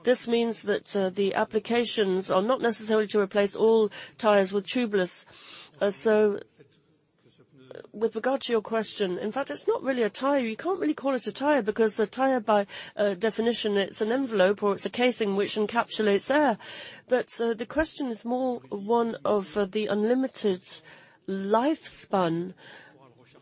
C: This means that the applications are not necessarily to replace all tires with tubeless. With regard to your question, in fact, it's not really a tire. You can't really call it a tire because a tire by definition, it's an envelope or it's a casing which encapsulates air. The question is more one of the unlimited lifespan.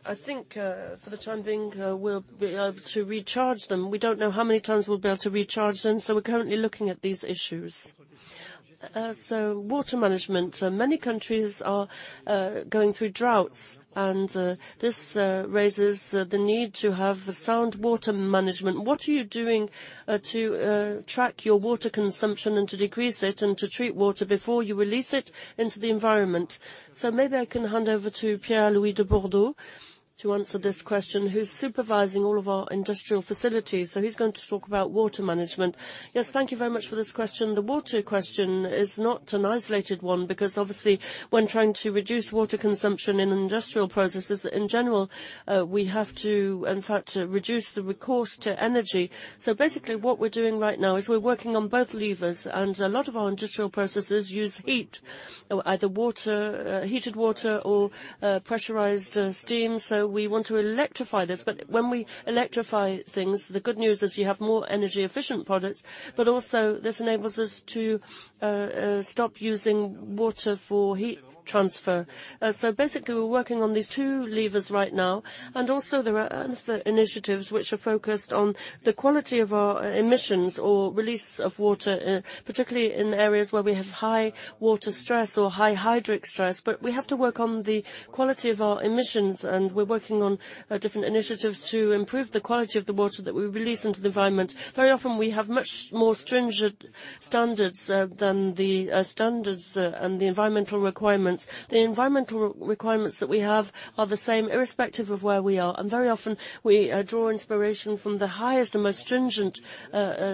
C: I think for the time being, we'll be able to recharge them. We don't know how many times we'll be able to recharge them. We're currently looking at these issues. Water management. Many countries are going through droughts, and this raises the need to have sound water management. What are you doing to track your water consumption and to decrease it and to treat water before you release it into the environment? Maybe I can hand over to Pierre-Louis Dubourdeau to answer this question, who's supervising all of our industrial facilities. He's going to talk about water management. Yes, thank you very much for this question. The water question is not an isolated one because obviously when trying to reduce water consumption in industrial processes in general, we have to, in fact, reduce the recourse to energy. Basically, what we're doing right now is we're working on both levers, and a lot of our industrial processes use heat, either heated water or pressurized steam. We want to electrify this. When we electrify things, the good news is you have more energy efficient products. Also this enables us to stop using water for heat transfer. Basically, we're working on these two levers right now. There are other initiatives which are focused on the quality of our emissions or release of water, particularly in areas where we have high water stress or high hydric stress. We have to work on the quality of our emissions, and we're working on different initiatives to improve the quality of the water that we release into the environment. Very often we have much more stringent standards than the standards and the environmental requirements. The environmental requirements that we have are the same irrespective of where we are, and very often we draw inspiration from the highest and most stringent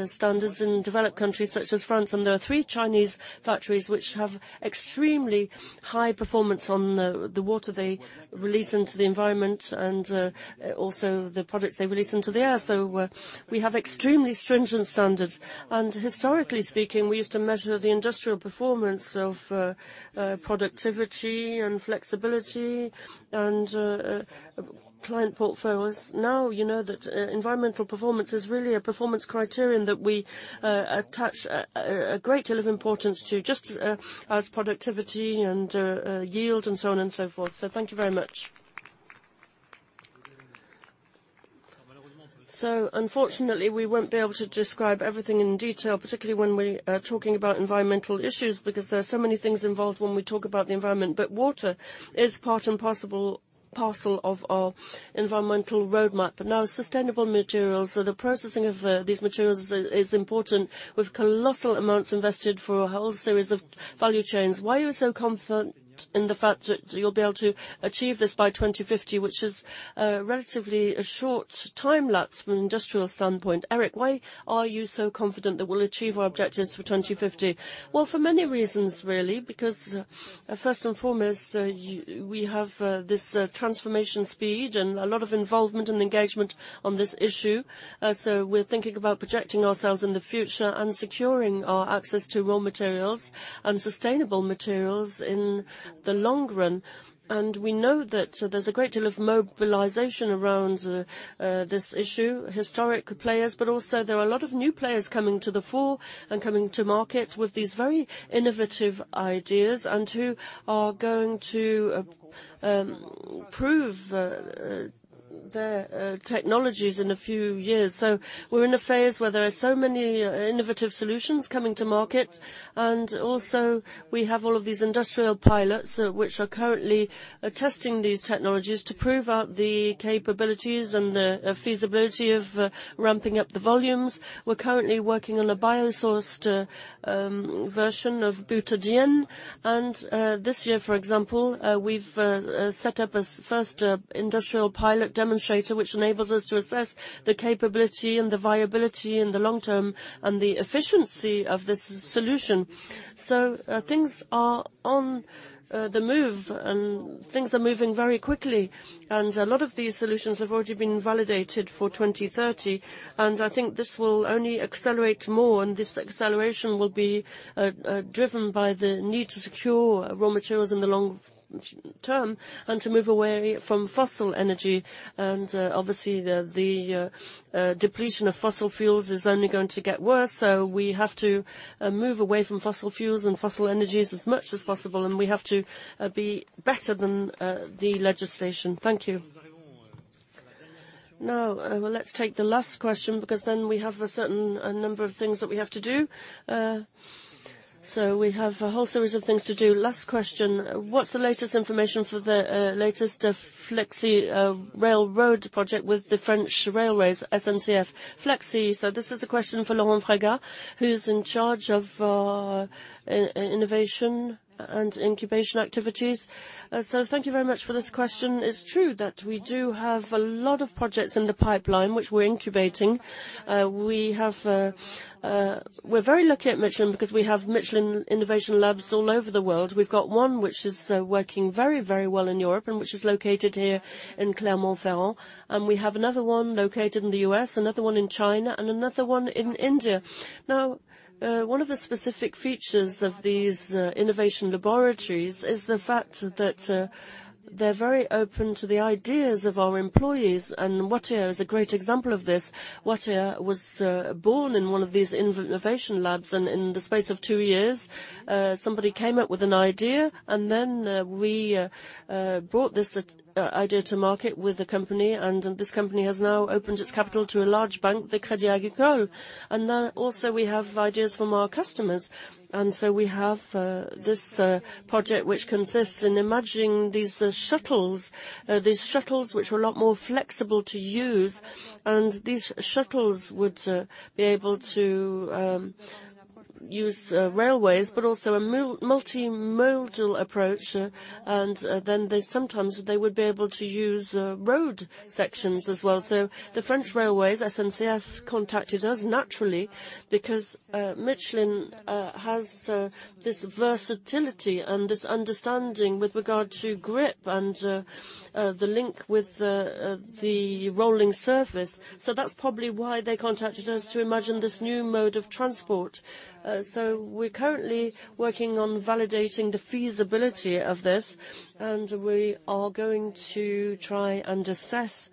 C: standards in developed countries such as France. There are 3 Chinese factories which have extremely high performance on the water they release into the environment and also the products they release into the air. We have extremely stringent standards. Historically speaking, we used to measure the industrial performance of productivity and flexibility and client portfolios. You know that environmental performance is really a performance criterion that we attach a great deal of importance to, just as productivity and yield and so on and so forth. Thank you very much. Unfortunately we won't be able to describe everything in detail, particularly when we're talking about environmental issues, because there are so many things involved when we talk about the environment. Water is part and parcel of our environmental roadmap. Sustainable materials. The processing of these materials is important, with colossal amounts invested for a whole series of value chains. Why are you so confident in the fact that you'll be able to achieve this by 2050, which is a relatively a short time lapse from an industrial standpoint? Eric, why are you so confident that we'll achieve our objectives for 2050? Well, for many reasons really, because, first and foremost, we have this transformation speed and a lot of involvement and engagement on this issue. We're thinking about projecting ourselves in the future and securing our access to raw materials and sustainable materials in the long run. We know that there's a great deal of mobilization around this issue, historic players, but also there are a lot of new players coming to the fore and coming to market with these very innovative ideas and who are going to prove their technologies in a few years. We're in a phase where there are so many innovative solutions coming to market. Also we have all of these industrial pilots which are currently testing these technologies to prove out the capabilities and feasibility of ramping up the volumes. We're currently working on a biosourced version of butadiene. This year, for example, we've set up a first industrial pilot demonstrator, which enables us to assess the capability and the viability in the long term and the efficiency of this solution. Things are on the move, and things are moving very quickly. A lot of these solutions have already been validated for 2030. I think this will only accelerate more. This acceleration will be driven by the need to secure raw materials in the long term and to move away from fossil energy. Obviously the depletion of fossil fuels is only going to get worse, so we have to move away from fossil fuels and fossil energies as much as possible, and we have to be better than the legislation. Thank you. Well, let's take the last question, because then we have a certain number of things that we have to do. We have a whole series of things to do. Last question. "What's the latest information for the latest Flexy railroad project with the French railways, SNCF Flexy?" This is a question for Laurent Frégaut, who's in charge of innovation and incubation activities. Thank you very much for this question. It's true that we do have a lot of projects in the pipeline which we're incubating. We have. We're very lucky at Michelin because we have Michelin innovation labs all over the world. We've got one which is working very, very well in Europe and which is located here in Clermont-Ferrand. We have another one located in the U.S., another one in China, and another one in India. Now, one of the specific features of these innovation laboratories is the fact that they're very open to the ideas of our employees, and Watèa is a great example of this. Watèa was born in one of these innovation labs, and in the space of 2 years, somebody came up with an idea. Then, we brought this idea to market with the company and this company has now opened its capital to a large bank, the Crédit Agricole. Now also we have ideas from our customers. So we have, this project which consists in imagining these shuttles. These shuttles which are a lot more flexible to use. These shuttles would be able to use railways, but also a multimodal approach. They sometimes would be able to use road sections as well. The French railways, SNCF, contacted us naturally because Michelin has this versatility and this understanding with regard to grip and the link with the rolling surface. That's probably why they contacted us to imagine this new mode of transport. We're currently working on validating the feasibility of this, and we are going to try and assess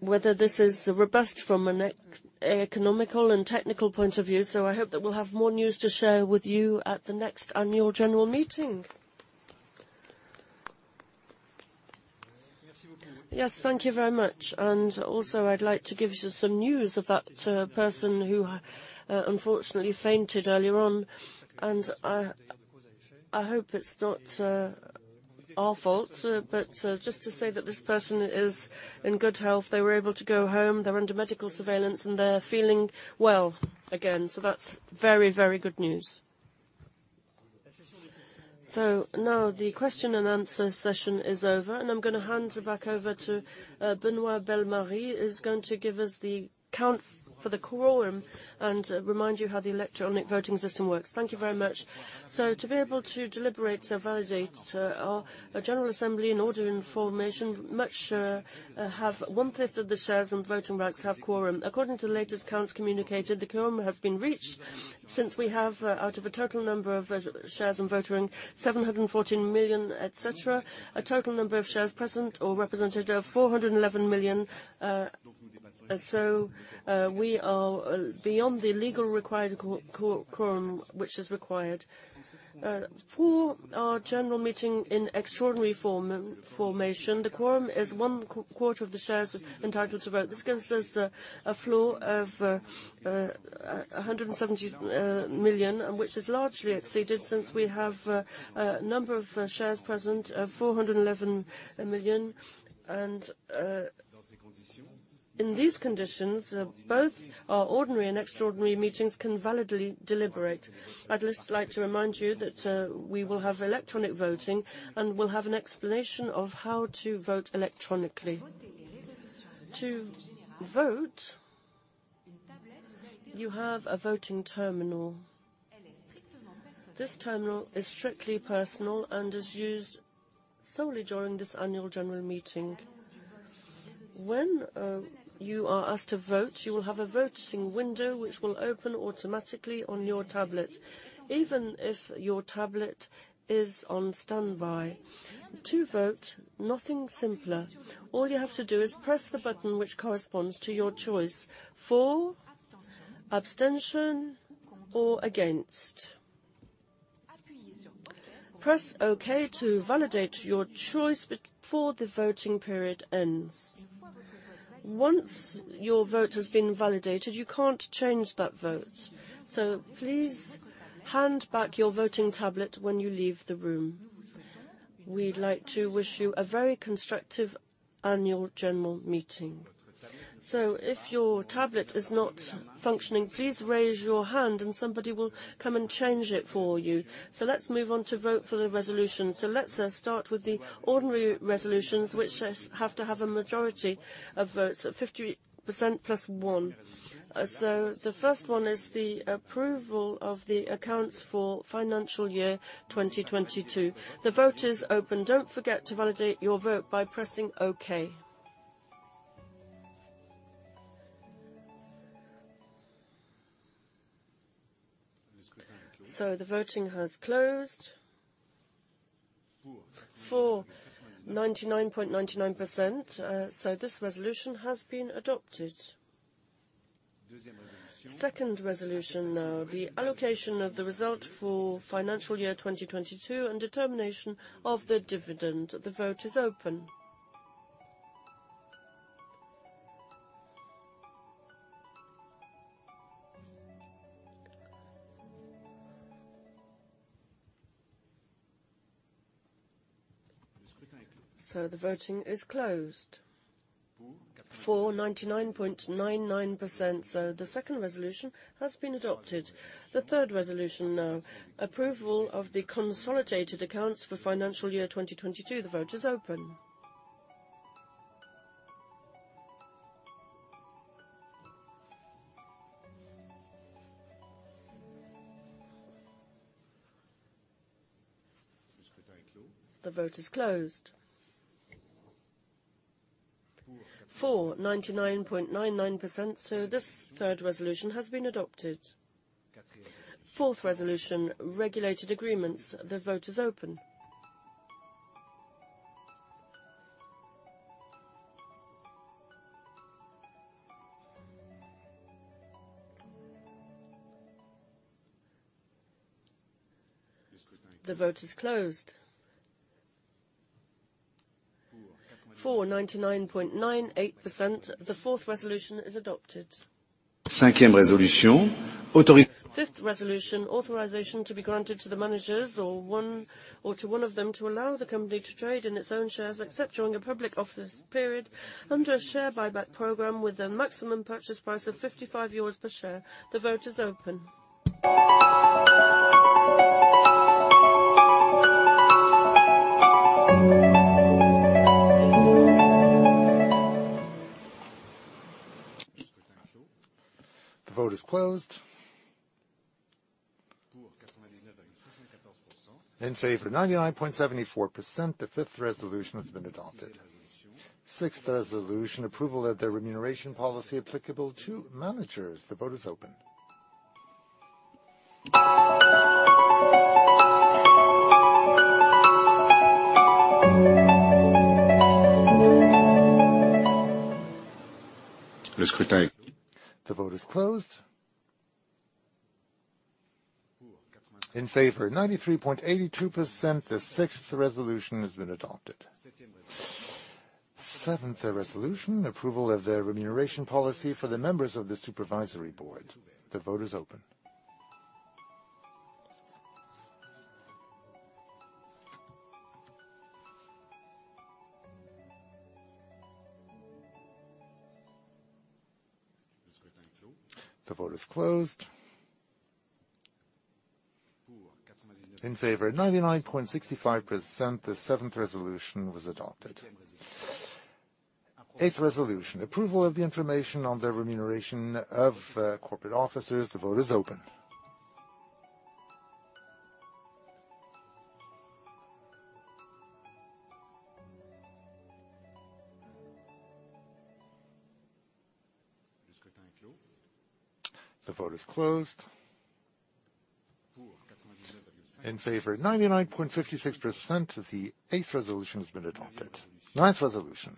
C: whether this is robust from an economical and technical point of view. I hope that we'll have more news to share with you at the next annual general meeting. Yes, thank you very much. I'd like to give just some news of that person who unfortunately fainted earlier on. I hope it's not our fault, just to say that this person is in good health. They were able to go home. They're under medical surveillance, and they're feeling well again. That's very, very good news. Now the question and answer session is over, and I'm gonna hand back over to Benoît Bellemare, is going to give us the count for the quorum and remind you how the electronic voting system works. Thank you very much. To be able to deliberate, validate, our general assembly in order information, much, have 1/5 of the shares and voting rights have quorum. According to the latest counts communicated, the quorum has been reached. Since we have, out of a total number of shares and voting, 714 million, et cetera, a total number of shares present or represented are 411 million. We are beyond the legal required quorum which is required. For our general meeting in extraordinary form, the quorum is one quarter of the shares entitled to vote. This gives us a floor of 170 million, and which is largely exceeded since we have a number of shares present, 411 million. In these conditions, both our ordinary and extraordinary meetings can validly deliberate. I'd just like to remind you that we will have electronic voting, and we'll have an explanation of how to vote electronically. To vote, you have a voting terminal. This terminal is strictly personal and is used solely during this annual general meeting. When you are asked to vote, you will have a voting window which will open automatically on your tablet, even if your tablet is on standby. To vote, nothing simpler. All you have to do is press the button which corresponds to your choice: for, abstention, or against. Press Okay to validate your choice before the voting period ends. Once your vote has been validated, you can't change that vote. Please hand back your voting tablet when you leave the room. We'd like to wish you a very constructive annual general meeting. If your tablet is not functioning, please raise your hand and somebody will come and change it for you. Let's move on to vote for the resolution. Let's start with the ordinary resolutions, which has to have a majority of votes of 50% plus 1. The first one is the approval of the accounts for financial year 2022. The vote is open. Don't forget to validate your vote by pressing Okay. The voting has closed. For 99.99%, this resolution has been adopted. Second resolution now. The allocation of the result for financial year 2022 and determination of the dividend. The vote is open. The voting is closed. For 99.99%, the second resolution has been adopted. The third resolution now. Approval of the consolidated accounts for financial year 2022. The vote is open. The vote is closed. For 99.99%, this third resolution has been adopted. Fourth resolution, regulated agreements. The vote is open. The vote is closed. For 99.98%, the fourth resolution is adopted.
A: Fifth resolution.
C: Fifth resolution, authorization to be granted to the managers or one, or to one of them to allow the company to trade in its own shares except during a public office period under a share buyback program with a maximum purchase price of 55 euros per share. The vote is open.
A: The vote is closed. In favor 99.74%, the fifth resolution has been adopted. Sixth resolution, approval of the remuneration policy applicable to managers. The vote is open. The vote is closed. In favor 93.82%, the sixth resolution has been adopted. Seventh resolution, approval of the remuneration policy for the members of the Supervisory Board. The vote is open. The vote is closed. In favor 99.65%, the seventh resolution was adopted. Eighth resolution, approval of the information on the remuneration of corporate officers. The vote is open. The vote is closed. In favor 99.56%, the eighth resolution has been adopted. Ninth resolution,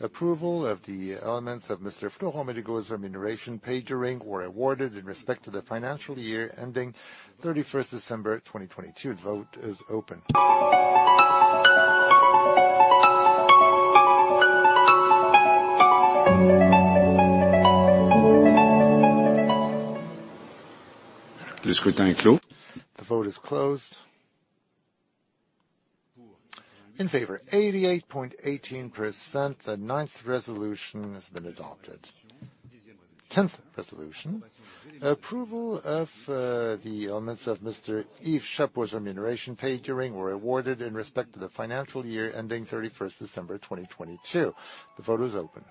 A: approval of the elements of Mr. Florent Menegaux's remuneration paid during or awarded in respect to the financial year ending 31st December 2022. The vote is open. The vote is closed. In favor 88.18%, the 9th resolution has been adopted. 10th resolution, approval of the elements of Mr. Yves Chapot's remuneration paid during or awarded in respect to the financial year ending 31st December 2022. The vote is open.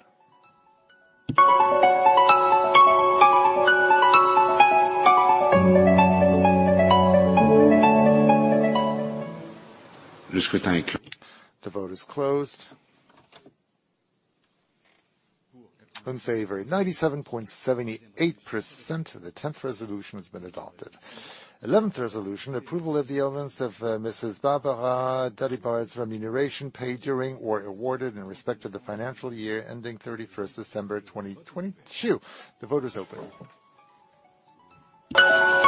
A: The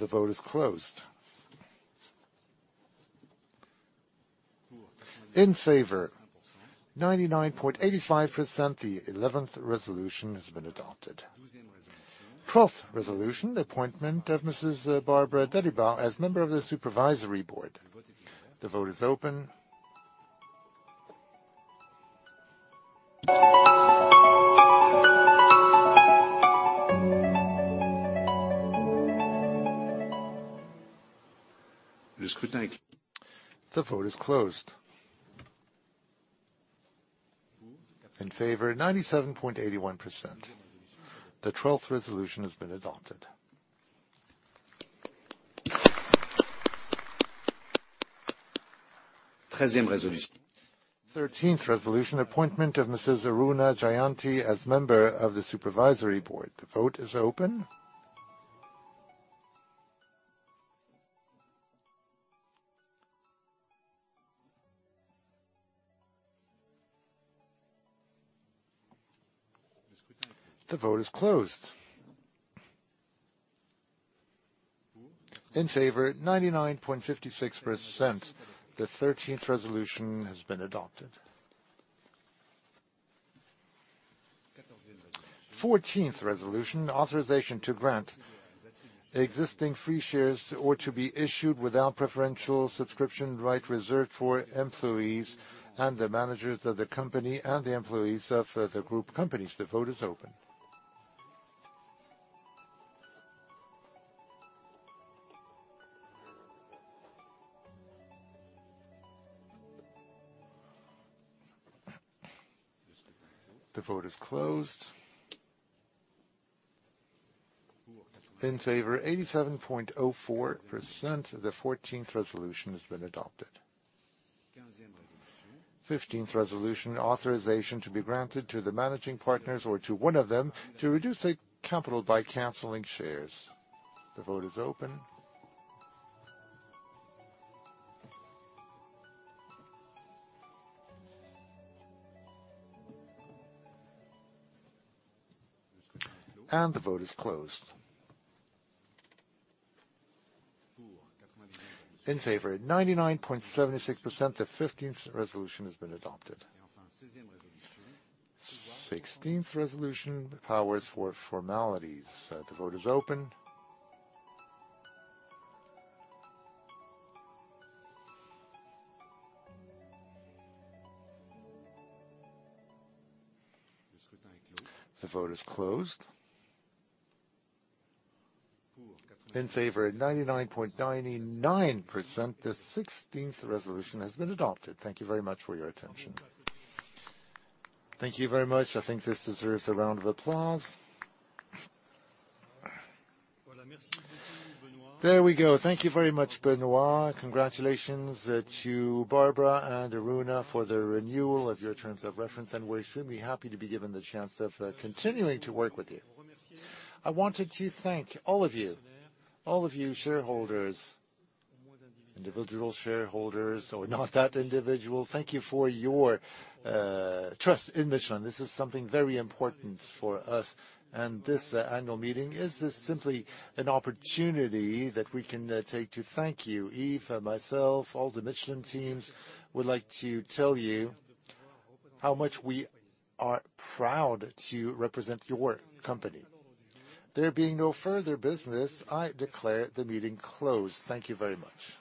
A: vote is closed. In favor 97.78%, the 10th resolution has been adopted. 11th resolution, approval of the elements of Mrs. Barbara Dalibard's remuneration paid during or awarded in respect to the financial year ending 31st December 2022. The vote is open. The vote is closed. In favor 99.85%, the 11th resolution has been adopted. 12th resolution, appointment of Mrs. Barbara Dalibard as member of the Supervisory Board. The vote is open. The vote is closed. In favor 97.81%, the 12th resolution has been adopted. 13th resolution. 13th resolution, appointment of Mrs. Aruna Jayanthi as member of the Supervisory Board. The vote is open. The vote is closed. In favor 99.56%. The 13th resolution has been adopted. 14th resolution, authorization to grant existing free shares or to be issued without preferential subscription right reserved for employees and the managers of the company and the employees of the group companies. The vote is open. The vote is closed. In favor 87.04%. The 14th resolution has been adopted. 15th resolution, authorization to be granted to the managing partners or to one of them to reduce the capital by canceling shares. The vote is open. The vote is closed. In favor 99.76%, the 15th resolution has been adopted. 16th resolution, powers for formalities. The vote is open. The vote is closed. In favor 99.99%, the 16th resolution has been adopted. Thank you very much for your attention. Thank you very much. I think this deserves a round of applause. There we go. Thank you very much, Benoît. Congratulations to Barbara Dalibard and Aruna Jayanthi for the renewal of your terms of reference, we're extremely happy to be given the chance of continuing to work with you. I wanted to thank all of you, all of you shareholders, individual shareholders or not that individual. Thank you for your trust in Michelin. This is something very important for us, this annual meeting is just simply an opportunity that we can take to thank you. Yves Chapot and myself, all the Michelin teams would like to tell you how much we are proud to represent your company. There being no further business, I declare the meeting closed. Thank you very much.